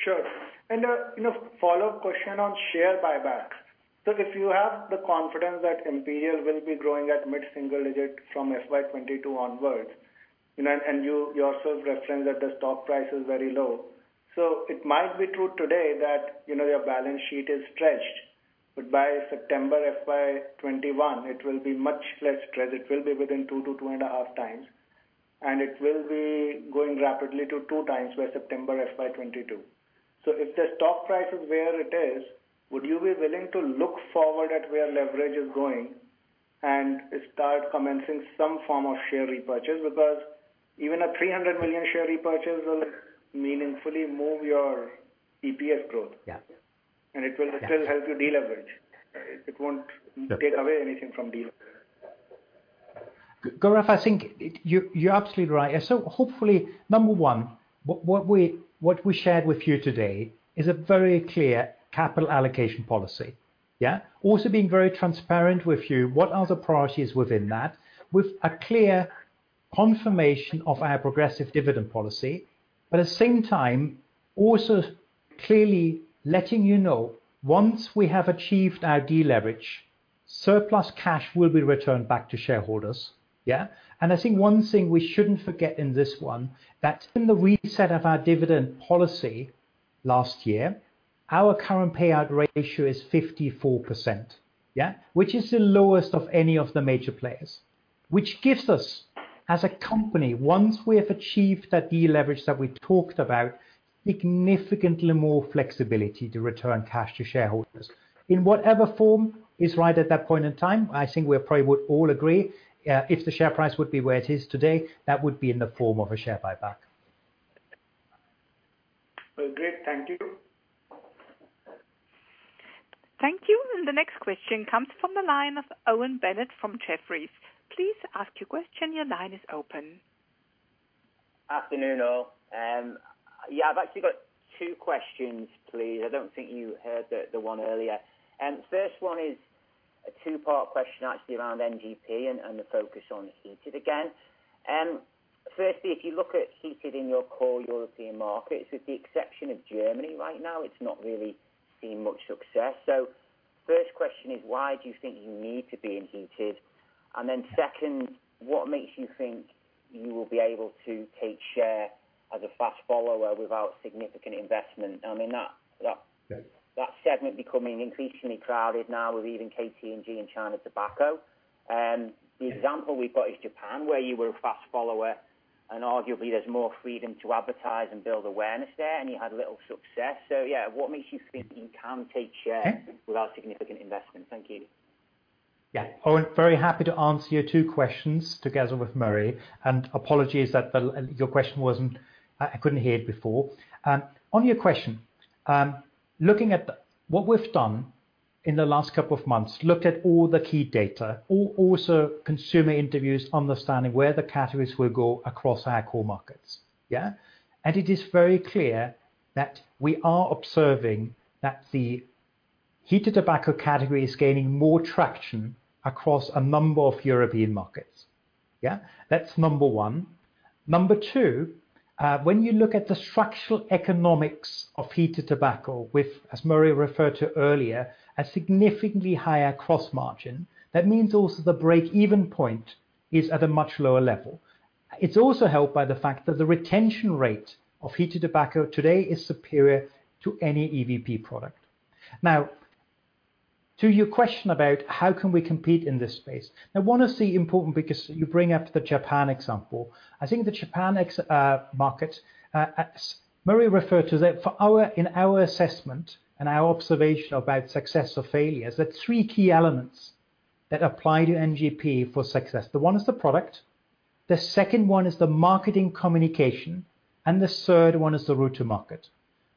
Sure. A follow-up question on share buyback. If you have the confidence that Imperial will be growing at mid-single digit from FY 2022 onwards, and you yourself referenced that the stock price is very low. It might be true today that your balance sheet is stretched, but by September FY 2021, it will be much less stressed. It will be within 2x-2.5x, and it will be growing rapidly to 2x by September FY 2022. If the stock price is where it is, would you be willing to look forward at where leverage is going and start commencing some form of share repurchase? Even a 300 million share repurchase will meaningfully move your EPS growth. Yeah. It will still help you deleverage. It won't take away anything from deleverage. Gaurav, I think you're absolutely right. Hopefully, number one, what we shared with you today is a very clear capital allocation policy. At the same time, also being very transparent with you, what are the priorities within that, with a clear confirmation of our progressive dividend policy. But at the same time, also clearly letting you know, once we have achieved a deleverage, surplus cash will be returned back to shareholders. Yeah. I think one thing we shouldn't forget in this one, that in the reset of our dividend policy last year, our current payout ratio is 54%. Which is the lowest of any of the major players, which gives us, as a company, once we have achieved that deleverage that we talked about, significantly more flexibility to return cash to shareholders in whatever form is right at that point in time. I think we probably would all agree, if the share price would be where it is today, that would be in the form of a share buyback. Well, great. Thank you. Thank you. The next question comes from the line of Owen Bennett from Jefferies. Please ask your question, your line is open. Afternoon, all. Yeah, I've actually got two questions, please. I don't think you heard the one earlier. First one is a two-part question actually around NGP and the focus on heated again. If you look at heated in your core European markets, with the exception of Germany right now, it's not really seen much success. First question is, why do you think you need to be in heated? Second, what makes you think you will be able to take share as a fast follower without significant investment? I mean, that segment becoming increasingly crowded now with even KT&G and China Tobacco. The example we've got is Japan, where you were a fast follower and arguably there's more freedom to advertise and build awareness there, and you had a little success. Yeah, what makes you think you can take share without significant investment? Thank you. Yeah. Owen, very happy to answer your two questions together with Murray. Apologies that your question wasn't I couldn't hear it before. On your question, looking at what we've done in the last couple of months, looked at all the key data, also consumer interviews, understanding where the categories will go across our core markets. Yeah. It is very clear that we are observing that the heated tobacco category is gaining more traction across a number of European markets. Yeah. That's number one. Number two, when you look at the structural economics of heated tobacco with, as Murray referred to earlier, a significantly higher gross margin, that means also the break-even point is at a much lower level. It's also helped by the fact that the retention rate of heated tobacco today is superior to any EVP product. To your question about how can we compete in this space. One is the important because you bring up the Japan example. I think the Japan ex-market, as Murray referred to that, in our assessment and our observation about success or failures, there are three key elements that apply to NGP for success. The one is the product, the second one is the marketing communication, and the third one is the route-to-market.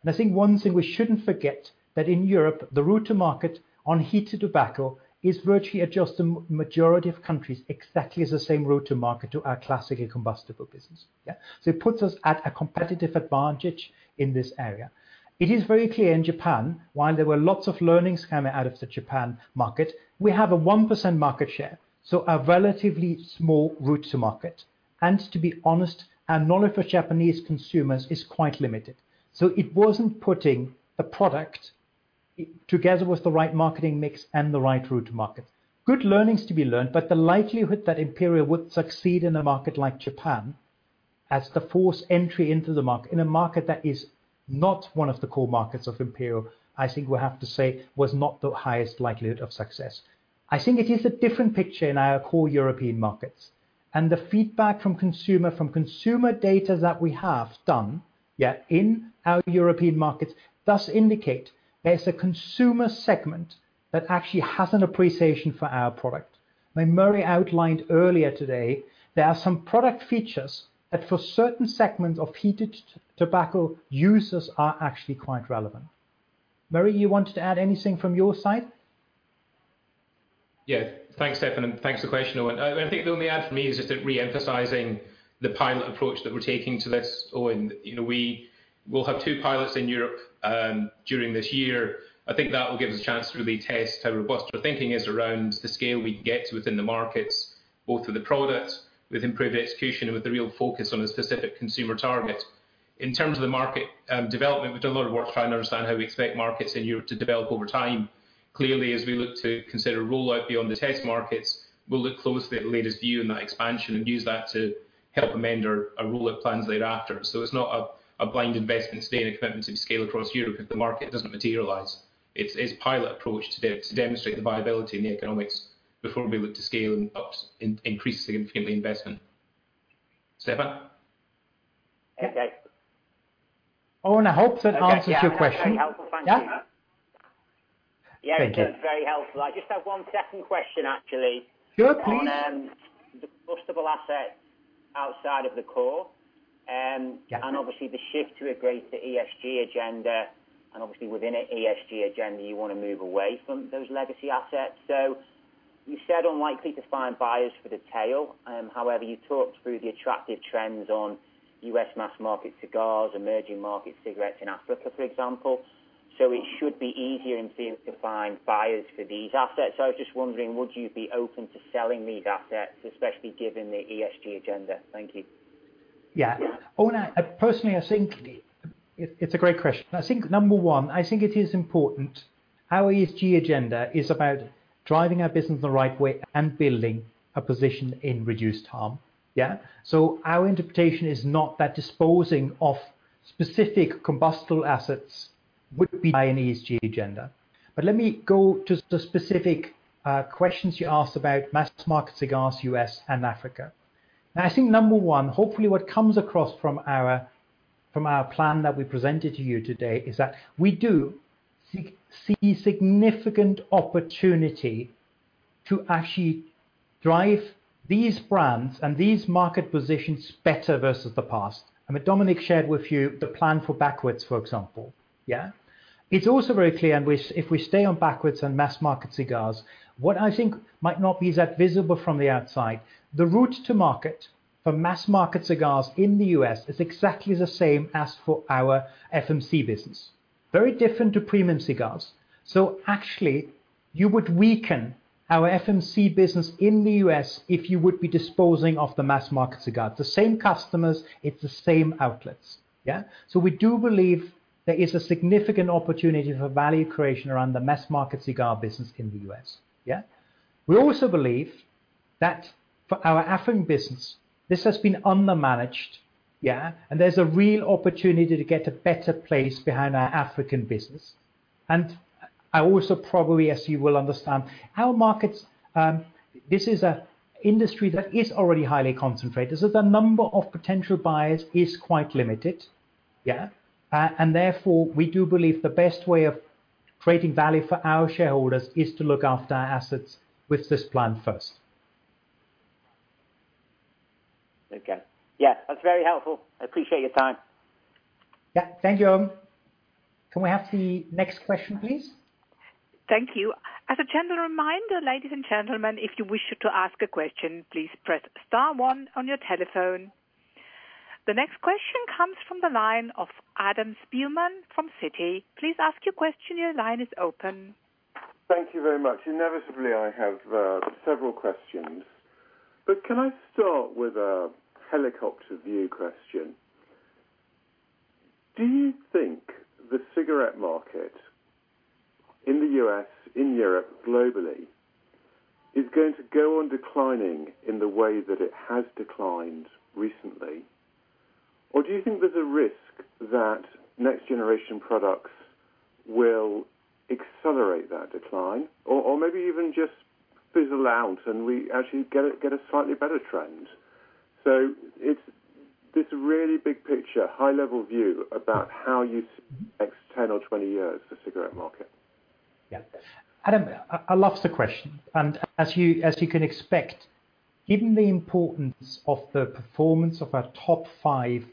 I think one thing we shouldn't forget, that in Europe, the route-to-market on heated tobacco is virtually just the majority of countries exactly as the same route-to-market to our classic combustible business. Yeah. It puts us at a competitive advantage in this area. It is very clear in Japan, while there were lots of learnings coming out of the Japan market, we have a 1% market share, so a relatively small route-to-market. To be honest, our knowledge of Japanese consumers is quite limited. It wasn't putting a product together with the right marketing mix and the right route-to-market. Good learnings to be learned, but the likelihood that Imperial would succeed in a market like Japan as the fourth entry into the market, in a market that is not one of the core markets of Imperial, I think we have to say, was not the highest likelihood of success. I think it is a different picture in our core European markets, and the feedback from consumer data that we have done, yeah, in our European markets, does indicate there's a consumer segment that actually has an appreciation for our product. When Murray outlined earlier today, there are some product features that for certain segments of heated tobacco users are actually quite relevant. Murray, you wanted to add anything from your side? Yeah. Thanks, Stefan, and thanks for the question, Owen. I think the only add from me is just reemphasizing the pilot approach that we're taking to this, Owen. We'll have two pilots in Europe during this year. I think that will give us a chance to really test how robust our thinking is around the scale we can get to within the markets, both with the product, with improved execution, and with the real focus on a specific consumer target. In terms of the market development, we've done a lot of work trying to understand how we expect markets in Europe to develop over time. Clearly, as we look to consider rollout beyond the test markets, we'll look closely at the latest view in that expansion and use that to help amend our rollout plans thereafter. It's not a blind investment today and a commitment to scale across Europe if the market doesn't materialize. It's pilot approach to demonstrate the viability and the economics before we look to scale and increase significantly investment. Stefan? Yeah. Okay. Owen, I hope that answers your question. Okay. Yeah. That's very helpful. Thank you. Yeah. Thank you. Yeah. That's very helpful. I just have one second question, actually. Sure. Please. On the combustible assets outside of the core, and obviously the shift to a greater ESG agenda, and obviously within an ESG agenda, you want to move away from those legacy assets. You said unlikely to find buyers for the tail. However, you talked through the attractive trends on U.S. mass-market cigars, emerging market cigarettes in Africa, for example. It should be easier in theory to find buyers for these assets. I was just wondering, would you be open to selling these assets, especially given the ESG agenda? Thank you. Yeah. Owen, personally, I think it's a great question. I think number one, I think it is important our ESG agenda is about driving our business the right way and building a position in reduced harm. Our interpretation is not that disposing of specific combustible assets would be by an ESG agenda. Let me go to the specific questions you asked about mass-market cigars, U.S. and Africa. I think number one, hopefully what comes across from our plan that we presented to you today is that we do see significant opportunity to actually drive these brands and these market positions better versus the past. I mean Dominic shared with you the plan for Backwoods, for example. Yeah. It's also very clear, and if we stay on Backwoods and mass-market cigars, what I think might not be that visible from the outside, the route-to-market for mass-market cigars in the U.S. is exactly the same as for our FMC business. Very different to premium cigars. Actually, you would weaken our FMC business in the U.S. if you would be disposing of the mass-market cigar. The same customers, it's the same outlets. Yeah. We do believe there is a significant opportunity for value creation around the mass-market cigar business in the U.S. Yeah. We also believe that for our African business, this has been undermanaged, and there's a real opportunity to get a better place behind our African business. I also probably, as you will understand, our markets, this is an industry that is already highly concentrated, so the number of potential buyers is quite limited. Therefore, we do believe the best way of creating value for our shareholders is to look after our assets with this plan first. Okay. Yeah, that's very helpful. I appreciate your time. Yeah. Thank you. Can we have the next question, please? Thank you. As a general reminder, ladies and gentlemen, if you wish you to ask a question, please press star one on your telephone. The next question comes from the line of Adam Spielman from Citi. Please ask your question, your line is open. Thank you very much. Inevitably, I have several questions. Can I start with a helicopter view question? Do you think the cigarette market in the U.S., in Europe, globally, is going to go on declining in the way that it has declined recently? Or do you think there's a risk that next-generation products will accelerate that decline or, maybe even just fizzle out, and we actually get a slightly better trend? It's this really big-picture, high-level view about how you see the next 10 or 20 years for the cigarette market. Adam, I love the question. As you can expect, given the importance of the performance of our top five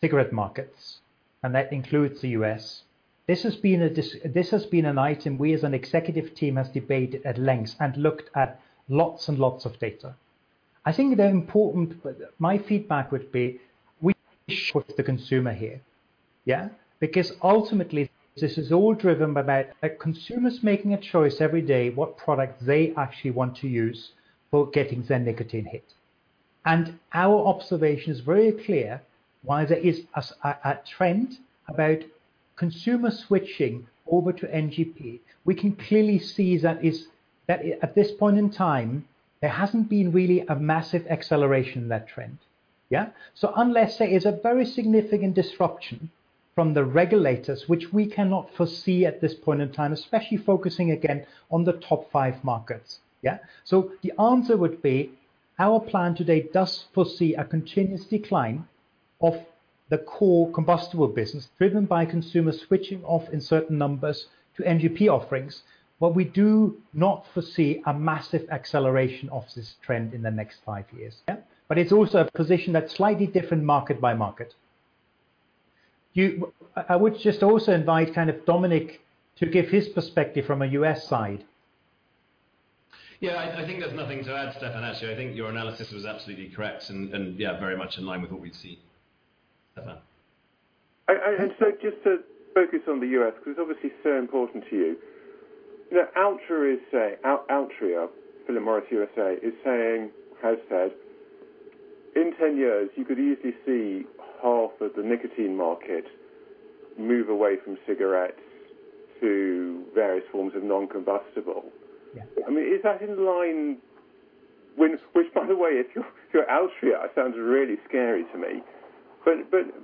cigarette markets, and that includes the U.S., this has been an item we as an executive team have debated at length and looked at lots and lots of data. I think the important My feedback would be we put the consumer here. Yeah? Ultimately, this is all driven by consumers making a choice every day what product they actually want to use for getting their nicotine hit. Our observation is very clear. While there is a trend about consumer switching over to NGP, we can clearly see that at this point in time, there hasn't been really a massive acceleration in that trend. Yeah? Unless there is a very significant disruption from the regulators, which we cannot foresee at this point in time, especially focusing again on the top five markets. The answer would be, our plan today does foresee a continuous decline of the core combustible business, driven by consumer switching off in certain numbers to NGP offerings. We do not foresee a massive acceleration of this trend in the next five years. It's also a position that's slightly different market by market. I would just also invite Dominic to give his perspective from a U.S. side. Yeah, I think there is nothing to add, Stefan, actually. I think your analysis was absolutely correct and yeah, very much in line with what we see, Stefan. Just to focus on the U.S., because obviously it's so important to you. Altria, Philip Morris USA, is saying, has said, in 10 years, you could easily see half of the nicotine market move away from cigarettes to various forms of non-combustible. Yeah. Is that in line, which, by the way, if you're Altria, sounds really scary to me.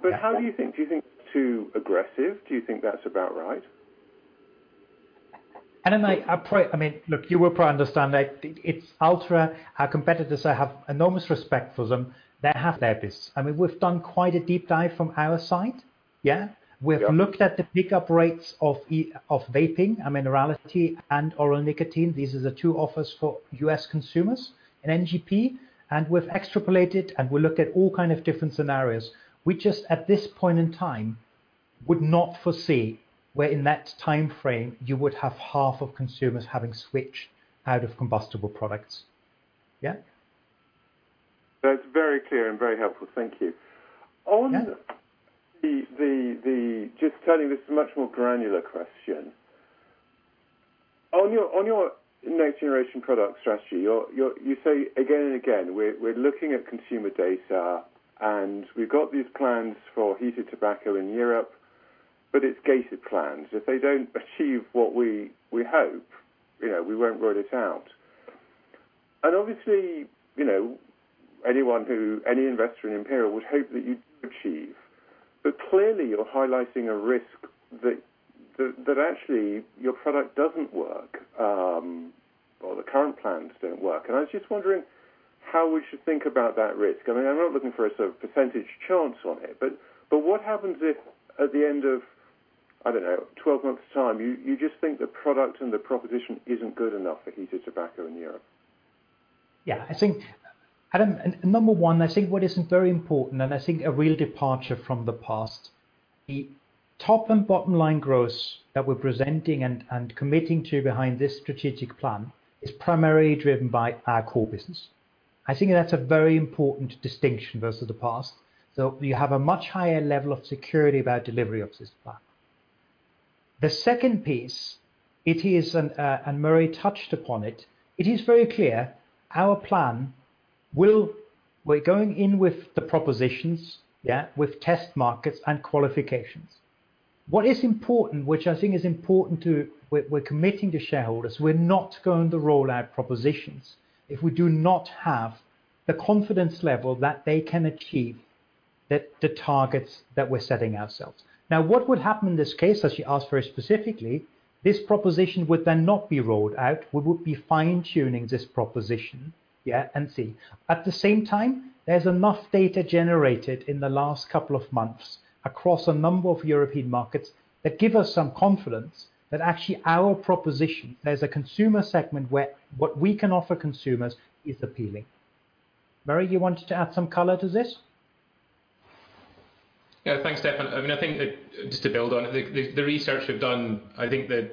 Yeah How do you think? Do you think too aggressive, do you think that's about right? Adam, look, you will probably understand that it's Altria, our competitors, I have enormous respect for them. They have their business. We've done quite a deep dive from our side. Yeah? Yeah. We've looked at the pickup rates of vaping, [mentholation], and oral nicotine. These are the two offers for U.S. consumers in NGP. We've extrapolated, and we looked at all kind of different scenarios. We just, at this point in time, would not foresee where in that time frame you would have half of consumers having switched out of combustible products. Yeah. That's very clear and very helpful. Thank you. Yeah. Just turning this to a much more granular question. On your next-generation product strategy, you say again and again, we're looking at consumer data, and we've got these plans for heated tobacco in Europe, but it's gated plans. If they don't achieve what we hope, we won't roll it out. Obviously, any investor in Imperial would hope that you'd achieve. Clearly, you're highlighting a risk that actually your product doesn't work, or the current plans don't work. I was just wondering how we should think about that risk. I'm not looking for a sort of percentage chance on it, but what happens if, at the end of, I don't know, 12 months' time, you just think the product and the proposition isn't good enough for heated tobacco in Europe? Adam, number one, I think what is very important and I think a real departure from the past, the top and bottom line growth that we're presenting and committing to behind this strategic plan is primarily driven by our core business. I think that's a very important distinction versus the past. We have a much higher level of security about delivery of this plan. The second piece, and Murray touched upon it is very clear our plan, we're going in with the propositions, with test markets and qualifications. What is important, which I think is important to, we're committing to shareholders, we're not going to roll out propositions if we do not have the confidence level that they can achieve the targets that we're setting ourselves. What would happen in this case, as you asked very specifically, this proposition would then not be rolled out. We would be fine-tuning this proposition and see. At the same time, there's enough data generated in the last couple of months across a number of European markets that give us some confidence that actually our proposition, there's a consumer segment where what we can offer consumers is appealing. Murray, you wanted to add some color to this? Thanks, Stefan. I think just to build on it, the research we've done, I think the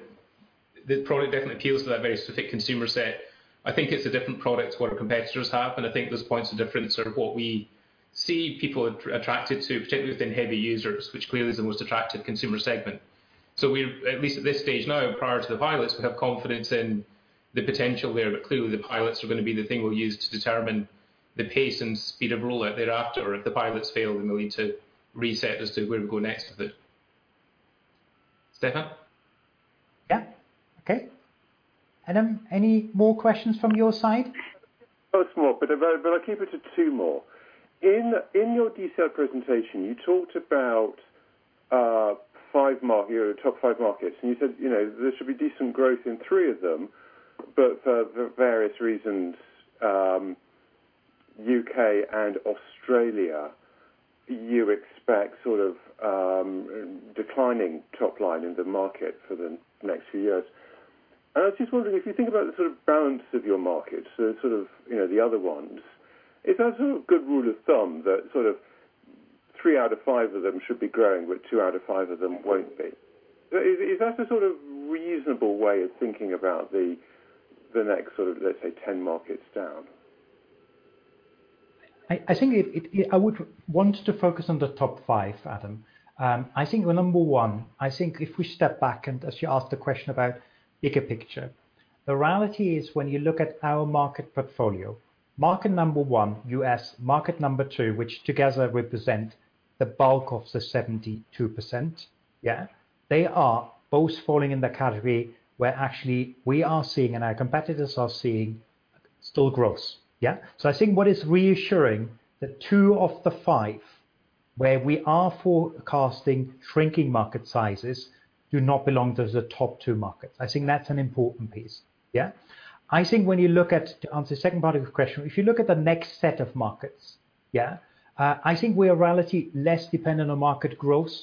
product definitely appeals to that very specific consumer set. I think it's a different product to what our competitors have, and I think there's points of difference of what we see people are attracted to, particularly within heavy users, which clearly is the most attractive consumer segment. We, at least at this stage now, prior to the pilots, we have confidence in the potential there, but clearly the pilots are going to be the thing we'll use to determine the pace and speed of rollout thereafter. If the pilots fail, we'll need to reset as to where we go next with it. Stefan? Yeah. Okay. Adam, any more questions from your side? A couple small, but I'll keep it to two more. In your detail presentation, you talked about top five markets, and you said there should be decent growth in three of them, but for various reasons, U.K. and Australia, you expect declining top line in the market for the next few years. I was just wondering if you think about the balance of your markets, so the other ones, is that a good rule of thumb, that three out of five of them should be growing, but two out of five of them won't be? Is that a reasonable way of thinking about the next, let's say, 10 markets down? I think I would want to focus on the top five, Adam. I think number one, if we step back and as you asked the question about bigger picture, the reality is when you look at our market portfolio, market number one, U.S., market number two, which together represent the bulk of the 72%, they are both falling in the category where actually we are seeing and our competitors are seeing still growth. I think what is reassuring that two of the five where we are forecasting shrinking market sizes do not belong to the top two markets. I think that's an important piece. I think when you look at, to answer the second part of your question, if you look at the next set of markets, I think we are reality less dependent on market growth.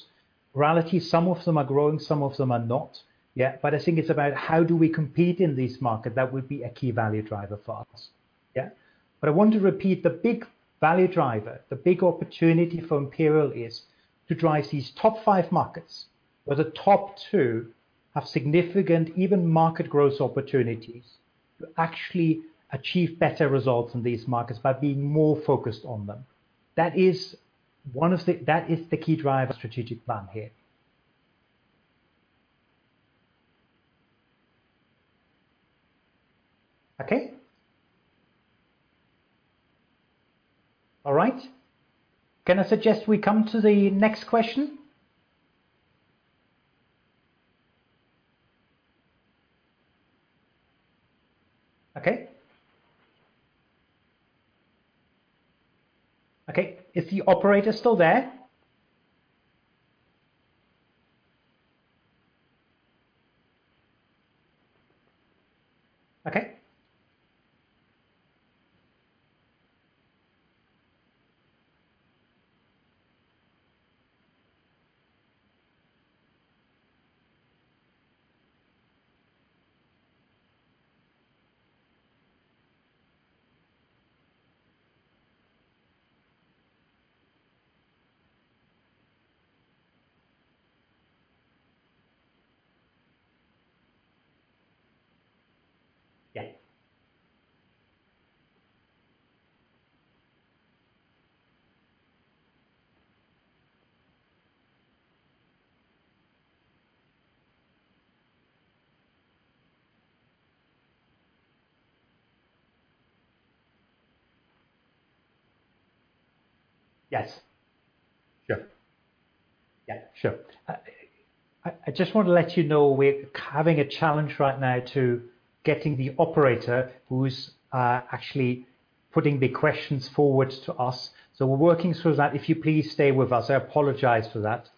Reality, some of them are growing, some of them are not. I think it's about how do we compete in this market that would be a key value driver for us. I want to repeat the big value driver, the big opportunity for Imperial is to drive these top five markets, where the top two have significant even market growth opportunities to actually achieve better results in these markets by being more focused on them. That is the key driver strategic plan here. Okay. All right. Can I suggest we come to the next question? Okay. Okay. Is the operator still there? Okay. Sure. Yeah. Sure. I just want to let you know we're having a challenge right now to getting the operator who's actually putting the questions forward to us. We're working through that. If you please stay with us. I apologize for that.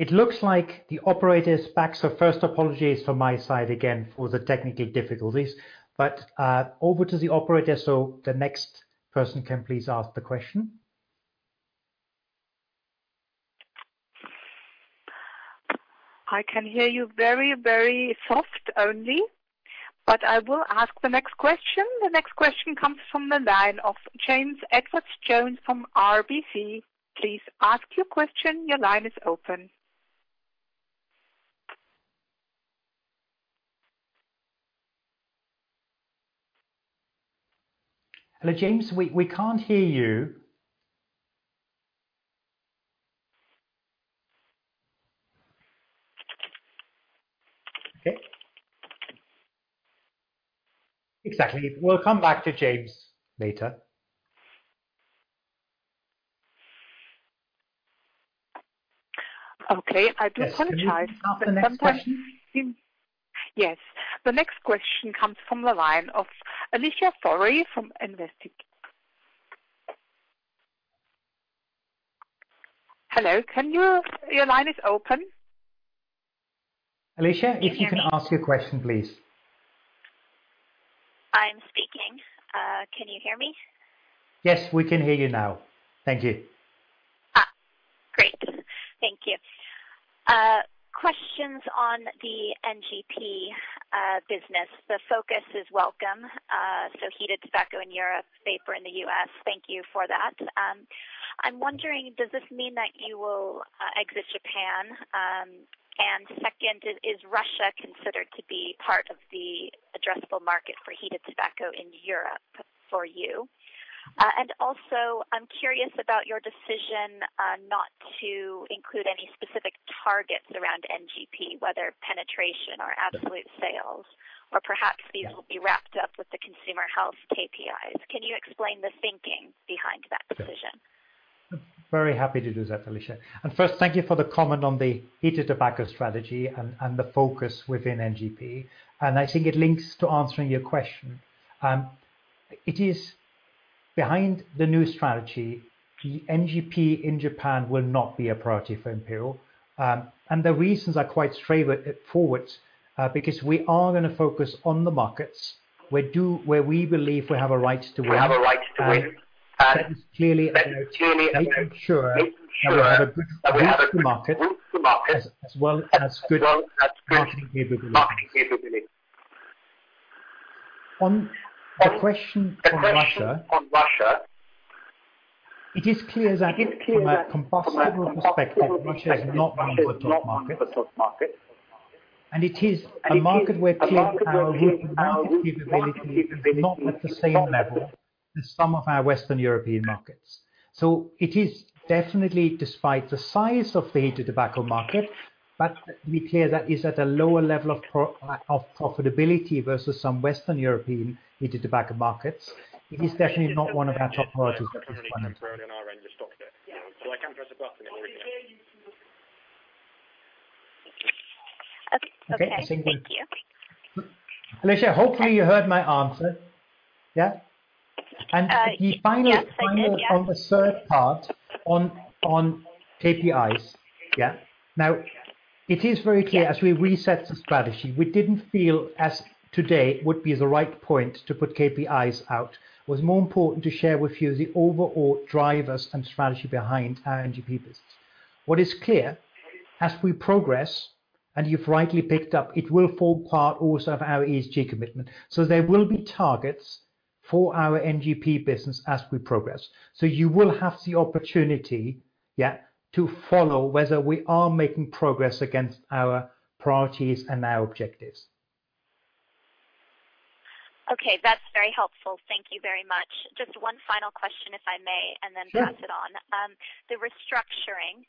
Okay. It looks like the operator is back. First, apologies from my side again for the technical difficulties, but over to the operator, the next person can please ask the question. I can hear you very, very soft only, but I will ask the next question. The next question comes from the line of James Edwardes Jones from RBC. Please ask your question. Your line is open. Hello, James. We can't hear you. Okay. Exactly. We'll come back to James later. Okay. I do apologize. Yes. Can you ask the next question? Yes. The next question comes from the line of Alicia Forry from Investec. Hello, your line is open. Alicia, if you can ask your question, please. I'm speaking. Can you hear me? Yes, we can hear you now. Thank you. Great. Thank you. Questions on the NGP business. The focus is welcome. Heated tobacco in Europe, vapor in the U.S., thank you for that. I'm wondering, does this mean that you will exit Japan? Second, is Russia considered to be part of the addressable market for heated tobacco in Europe for you? Also, I'm curious about your decision not to include any specific targets around NGP, whether penetration or absolute sales. Perhaps these will be wrapped up with the consumer health KPIs. Can you explain the thinking behind that decision? Very happy to do that, Alicia. First, thank you for the comment on the heated tobacco strategy and the focus within NGP. I think it links to answering your question. Behind the new strategy, the NGP in Japan will not be a priority for Imperial. The reasons are quite straightforward, because we are going to focus on the markets where we believe we have a Right to Win. That is clearly making sure that we have a good route-to-market as well as good marketing capability. On the question on Russia, it is clear that from a combustible perspective, Russia is not one of the top markets. It is a market where our route-to-market capability is not at the same level as some of our Western European markets. It is definitely despite the size of the heated tobacco market. To be clear, that is at a lower level of profitability versus some Western European heated tobacco markets. It is definitely not one of our top priorities at this point in time. I can press a button. Okay. Thank you. Alicia, hopefully you heard my answer. Yeah? Yes, I did. Yeah. The final on the third part on KPIs. Yeah. Now it is very clear as we reset the strategy, we didn't feel as today would be the right point to put KPIs out. It was more important to share with you the overall drivers and strategy behind our NGP business. What is clear, as we progress, and you've rightly picked up, it will form part also of our ESG commitment. There will be targets for our NGP business as we progress. You will have the opportunity, yeah, to follow whether we are making progress against our priorities and our objectives. Okay. That's very helpful. Thank you very much. Just one final question, if I may, and then pass it on. Sure. The restructuring,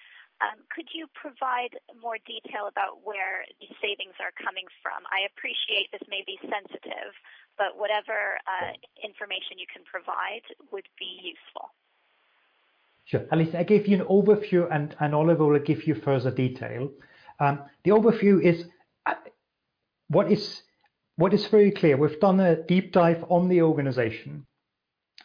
could you provide more detail about where the savings are coming from? I appreciate this may be sensitive, but whatever information you can provide would be useful. Sure. Alicia, I gave you an overview and Oliver will give you further detail. The overview is what is very clear, we've done a deep dive on the organization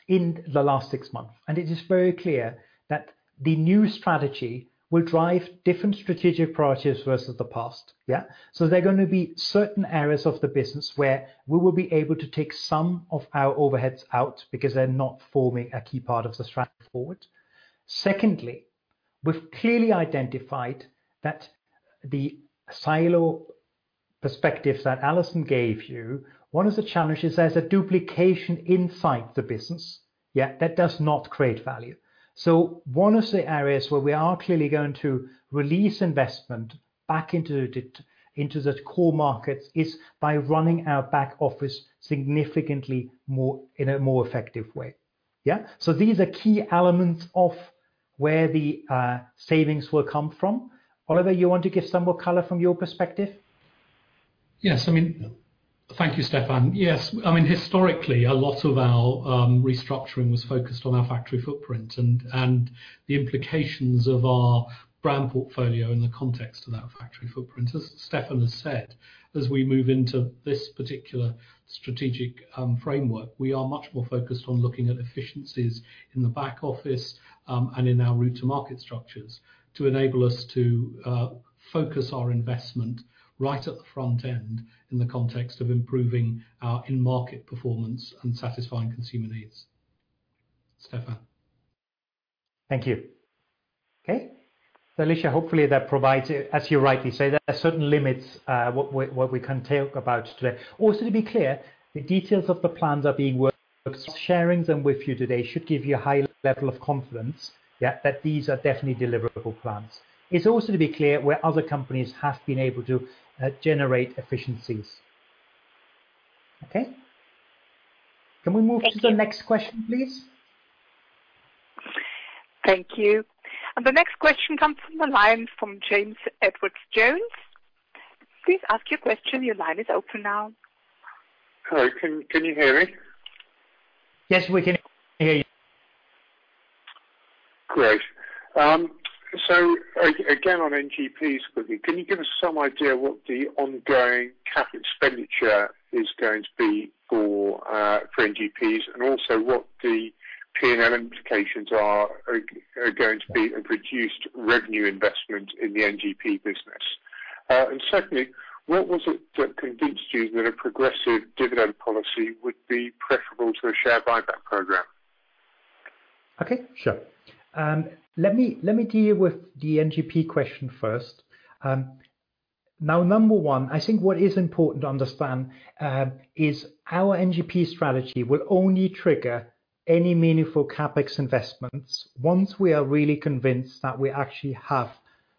in the last six months, and it is very clear that the new strategy will drive different strategic priorities versus the past. Yeah. There are going to be certain areas of the business where we will be able to take some of our overheads out because they're not forming a key part of the strategy forward. Secondly, we've clearly identified that the silo perspective that Alison gave you, one of the challenges, there's a duplication inside the business. Yeah. That does not create value. One of the areas where we are clearly going to release investment back into the core markets is by running our back office significantly in a more effective way. Yeah. These are key elements of where the savings will come from. Oliver, you want to give some more color from your perspective? Yes. Thank you, Stefan. Yes. Historically, a lot of our restructuring was focused on our factory footprint and the implications of our brand portfolio in the context of that factory footprint. As Stefan has said, as we move into this particular strategic framework, we are much more focused on looking at efficiencies in the back office, and in our route-to-market structures to enable us to focus our investment right at the front end in the context of improving our in-market performance and satisfying consumer needs. Stefan. Thank you. Okay. Alicia, hopefully that provides, as you rightly say, there are certain limits, what we can talk about today. To be clear, the details of the plans are being worked. Sharing them with you today should give you a high level of confidence, yeah, that these are definitely deliverable plans. It's also to be clear where other companies have been able to generate efficiencies. Okay. Can we move to the next question, please? Thank you. The next question comes from the line from James Edwardes Jones. Please ask your question. Hello. Can you hear me? Yes, we can hear you. Great. Again, on NGPs quickly, can you give us some idea what the ongoing CapEx is going to be for NGPs and also what the P&L implications are going to be and reduced revenue investment in the NGP business? Secondly, what was it that convinced you that a progressive dividend policy would be preferable to a share buyback program? Okay, sure. Let me deal with the NGP question first. number one, I think what is important to understand is our NGP strategy will only trigger any meaningful CapEx investments once we are really convinced that we actually have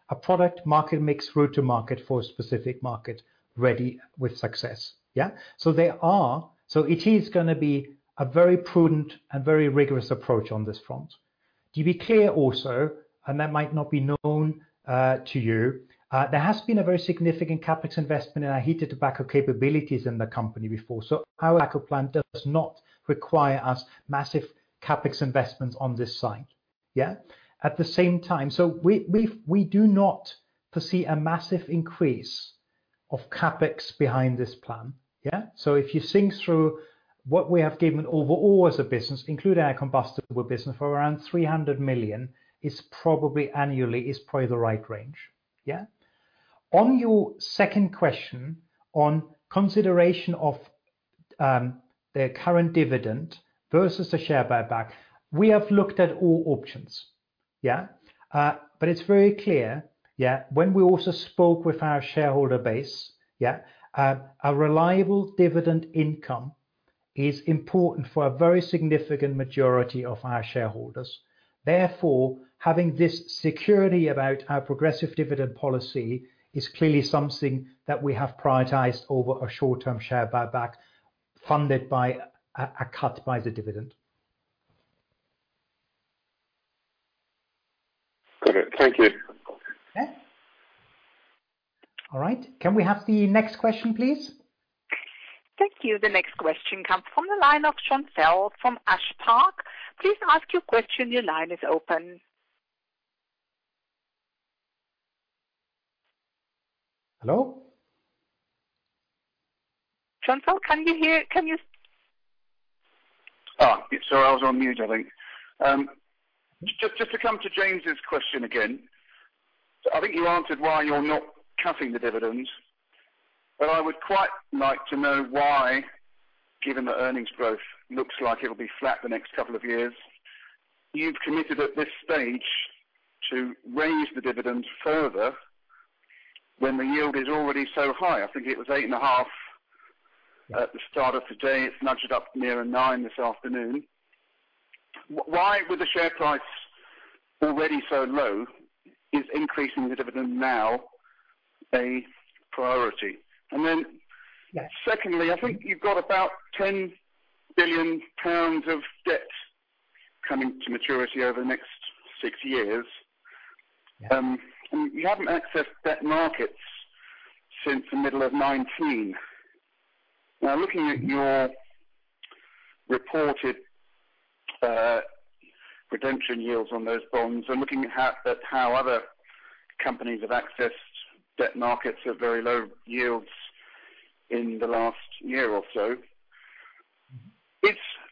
a product market mix route-to-market for a specific market ready with success. Yeah. It is gonna be a very prudent and very rigorous approach on this front. To be clear also, and that might not be known to you, there has been a very significant CapEx investment in our heated tobacco capabilities in the company before. Our tobacco plan does not require us massive CapEx investments on this side. Yeah. At the same time, we do not foresee a massive increase of CapEx behind this plan. Yeah. If you think through what we have given overall as a business, including our combustible business for around 300 million, is probably annually, is probably the right range. On your second question on consideration of the current dividend versus the share buyback, we have looked at all options. It's very clear, when we also spoke with our shareholder base, a reliable dividend income is important for a very significant majority of our shareholders. Having this security about our progressive dividend policy is clearly something that we have prioritized over a short-term share buyback funded by a cut by the dividend. Got it. Thank you. Okay. All right. Can we have the next question, please? Thank you. The next question comes from the line of Jon Fell from Ash Park. Hello? Jon Fell, can you hear? Sorry, I was on mute, I think. Just to come to James's question again, I think you answered why you're not cutting the dividends. I would quite like to know why, given that earnings growth looks like it'll be flat the next couple of years, you've committed at this stage to raise the dividends further when the yield is already so high. I think it was 8.5% at the start of today. It's nudged up nearer 9% this afternoon. Why with the share price already so low is increasing the dividend now a priority? Yes Secondly, I think you've got about 10 billion pounds of debt coming to maturity over the next six years. Yeah. You haven't accessed debt markets since the middle of 2019. Now looking at your reported redemption yields on those bonds and looking at how other companies have accessed debt markets at very low yields in the last year or so,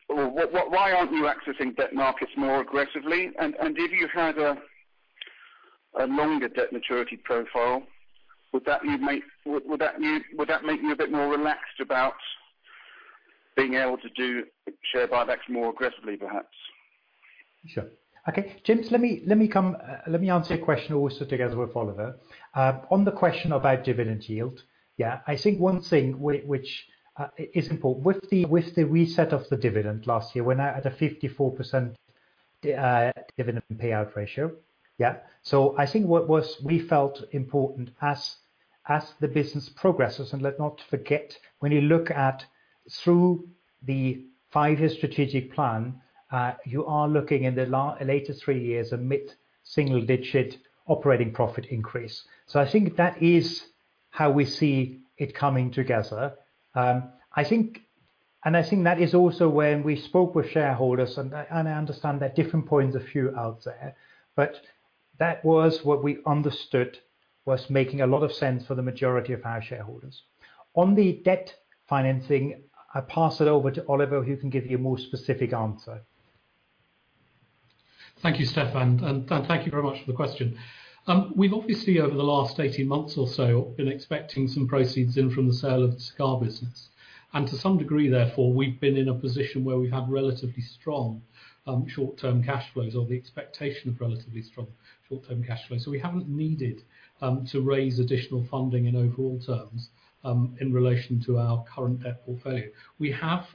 why aren't you accessing debt markets more aggressively? If you had a longer debt maturity profile, would that make you a bit more relaxed about being able to do share buybacks more aggressively, perhaps? Sure. Okay, James, let me answer your question also together with Oliver. On the question about dividend yield, I think one thing which is important, with the reset of the dividend last year, we're now at a 54% dividend payout ratio. I think what we felt important as the business progresses, and let's not forget, when you look at through the five-year strategic plan, you are looking in the later three years a mid-single-digit operating profit increase. I think that is how we see it coming together. I think that is also when we spoke with shareholders, and I understand there are different points of view out there, but that was what we understood was making a lot of sense for the majority of our shareholders. On the debt financing, I pass it over to Oliver, who can give you a more specific answer. Thank you, Stefan, and thank you very much for the question. We've obviously, over the last 18 months or so, been expecting some proceeds in from the sale of the cigar business. To some degree, therefore, we've been in a position where we have relatively strong short-term cash flows or the expectation of relatively strong short-term cash flows. We haven't needed to raise additional funding in overall terms, in relation to our current debt portfolio. We have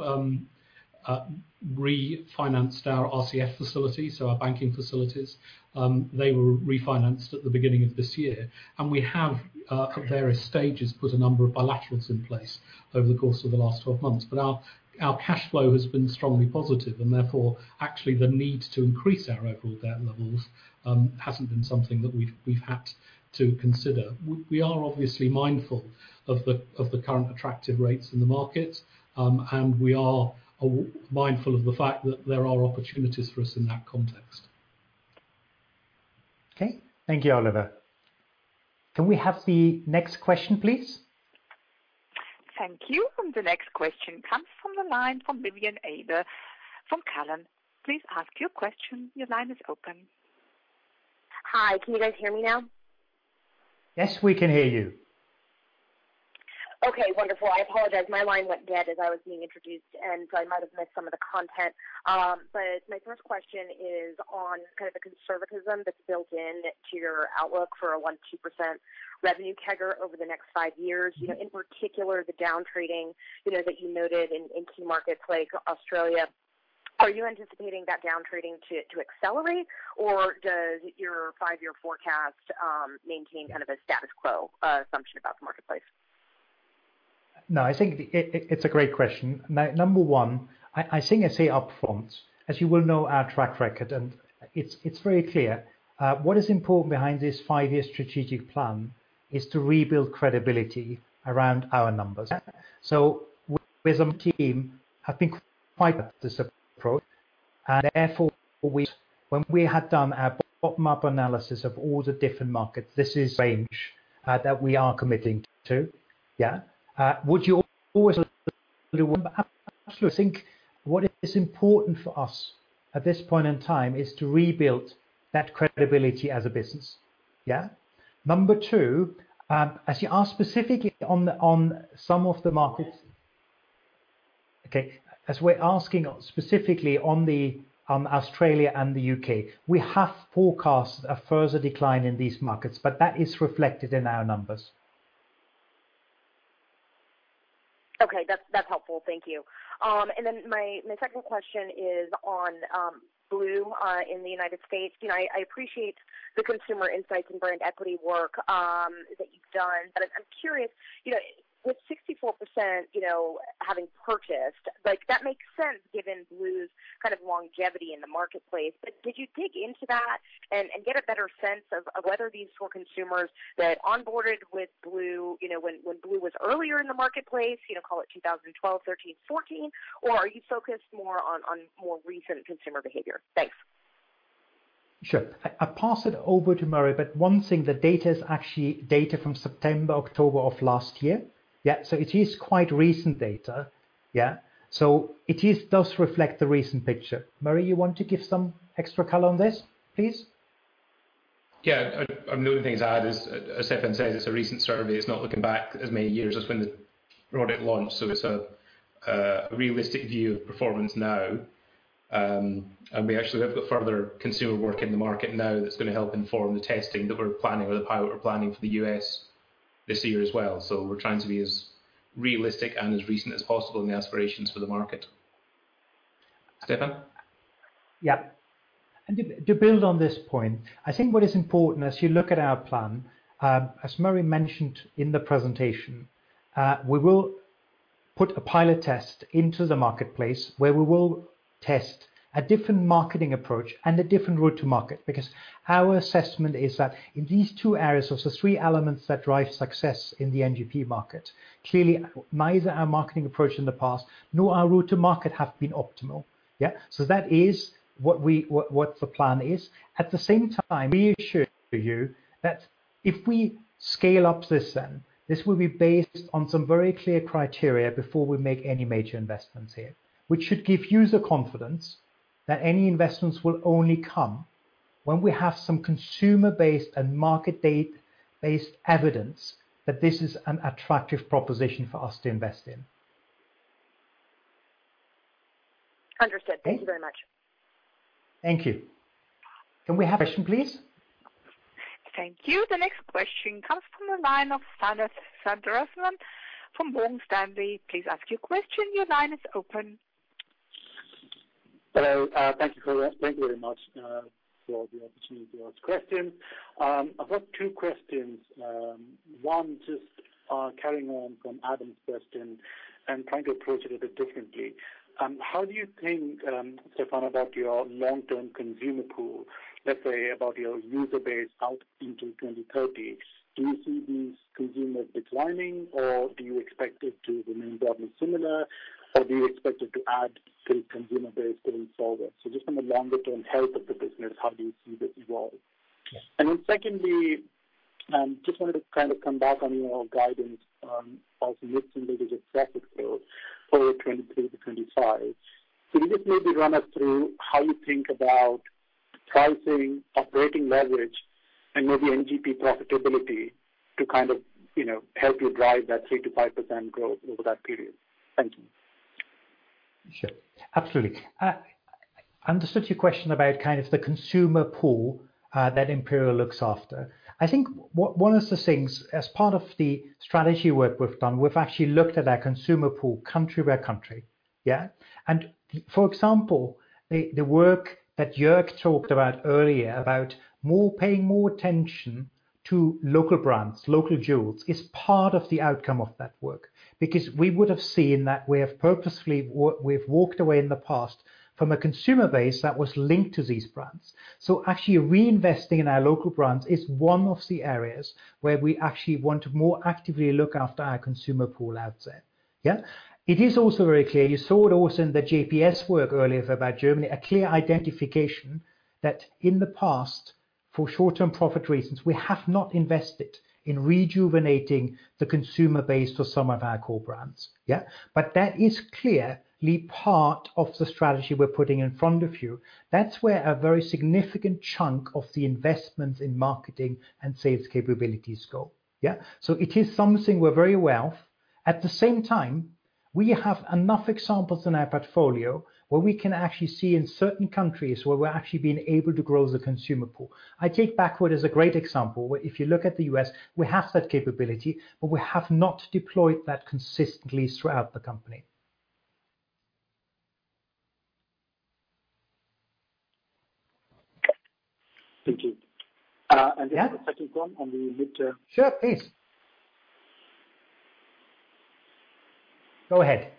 refinanced our RCF facilities, so our banking facilities. They were refinanced at the beginning of this year, and we have at various stages put a number of bilaterals in place over the course of the last 12 months. Our cash flow has been strongly positive and therefore, actually the need to increase our overall debt levels hasn't been something that we've had to consider. We are obviously mindful of the current attractive rates in the market. We are mindful of the fact that there are opportunities for us in that context. Okay. Thank you, Oliver. Can we have the next question, please? Thank you. The next question comes from the line from Vivien Azer from Cowen. Please ask your question. Your line is open. Hi, can you guys hear me now? Yes, we can hear you. Okay, wonderful. I apologize. My line went dead as I was being introduced, and so I might have missed some of the content. My first question is on kind of the conservatism that's built into your outlook for a 1%-2% revenue CAGR over the next five years. In particular, the down-trading that you noted in key markets like Australia. Are you anticipating that down-trading to accelerate, or does your five-year forecast maintain kind of a status quo assumption about the marketplace? No, I think it's a great question. Number one, I think I say up front, as you well know our track record, it's very clear. What is important behind this five-year strategic plan is to rebuild credibility around our numbers. With our team, I think quite this approach, therefore when we had done our bottom-up analysis of all the different markets, this is range that we are committing to. Yeah. Would you always think what is important for us at this point in time is to rebuild that credibility as a business. Yeah. Number two, as you ask specifically on some of the markets, okay, as we're asking specifically on the Australia and the U.K., we have forecasted a further decline in these markets, that is reflected in our numbers. Okay. That's helpful. Thank you. My second question is on blu in the U.S. I appreciate the consumer insights and brand equity work that you've done. I'm curious, with 64% having purchased, that makes sense given blu's kind of longevity in the marketplace. Did you dig into that and get a better sense of whether these were consumers that onboarded with blu when blu was earlier in the marketplace, call it 2012, 2013, 2014? Are you focused more on more recent consumer behavior? Thanks. Sure. I'll pass it over to Murray, but one thing, the data is actually data from September, October of last year. Yeah, it is quite recent data. Yeah. It does reflect the recent picture. Murray, you want to give some extra color on this, please? Yeah. The only thing is I'd, as Stefan says, it's a recent survey. It's not looking back as many years as when the audit launched, so it's a realistic view of performance now. We actually have got further consumer work in the market now that's going to help inform the testing that we're planning or the pilot we're planning for the U.S. this year as well. We're trying to be as realistic and as recent as possible in the aspirations for the market. Stefan? And to build on this point, I think what is important as you look at our plan, as Murray mentioned in the presentation, we will put a pilot test into the marketplace where we will test a different marketing approach and a different route-to-market. Because our assessment is that in these two areas, of the three elements that drive success in the NGP market, clearly neither our marketing approach in the past, nor our route-to-market have been optimal. That is what the plan is. At the same time, we assure you that if we scale up this then, this will be based on some very clear criteria before we make any major investments here. Which should give you the confidence that any investments will only come when we have some consumer-based and market-based evidence that this is an attractive proposition for us to invest in. Understood. Okay. Thank you very much. Thank you. Can we have next question, please? Thank you. The next question comes from the line of Sanath Sudarsan from Morgan Stanley. Please ask your question. Your line is open. Hello, thank you very much for the opportunity to ask questions. I've got two questions. One just carrying on from Adam's question and trying to approach it a bit differently. How do you think, Stefan, about your long-term consumer pool, let's say about your user base out into 2030? Do you see these consumers declining, or do you expect it to remain broadly similar, or do you expect it to add to the consumer base going forward? Just from a longer-term health of the business, how do you see this evolving? Secondly, just wanted to kind of come back on your guidance on also mid-single digit profit growth for 2023 to 2025. Can you just maybe run us through how you think about pricing, operating leverage, and maybe NGP profitability to kind of help you drive that 3%-5% growth over that period? Thank you. Sure. Absolutely. I understood your question about the consumer pool that Imperial looks after. I think one of the things, as part of the strategy work we've done, we've actually looked at our consumer pool country by country. Yeah. For example, the work that Jörg talked about earlier, about paying more attention to local brands, local jewels, is part of the outcome of that work because we would have seen that we have purposefully walked away in the past from a consumer base that was linked to these brands. Actually reinvesting in our local brands is one of the areas where we actually want to more actively look after our consumer pool outset. Yeah. It is also very clear, you saw it also in the JPS work earlier about Germany, a clear identification that in the past, for short-term profit reasons, we have not invested in rejuvenating the consumer base for some of our core brands. Yeah. That is clearly part of the strategy we're putting in front of you. That's where a very significant chunk of the investments in marketing and sales capabilities go. Yeah. It is something we're very aware of. At the same time, we have enough examples in our portfolio where we can actually see in certain countries where we're actually being able to grow the consumer pool. I take Backwoods as a great example. If you look at the U.S., we have that capability, but we have not deployed that consistently throughout the company. Thank you. Yeah. This is the second one. Sure, please. Go ahead.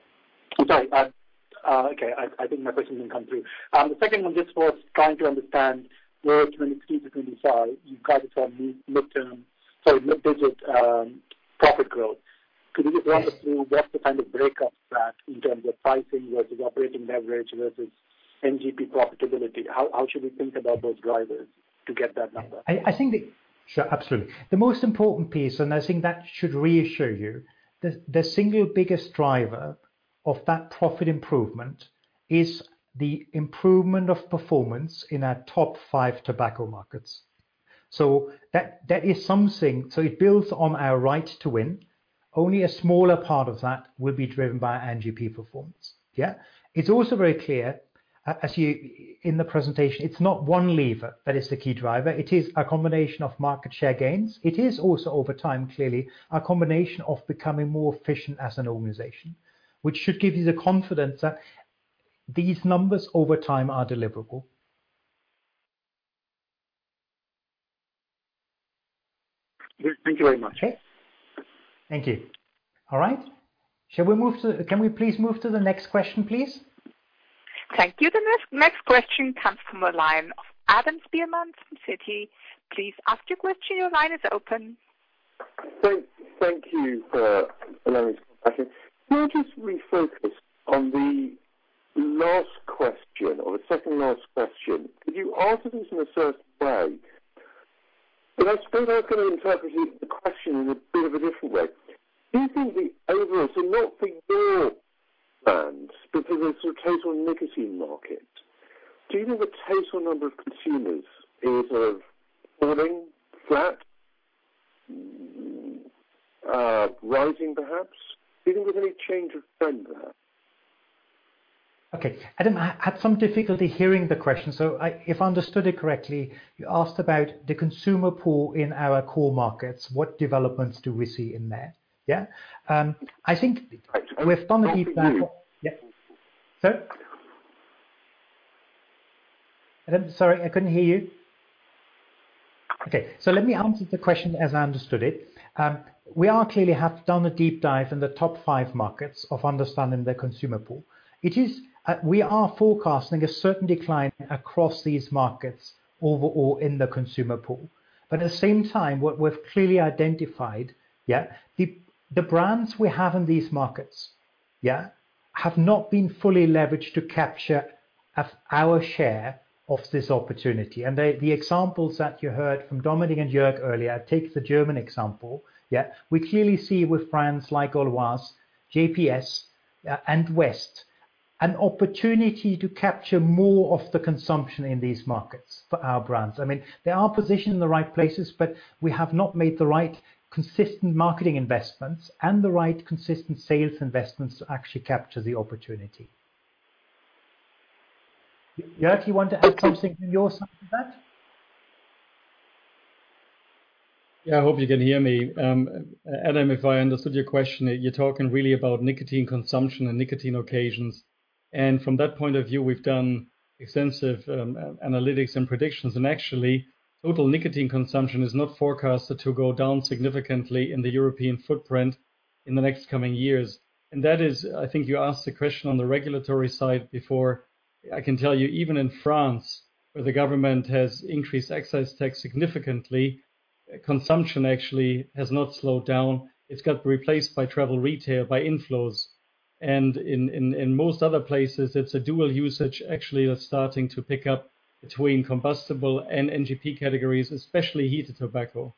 I'm sorry. Okay. I think my question didn't come through. The second one just was trying to understand where between 2023, 2025, you guided for mid-digit profit growth. Could you just run us through what the kind of breakup is that in terms of pricing versus operating leverage versus NGP profitability? How should we think about those drivers to get that number? Sure. Absolutely. The most important piece, and I think that should reassure you, the single biggest driver of that profit improvement is the improvement of performance in our top five tobacco markets. That is something. It builds on our Right to Win. Only a smaller part of that will be driven by NGP performance. Yeah. It's also very clear, as in the presentation, it's not one lever that is the key driver. It is a combination of market share gains. It is also over time, clearly, a combination of becoming more efficient as an organization, which should give you the confidence that these numbers over time are deliverable. Thank you very much. Okay. Thank you. All right. Can we please move to the next question, please? Thank you. The next question comes from the line of Adam Spielman from Citi. Please ask your question. Your line is open. Thank you for allowing me back in. Can I just refocus on the last question or the second last question? Because you answered this in a certain way, but I suppose I was going to interpret the question in a bit of a different way. Not for your brands, because it's a total nicotine market. Do you think the total number of consumers is falling, flat, rising perhaps? Do you think there's any change of trend there? Okay. Adam, I had some difficulty hearing the question, so if I understood it correctly, you asked about the consumer pool in our core markets. What developments do we see in there? Yeah. I think we've done a deep dive- I can repeat it. Yeah. Sorry? Adam, sorry, I couldn't hear you. Let me answer the question as I understood it. We are clearly have done a deep dive in the top five markets of understanding the consumer pool. We are forecasting a certain decline across these markets overall in the consumer pool. At the same time, what we've clearly identified, the brands we have in these markets have not been fully leveraged to capture our share of this opportunity. The examples that you heard from Dominic and Jörg earlier, take the German example. We clearly see with brands like Winston, JPS, and West, an opportunity to capture more of the consumption in these markets for our brands. They are positioned in the right places, we have not made the right consistent marketing investments and the right consistent sales investments to actually capture the opportunity. Jörg, you want to add something from your side to that? Yeah, I hope you can hear me. Adam, if I understood your question, you're talking really about nicotine consumption and nicotine occasions. From that point of view, we've done extensive analytics and predictions, and actually, total nicotine consumption is not forecasted to go down significantly in the European footprint in the next coming years. That is, I think you asked the question on the regulatory side before. I can tell you, even in France, where the government has increased excise tax significantly, consumption actually has not slowed down. It's got replaced by travel retail, by inflows. In most other places, it's a dual usage, actually, that's starting to pick up between combustible and NGP categories, especially heated tobacco.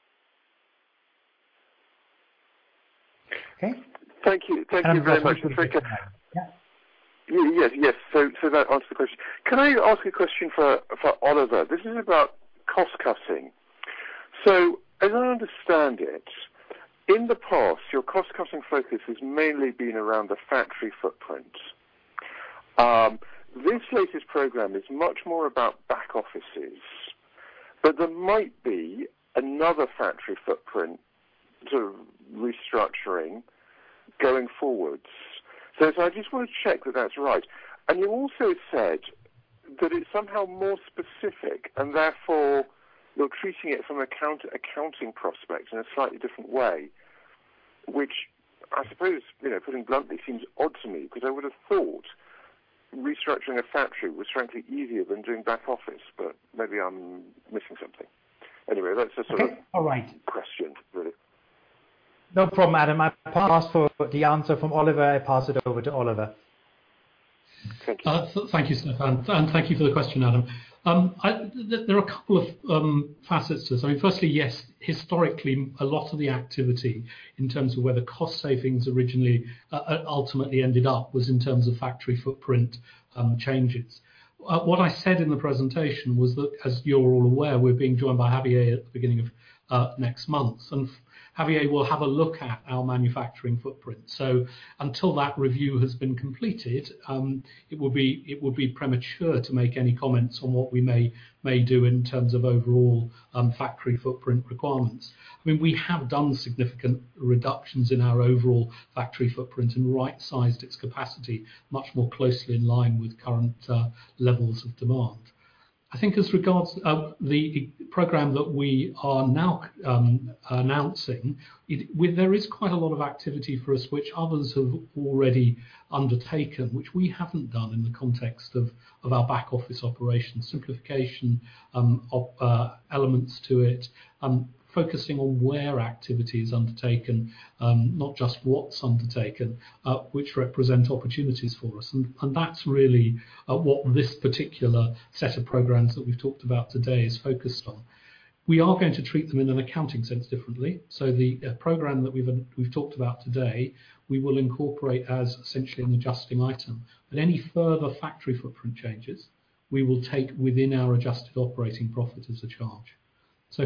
Okay. Thank you. Thank you very much, appreciate that. Yeah. Yes. That answers the question. Can I ask a question for Oliver? This is about cost-cutting. As I understand it, in the past, your cost-cutting focus has mainly been around the factory footprint. This latest program is much more about back offices, but there might be another factory footprint sort of restructuring going forwards. I just want to check that that's right. You also said that it's somehow more specific and therefore you're treating it from an accounting prospect in a slightly different way, which I suppose, putting bluntly, seems odd to me, because I would have thought restructuring a factory was frankly easier than doing back office, but maybe I'm missing something. All right. question, really. No problem, Adam. I asked for the answer from Oliver. I pass it over to Oliver. Thank you. Thank you, Stefan, and thank you for the question, Adam. There are a couple of facets to this. Yes, historically, a lot of the activity in terms of where the cost savings originally, ultimately ended up was in terms of factory footprint changes. What I said in the presentation was that, as you are all aware, we are being joined by Javier at the beginning of next month, and Javier will have a look at our manufacturing footprint. Until that review has been completed, it would be premature to make any comments on what we may do in terms of overall factory footprint requirements. We have done significant reductions in our overall factory footprint and right-sized its capacity much more closely in line with current levels of demand. I think as regards the program that we are now announcing, there is quite a lot of activity for us which others have already undertaken, which we haven't done in the context of our back office operations, simplification of elements to it, focusing on where activity is undertaken, not just what's undertaken, which represent opportunities for us. That's really what this particular set of programs that we've talked about today is focused on. We are going to treat them in an accounting sense differently. The program that we've talked about today, we will incorporate as essentially an adjusting item. Any further factory footprint changes, we will take within our adjusted operating profit as a charge.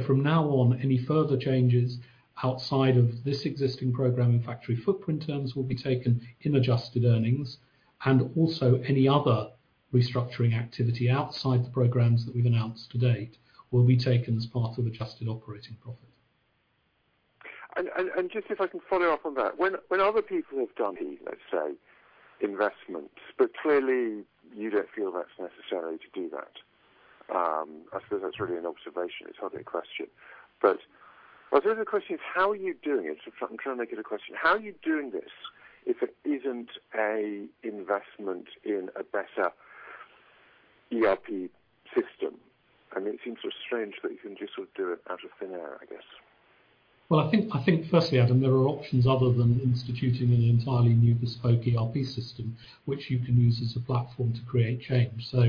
From now on, any further changes outside of this existing program in factory footprint terms will be taken in adjusted earnings, and also any other restructuring activity outside the programs that we've announced to date will be taken as part of adjusted operating profit. Just if I can follow up on that. When other people have done, let's say, investments, but clearly you don't feel that's necessary to do that. I suppose that's really an observation. It's hardly a question. The other question is how are you doing it? I'm trying to make it a question. How are you doing this if it isn't a investment in a better- ERP system. It seems strange that you can just do it out of thin air, I guess. I think firstly, Adam Spielman, there are options other than instituting an entirely new bespoke ERP system, which you can use as a platform to create change. There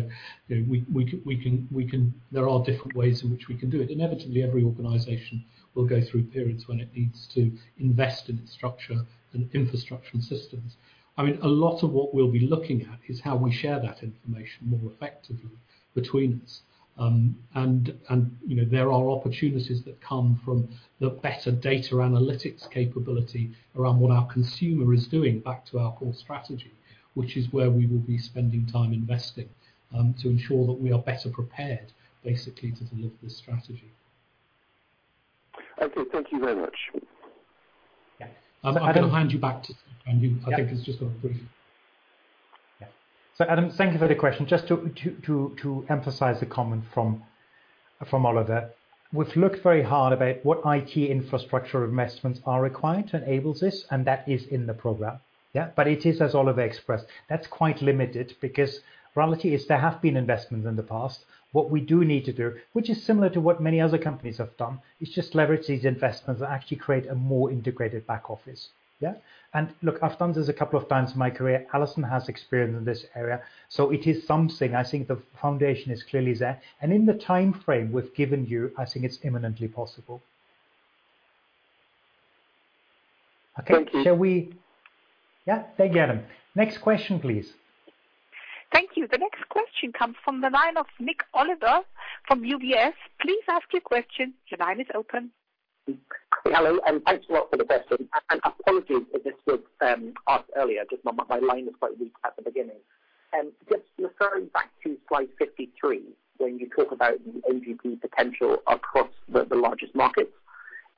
are different ways in which we can do it. Inevitably, every organization will go through periods when it needs to invest in its structure and infrastructure and systems. A lot of what we'll be looking at is how we share that information more effectively between us. There are opportunities that come from the better data analytics capability around what our consumer is doing back to our core strategy, which is where we will be spending time investing to ensure that we are better prepared, basically, to deliver this strategy. Okay, thank you very much. Yes. I'm going to hand you back to Stefan. I think he's just got a brief. Adam, thank you for the question. Just to emphasize the comment from Oliver. We've looked very hard about what IT infrastructure investments are required to enable this, and that is in the program. It is, as Oliver expressed, that's quite limited because the reality is there have been investments in the past. What we do need to do, which is similar to what many other companies have done, is just leverage these investments that actually create a more integrated back office. Look, I've done this a couple of times in my career. Alison has experience in this area, so it is something. I think the foundation is clearly there. In the timeframe we've given you, I think it's imminently possible. Thank you. Okay. Thank you, Adam. Next question, please. Thank you. The next question comes from the line of Nik Oliver from UBS. Please ask your question. Your line is open. Hello, thanks a lot for the presentation. Apologies if this was asked earlier, just my line was quite weak at the beginning. Referring back to slide 53, when you talk about the NGP potential across the largest markets.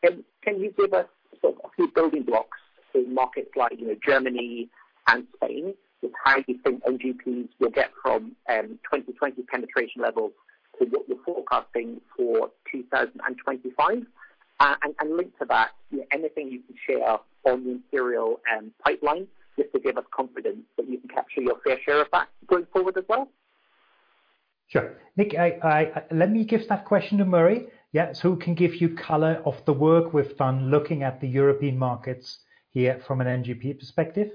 Can you give us a few building blocks for markets like Germany and Spain with how you think NGPs will get from 2020 penetration levels to what you're forecasting for 2025? Linked to that, anything you can share on the Imperial pipeline, just to give us confidence that you can capture your fair share of that going forward as well? Sure. Nik, let me give that question to Murray. Yeah. Who can give you color of the work we've done looking at the European markets here from an NGP perspective.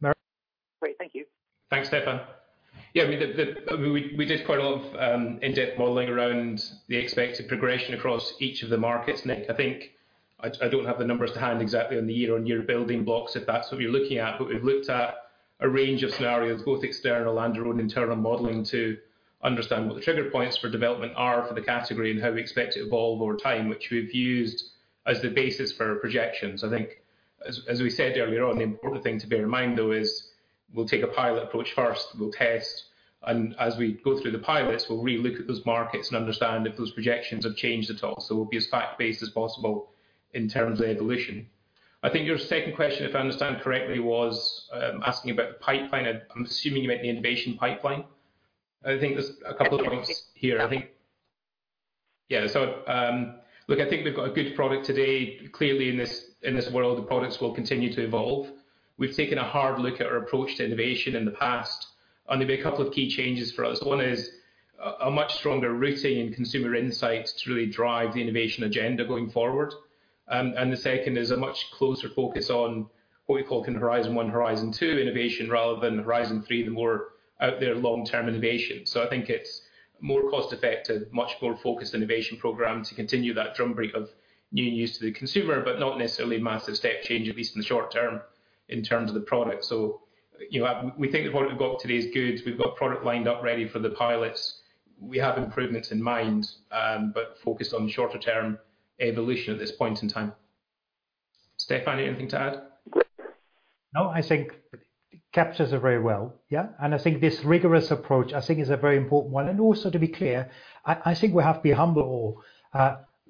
Murray? Great. Thank you. Thanks, Stefan. Yeah, we did quite a lot of in-depth modeling around the expected progression across each of the markets, Nik. I think I don't have the numbers to hand exactly on the year-on-year building blocks, if that's what you're looking at. We've looked at a range of scenarios, both external and our own internal modeling, to understand what the trigger points for development are for the category and how we expect it to evolve over time, which we've used as the basis for our projections. I think, as we said earlier on, the important thing to bear in mind, though, is we'll take a pilot approach first. We'll test, as we go through the pilots, we'll re-look at those markets and understand if those projections have changed at all. We'll be as fact-based as possible in terms of evolution. I think your second question, if I understand correctly, was asking about the pipeline. I'm assuming you meant the innovation pipeline. I think there's a couple of points here. Yes. Yeah. Look, I think we've got a good product today. Clearly, in this world, the products will continue to evolve. We've taken a hard look at our approach to innovation in the past, and there'll be a couple of key changes for us. One is a much stronger rooting in consumer insights to really drive the innovation agenda going forward. The second is a much closer focus on what we call Horizon 1, Horizon 2 innovation rather than Horizon 3, the more out there long-term innovation. I think it's more cost-effective, much more focused innovation program to continue that drumbeat of new use to the consumer, but not necessarily a massive step-change, at least in the short term, in terms of the product. We think that what we've got today is good. We've got product lined up ready for the pilots. We have improvements in mind, but focused on shorter-term evolution at this point in time. Stefan, anything to add? No, I think it captures it very well. Yeah. I think this rigorous approach, I think, is a very important one. Also, to be clear, I think we have to be humble.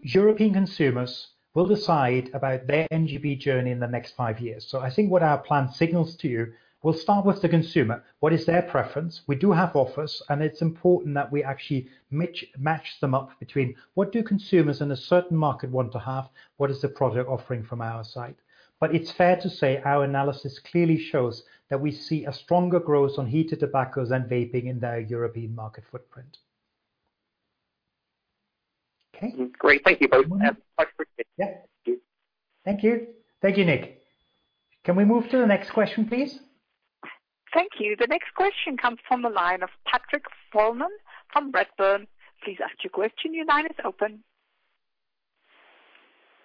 European consumers will decide about their NGP journey in the next five years. I think what our plan signals to you, we'll start with the consumer. What is their preference? We do have offers, and it's important that we actually match them up between what do consumers in a certain market want to have, what is the product offering from our side. It's fair to say our analysis clearly shows that we see a stronger growth on heated tobaccos and vaping in their European market footprint. Okay, great. Thank you both. Much appreciated. Yeah. Thank you, Nik. Can we move to the next question, please? Thank you. The next question comes from the line of Patrick Follmann from Redburn. Please ask your question. Your line is open.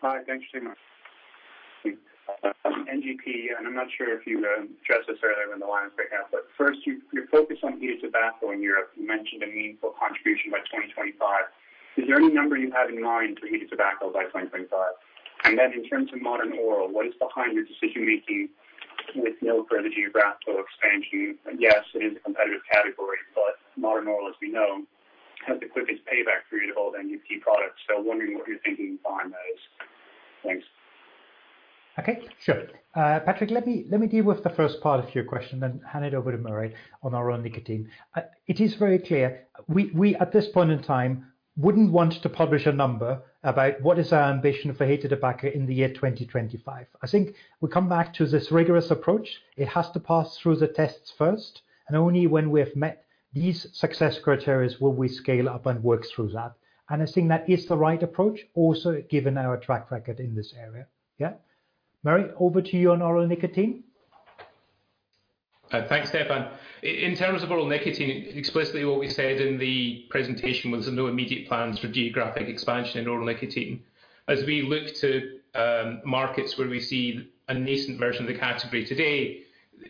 Hi. Thank you so much. NGP, I'm not sure if you addressed this earlier in the line breakout, but first, your focus on heated tobacco in Europe, you mentioned a meaningful contribution by 2025. Is there any number you have in mind for heated tobacco by 2025? In terms of modern oral, what is behind your decision-making with no pro forma graph or expansion? Yes, it is a competitive category, modern oral, as we know, has the quickest payback period of all NGP products. Wondering what you're thinking behind those. Thanks. Okay, sure. Patrick, let me deal with the first part of your question, then hand it over to Murray on oral nicotine. It is very clear, we at this point in time wouldn't want to publish a number about what is our ambition for heated tobacco in the year 2025. I think we come back to this rigorous approach. It has to pass through the tests first, and only when we have met these success criteria will we scale up and work through that. I think that is the right approach also, given our track record in this area. Yeah. Murray, over to you on oral nicotine. Thanks, Stefan. In terms of oral nicotine, explicitly what we said in the presentation was there no immediate plans for geographic expansion in oral nicotine. As we look to markets where we see a nascent version of the category today,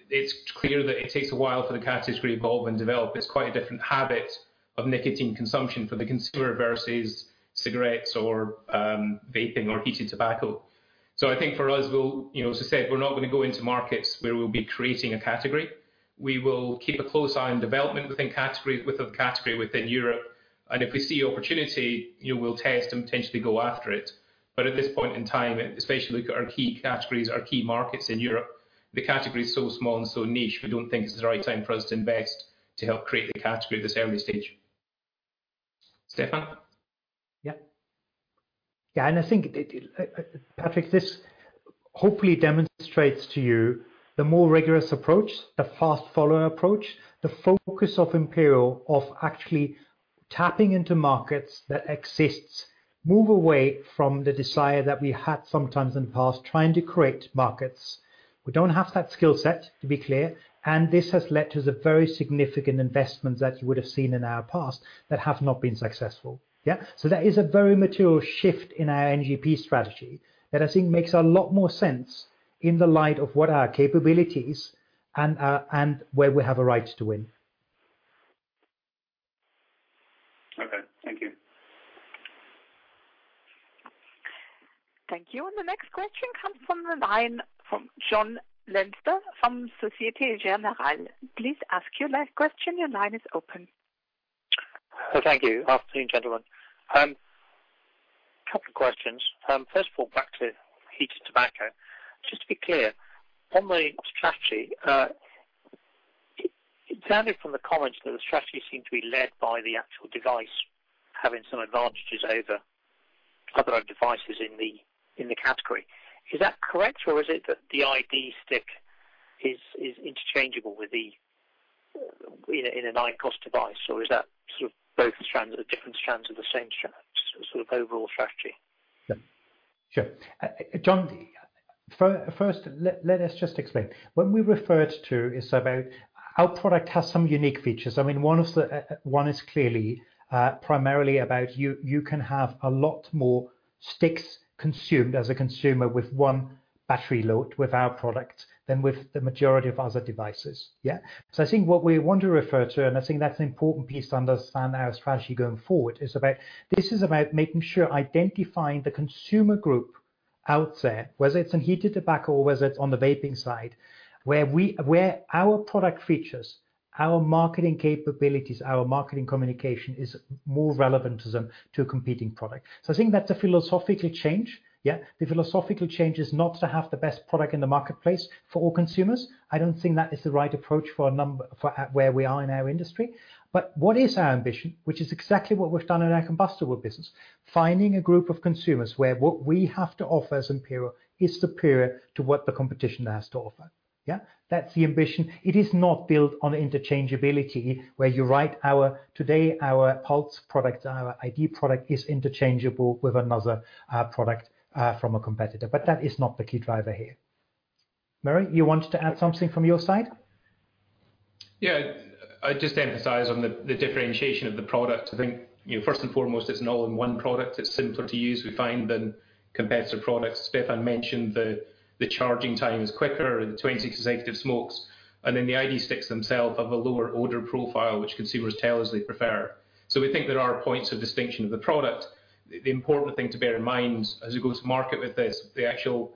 it's clear that it takes a while for the category to evolve and develop. It's quite a different habit of nicotine consumption for the consumer versus cigarettes or vaping or heated tobacco. I think for us, as I said, we're not going to go into markets where we'll be creating a category. We will keep a close eye on development with the category within Europe, and if we see opportunity, we'll test and potentially go after it. At this point in time, especially look at our key categories, our key markets in Europe, the category is so small and so niche, we don't think this is the right time for us to invest to help create the category at this early stage. Stefan? Yeah. I think, Patrick, this hopefully demonstrates to you the more rigorous approach, the fast follower approach, the focus of Imperial, of actually tapping into markets that exists, move away from the desire that we had sometimes in the past, trying to create markets. We don't have that skill set, to be clear, and this has led to the very significant investments that you would have seen in our past that have not been successful. Yeah? That is a very material shift in our NGP strategy that I think makes a lot more sense in the light of what our capability is and where we have a Right to Win. Okay. Thank you. Thank you. The next question comes from the line from Jon Leinster from Société Générale. Thank you. Afternoon, gentlemen. Couple questions. First of all, back to heated tobacco. Just to be clear on the strategy, it sounded from the comments that the strategy seemed to be led by the actual device having some advantages over other devices in the category. Is that correct? Or is it that the iD stick is interchangeable with the an IQOS device, or is that both strands or different strands of the same strand, sort of overall strategy? Sure. Jon, first, let us just explain. When we referred to is about our product has some unique features. One is clearly, primarily about you can have a lot more sticks consumed as a consumer with one battery load with our product than with the majority of other devices. Yeah. I think what we want to refer to, and I think that's an important piece to understand our strategy going forward, is about this is about making sure identifying the consumer group out there, whether it's in heated tobacco or whether it's on the vaping side, where our product features, our marketing capabilities, our marketing communication is more relevant to them to a competing product. I think that's a philosophical change. Yeah. The philosophical change is not to have the best product in the marketplace for all consumers. I don't think that is the right approach for where we are in our industry. What is our ambition, which is exactly what we've done in our combustible business, finding a group of consumers where what we have to offer as Imperial is superior to what the competition has to offer. Yeah? That's the ambition. It is not built on interchangeability where you're right, our, today, our Pulze product, our iD product is interchangeable with another product from a competitor. That is not the key driver here. Murray, you wanted to add something from your side? Yeah. I'd just emphasize on the differentiation of the product. I think, first and foremost, it's an all-in-one product. It's simpler to use, we find, than competitor products. Stefan mentioned the charging time is quicker, the 20 consecutive smokes, and then the iD sticks themselves have a lower odor profile, which consumers tell us they prefer. We think there are points of distinction of the product. The important thing to bear in mind as we go-to-market with this, the actual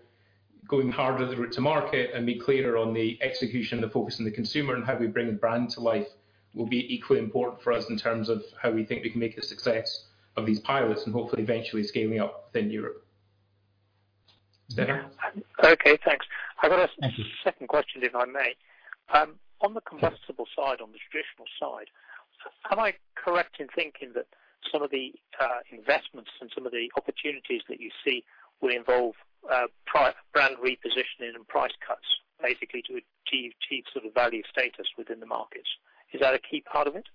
going harder the route-to-market and be clearer on the execution, the focus on the consumer and how we bring the brand to life will be equally important for us in terms of how we think we can make a success of these pilots and hopefully eventually scaling up within Europe. Stefan? Okay, thanks. I've got a second question, if I may. On the combustible side, on the traditional side, am I correct in thinking that some of the investments and some of the opportunities that you see will involve brand repositioning and price cuts, basically to achieve cheap value status within the markets? Is that a key part of it?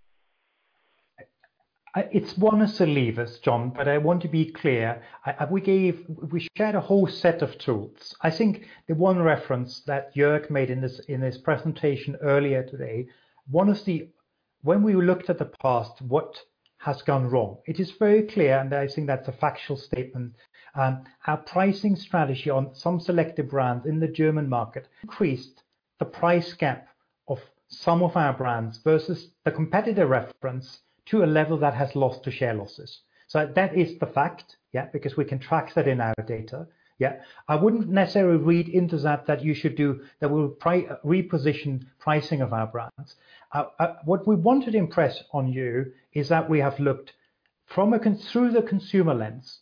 It's one of the levers, Jon, but I want to be clear. We shared a whole set of tools. I think the one reference that Jörg made in his presentation earlier today, one is the, when we looked at the past, what has gone wrong? It is very clear, and I think that's a factual statement, our pricing strategy on some selected brands in the German market increased the price gap of some of our brands versus the competitor reference to a level that has lost to share losses. That is the fact, yeah, because we can track that in our data. Yeah. I wouldn't necessarily read into that we'll reposition pricing of our brands. What we want to impress on you is that we have looked through the consumer lens,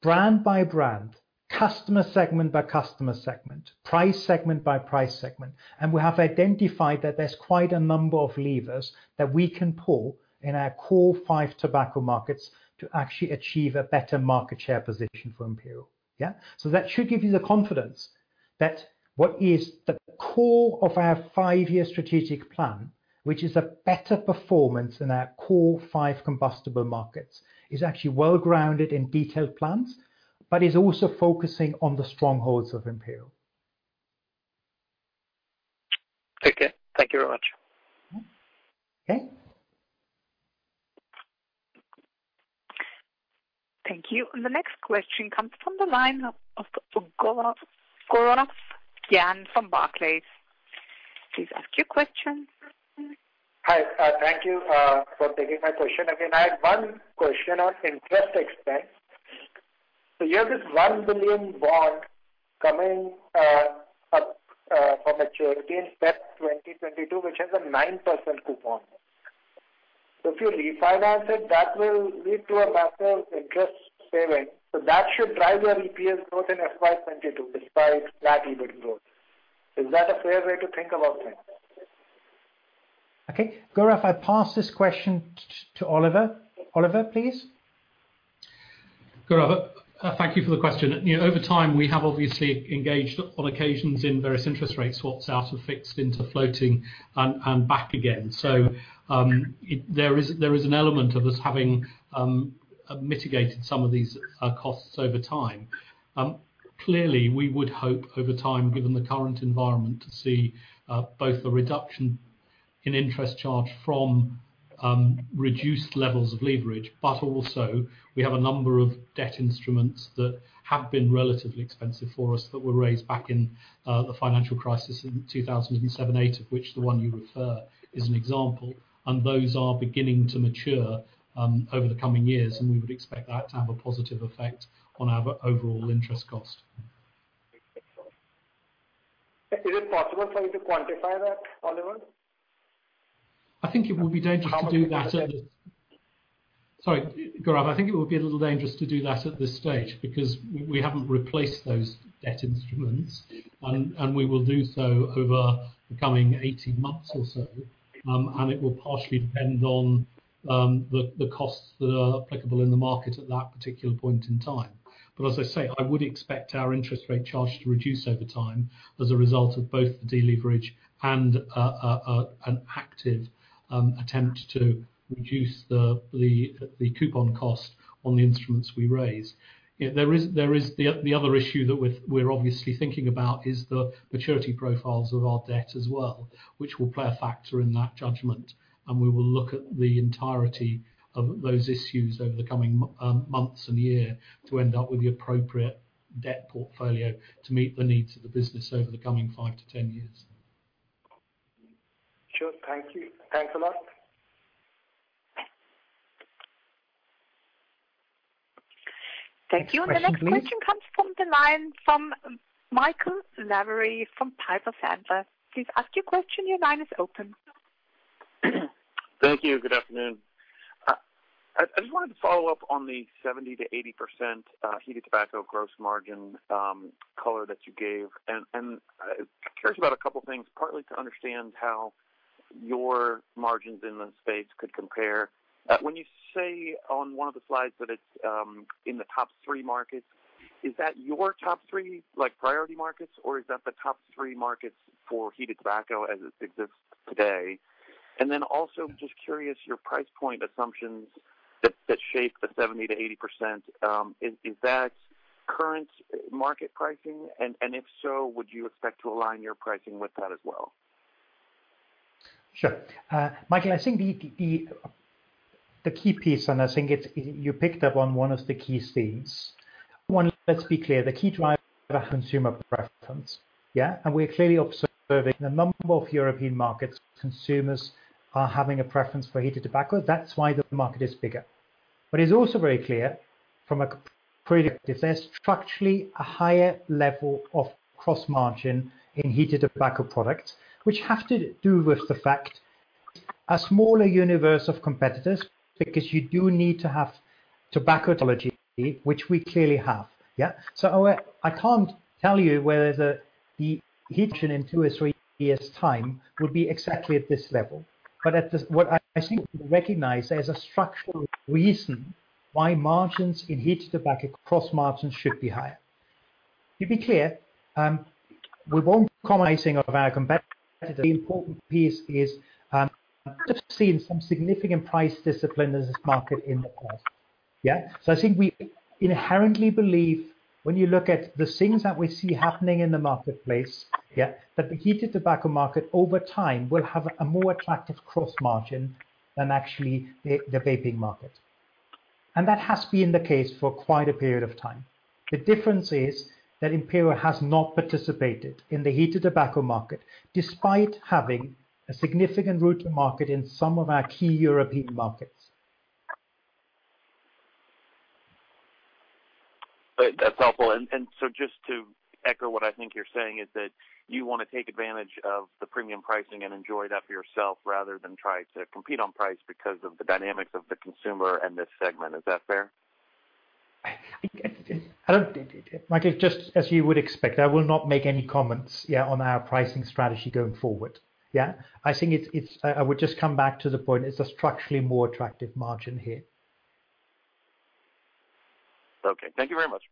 brand by brand, customer segment by customer segment, price segment by price segment, and we have identified that there's quite a number of levers that we can pull in our core five tobacco markets to actually achieve a better market share position for Imperial. Yeah? That should give you the confidence that what is the core of our five-year strategic plan, which is a better performance in our core five combustible markets, is actually well-grounded in detailed plans, but is also focusing on the strongholds of Imperial. Okay. Thank you very much. Okay. Thank you. The next question comes from the line of Gaurav Jain from Barclays. Please ask your question. Hi. Thank you for taking my question. Again, I had one question on interest expense. You have this 1 billion bond coming up for maturity in February 2022, which has a 9% coupon. If you refinance it, that will lead to a massive interest saving, so that should drive your EPS growth in FY 2022 despite flat EBIT growth. Is that a fair way to think about that? Okay. Gaurav, I pass this question to Oliver. Oliver, please. Gaurav, thank you for the question. Over time, we have obviously engaged on occasions in various interest rate swaps out of fixed into floating and back again. There is an element of us having mitigated some of these costs over time. Clearly, we would hope over time, given the current environment, to see both the reduction in interest charge from reduced levels of leverage. Also, we have a number of debt instruments that have been relatively expensive for us that were raised back in the financial crisis in 2007 to 2008, of which the one you refer is an example, and those are beginning to mature over the coming years, and we would expect that to have a positive effect on our overall interest cost. Is it possible for you to quantify that, Oliver? I think it would be dangerous to do that at this. How much? Sorry, Gaurav. I think it would be a little dangerous to do that at this stage, because we haven't replaced those debt instruments, and we will do so over the coming 18 months or so. It will partially depend on the costs that are applicable in the market at that particular point in time. As I say, I would expect our interest rate charge to reduce over time as a result of both the deleverage and an active attempt to reduce the coupon cost on the instruments we raise. The other issue that we're obviously thinking about is the maturity profiles of our debt as well, which will play a factor in that judgment, and we will look at the entirety of those issues over the coming months and year to end up with the appropriate debt portfolio to meet the needs of the business over the coming 5 to 10 years. Sure. Thank you. Thanks a lot. Thank you. Next question, please. The next question comes from the line from Michael Lavery from Piper Sandler. Please ask your question. Your line is open. Thank you. Good afternoon. I just wanted to follow up on the 70%-80% heated tobacco gross margin color that you gave, and curious about a couple of things, partly to understand how your margins in the space could compare. When you say on one of the slides that it's in the top three markets, is that your top three priority markets, or is that the top three markets for heated tobacco as it exists today? Also, just curious, your price point assumptions that shape the 70%-80%, is that current market pricing, and if so, would you expect to align your pricing with that as well? Sure. Michael, I think the key piece. I think you picked up on one of the key themes. One, let's be clear, the key driver is consumer preference. Yeah? We are clearly observing a number of European markets, consumers are having a preference for heated tobacco. That's why the market is bigger. It's also very clear from a comparative, there's structurally a higher level of gross margin in heated tobacco products, which have to do with the fact a smaller universe of competitors, because you do need to have tobacco technology, which we clearly have. Yeah? I can't tell you whether the heat margin in two or three years' time will be exactly at this level. What I think we recognize, there's a structural reason why margins in heated tobacco, gross margins, should be higher. To be clear, we won't be compromising of our competitors. The important piece is, we have seen some significant price discipline in this market in the past. Yeah? I think we inherently believe when you look at the things that we see happening in the marketplace, yeah, that the heated tobacco market over time will have a more attractive gross margin than actually the vaping market. That has been the case for quite a period of time. The difference is that Imperial has not participated in the heated tobacco market despite having a significant route-to-market in some of our key European markets. That's helpful. Just to echo what I think you're saying is that you want to take advantage of the premium pricing and enjoy that for yourself rather than try to compete on price because of the dynamics of the consumer and this segment. Is that fair? I don't Michael, just as you would expect, I will not make any comments, yeah, on our pricing strategy going forward. Yeah. I think I would just come back to the point, it's a structurally more attractive margin here. Okay. Thank you very much.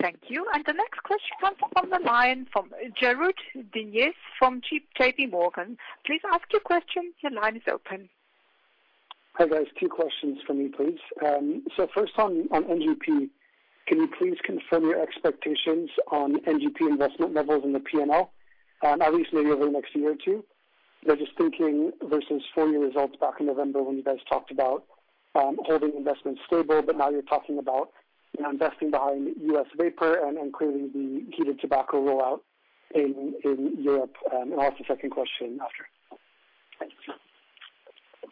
Thank you. The next question comes on the line from Jared Dinges from JPMorgan. Please ask your question. Your line is open. Hi, guys. Two questions from me, please. First on NGP, can you please confirm your expectations on NGP investment levels in the P&L, at least maybe over the next year or two? Just thinking versus full-year results back in November when you guys talked about holding investments stable, but now you're talking about investing behind U.S. vapor and clearly the heated tobacco rollout in Europe. I'll ask a second question after.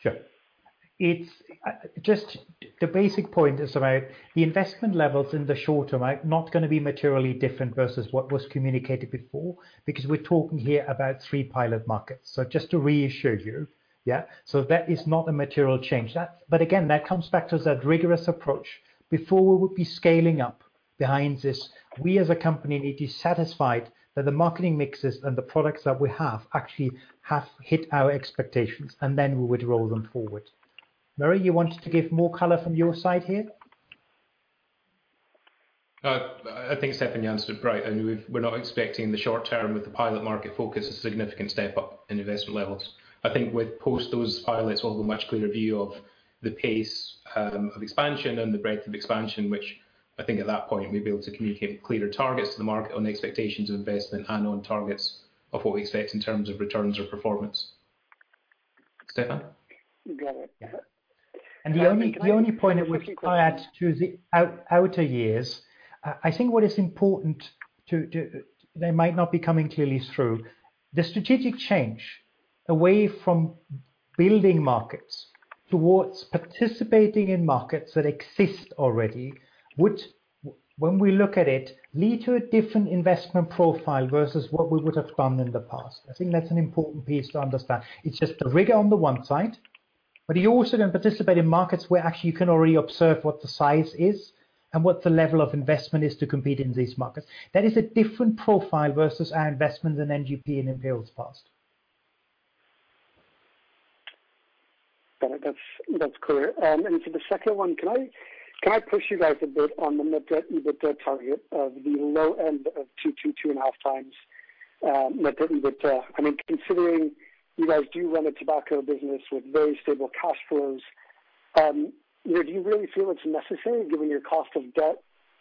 Thanks. Sure. Just the basic point is about the investment levels in the short term are not going to be materially different versus what was communicated before because we're talking here about three pilot markets. Just to reassure you, yeah, so that is not a material change. Again, that comes back to that rigorous approach. Before we would be scaling up behind this, we as a company need to be satisfied that the marketing mixes and the products that we have actually have hit our expectations, and then we would roll them forward. Murray, you wanted to give more color from your side here? I think Stefan answered it right. I mean, we're not expecting in the short term with the pilot market focus, a significant step-up in investment levels. I think with post those pilots, we'll have a much clearer view of the pace of expansion and the breadth of expansion, which I think at that point, we'll be able to communicate clearer targets to the market on the expectations of investment and on targets of what we expect in terms of returns or performance. Stefan? You got it. Yeah. The only point I would add to the outer years. That might not be coming clearly through. The strategic change away from building markets towards participating in markets that exist already, would, when we look at it, lead to a different investment profile versus what we would have done in the past. I think that's an important piece to understand. It's just the rigor on the one side, but you're also going to participate in markets where actually you can already observe what the size is and what the level of investment is to compete in these markets. That is a different profile versus our investments in NGP and Imperial's past. Got it. That's clear. The second one, can I push you guys a bit on the net debt EBITDA target of the low end of 2x-2.5x net debt EBITDA? I mean, considering you guys do run a tobacco business with very stable cash flows, do you really feel it's necessary given your cost of debt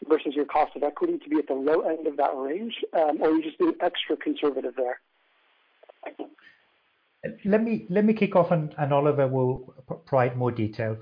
versus your cost of equity to be at the low end of that range? Or are you just being extra conservative there? Thank you. Let me kick off. Oliver will provide more detail.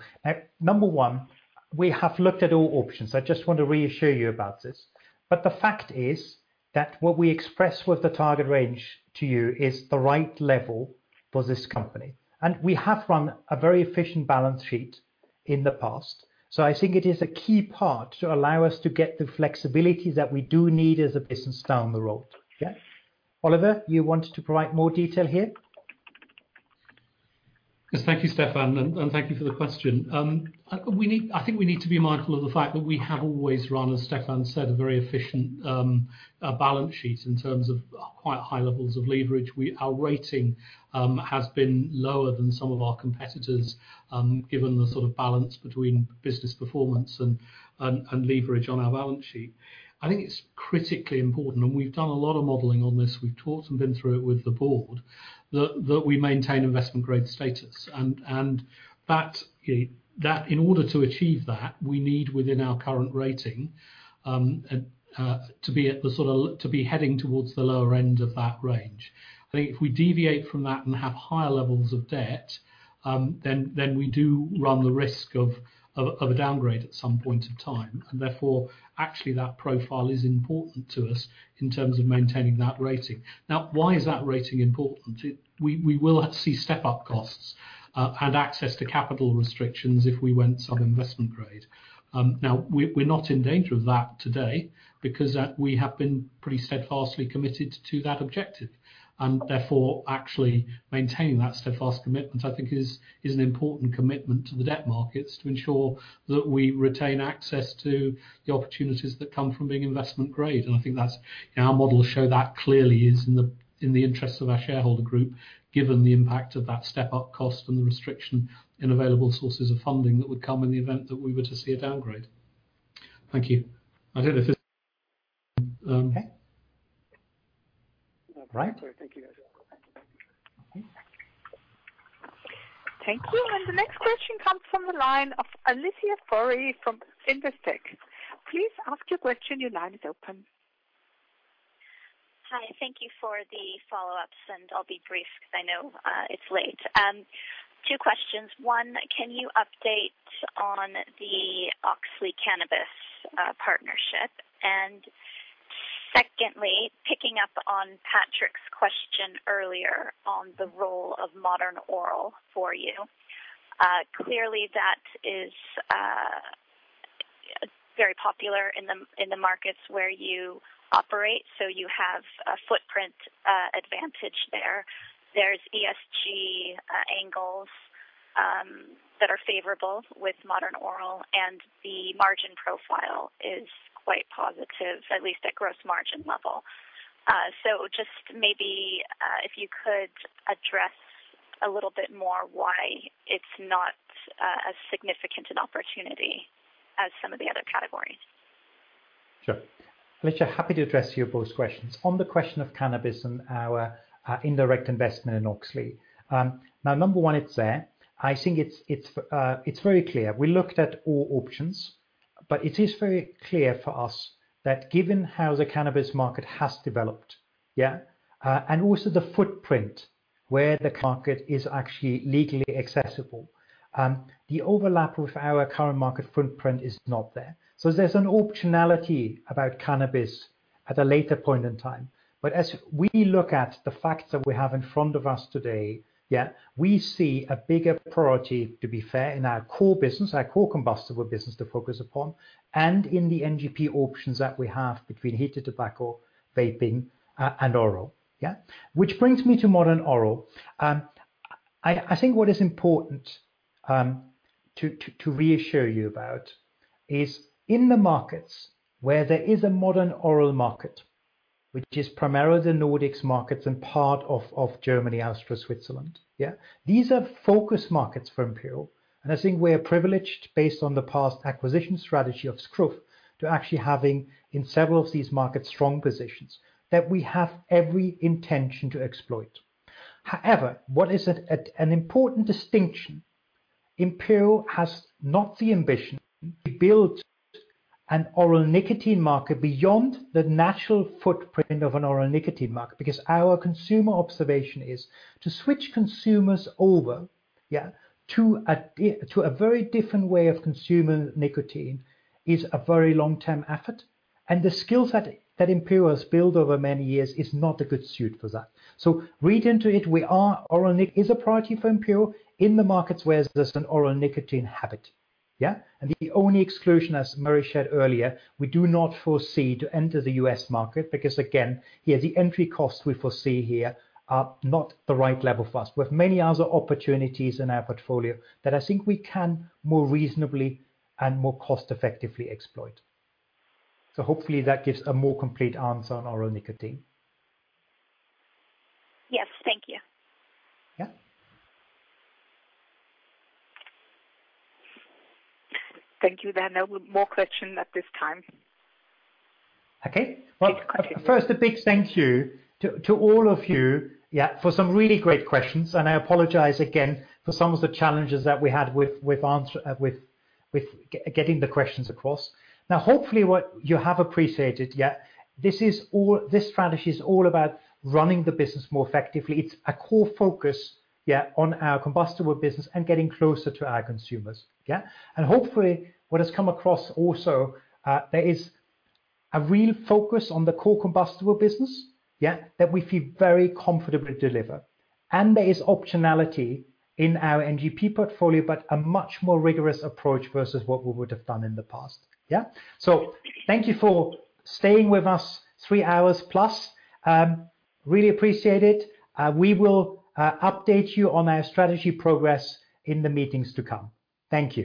Number one, we have looked at all options. I just want to reassure you about this. The fact is that what we express with the target range to you is the right level for this company. We have run a very efficient balance sheet in the past. I think it is a key part to allow us to get the flexibility that we do need as a business down the road. Yeah. Oliver, you wanted to provide more detail here? Yes. Thank you, Stefan, and thank you for the question. I think we need to be mindful of the fact that we have always run, as Stefan said, a very efficient balance sheet in terms of quite high levels of leverage. Our rating has been lower than some of our competitors, given the sort of balance between business performance and leverage on our balance sheet. It's critically important, and we've done a lot of modeling on this. We've talked and been through it with the board, that we maintain investment grade status. That in order to achieve that, we need within our current rating, to be heading towards the lower end of that range. I think if we deviate from that and have higher levels of debt, we do run the risk of a downgrade at some point in time. Therefore, actually that profile is important to us in terms of maintaining that rating. Why is that rating important? We will see step-up costs, and access to capital restrictions if we went sub-investment grade. We're not in danger of that today because we have been pretty steadfastly committed to that objective. Therefore, actually maintaining that steadfast commitment, I think is an important commitment to the debt markets to ensure that we retain access to the opportunities that come from being investment grade. I think that our models show that clearly is in the interest of our shareholder group, given the impact of that step-up cost and the restriction in available sources of funding that would come in the event that we were to see a downgrade. Thank you. Okay. All right. Thank you, guys. Thank you. The next question comes from the line of Alicia Forry from Investec. Please ask your question. Hi. Thank you for the follow-ups, and I'll be brief because I know it's late. Two questions. One, can you update on the Auxly cannabis partnership and Secondly, picking up on Patrick's question earlier on the role of modern oral for you. Clearly, that is very popular in the markets where you operate, so you have a footprint advantage there. There's ESG angles that are favorable with modern oral, and the margin profile is quite positive, at least at gross margin level. Just maybe if you could address a little bit more why it's not as significant an opportunity as some of the other categories. Sure. Alicia, happy to address your both questions. On the question of cannabis and our indirect investment in Auxly. Number one, it's there. I think it's very clear. We looked at all options, but it is very clear for us that given how the cannabis market has developed, yeah, and also the footprint where the market is actually legally accessible, the overlap with our current market footprint is not there. There's an optionality about cannabis at a later point in time. As we look at the facts that we have in front of us today, yeah, we see a bigger priority, to be fair, in our core business, our core combustible business to focus upon, and in the NGP options that we have between heated tobacco, vaping, and oral. Yeah. Which brings me to modern oral. I think what is important to reassure you about is in the markets where there is a modern oral market, which is primarily the Nordics markets and part of Germany, Austria, Switzerland, yeah, these are focus markets for Imperial. I think we are privileged, based on the past acquisition strategy of growth, to actually having, in several of these markets, strong positions that we have every intention to exploit. However, what is an important distinction, Imperial has not the ambition to build an oral nicotine market beyond the natural footprint of an oral nicotine market, because our consumer observation is to switch consumers over, yeah, to a very different way of consuming nicotine is a very long-term effort, and the skills that Imperial has built over many years is not a good suit for that. Read into it, oral nicotine is a priority for Imperial in the markets where there's an oral nicotine habit. The only exclusion, as Murray shared earlier, we do not foresee to enter the U.S. market because, again, the entry costs we foresee here are not the right level for us. We have many other opportunities in our portfolio that I think we can more reasonably and more cost-effectively exploit. Hopefully that gives a more complete answer on oral nicotine. Yes. Thank you. Yeah. Thank you. No more question at this time. Okay. Well, first, a big thank you to all of you, yeah, for some really great questions. I apologize again for some of the challenges that we had with getting the questions across. Now, hopefully what you have appreciated, yeah, this strategy is all about running the business more effectively. It's a core focus, yeah, on our combustible business and getting closer to our consumers. Yeah. Hopefully what has come across also, there is a real focus on the core combustible business, yeah, that we feel very comfortable to deliver. There is optionality in our NGP portfolio, but a much more rigorous approach versus what we would have done in the past. Yeah. Thank you for staying with us 3 hours+. Really appreciate it. We will update you on our strategy progress in the meetings to come. Thank you.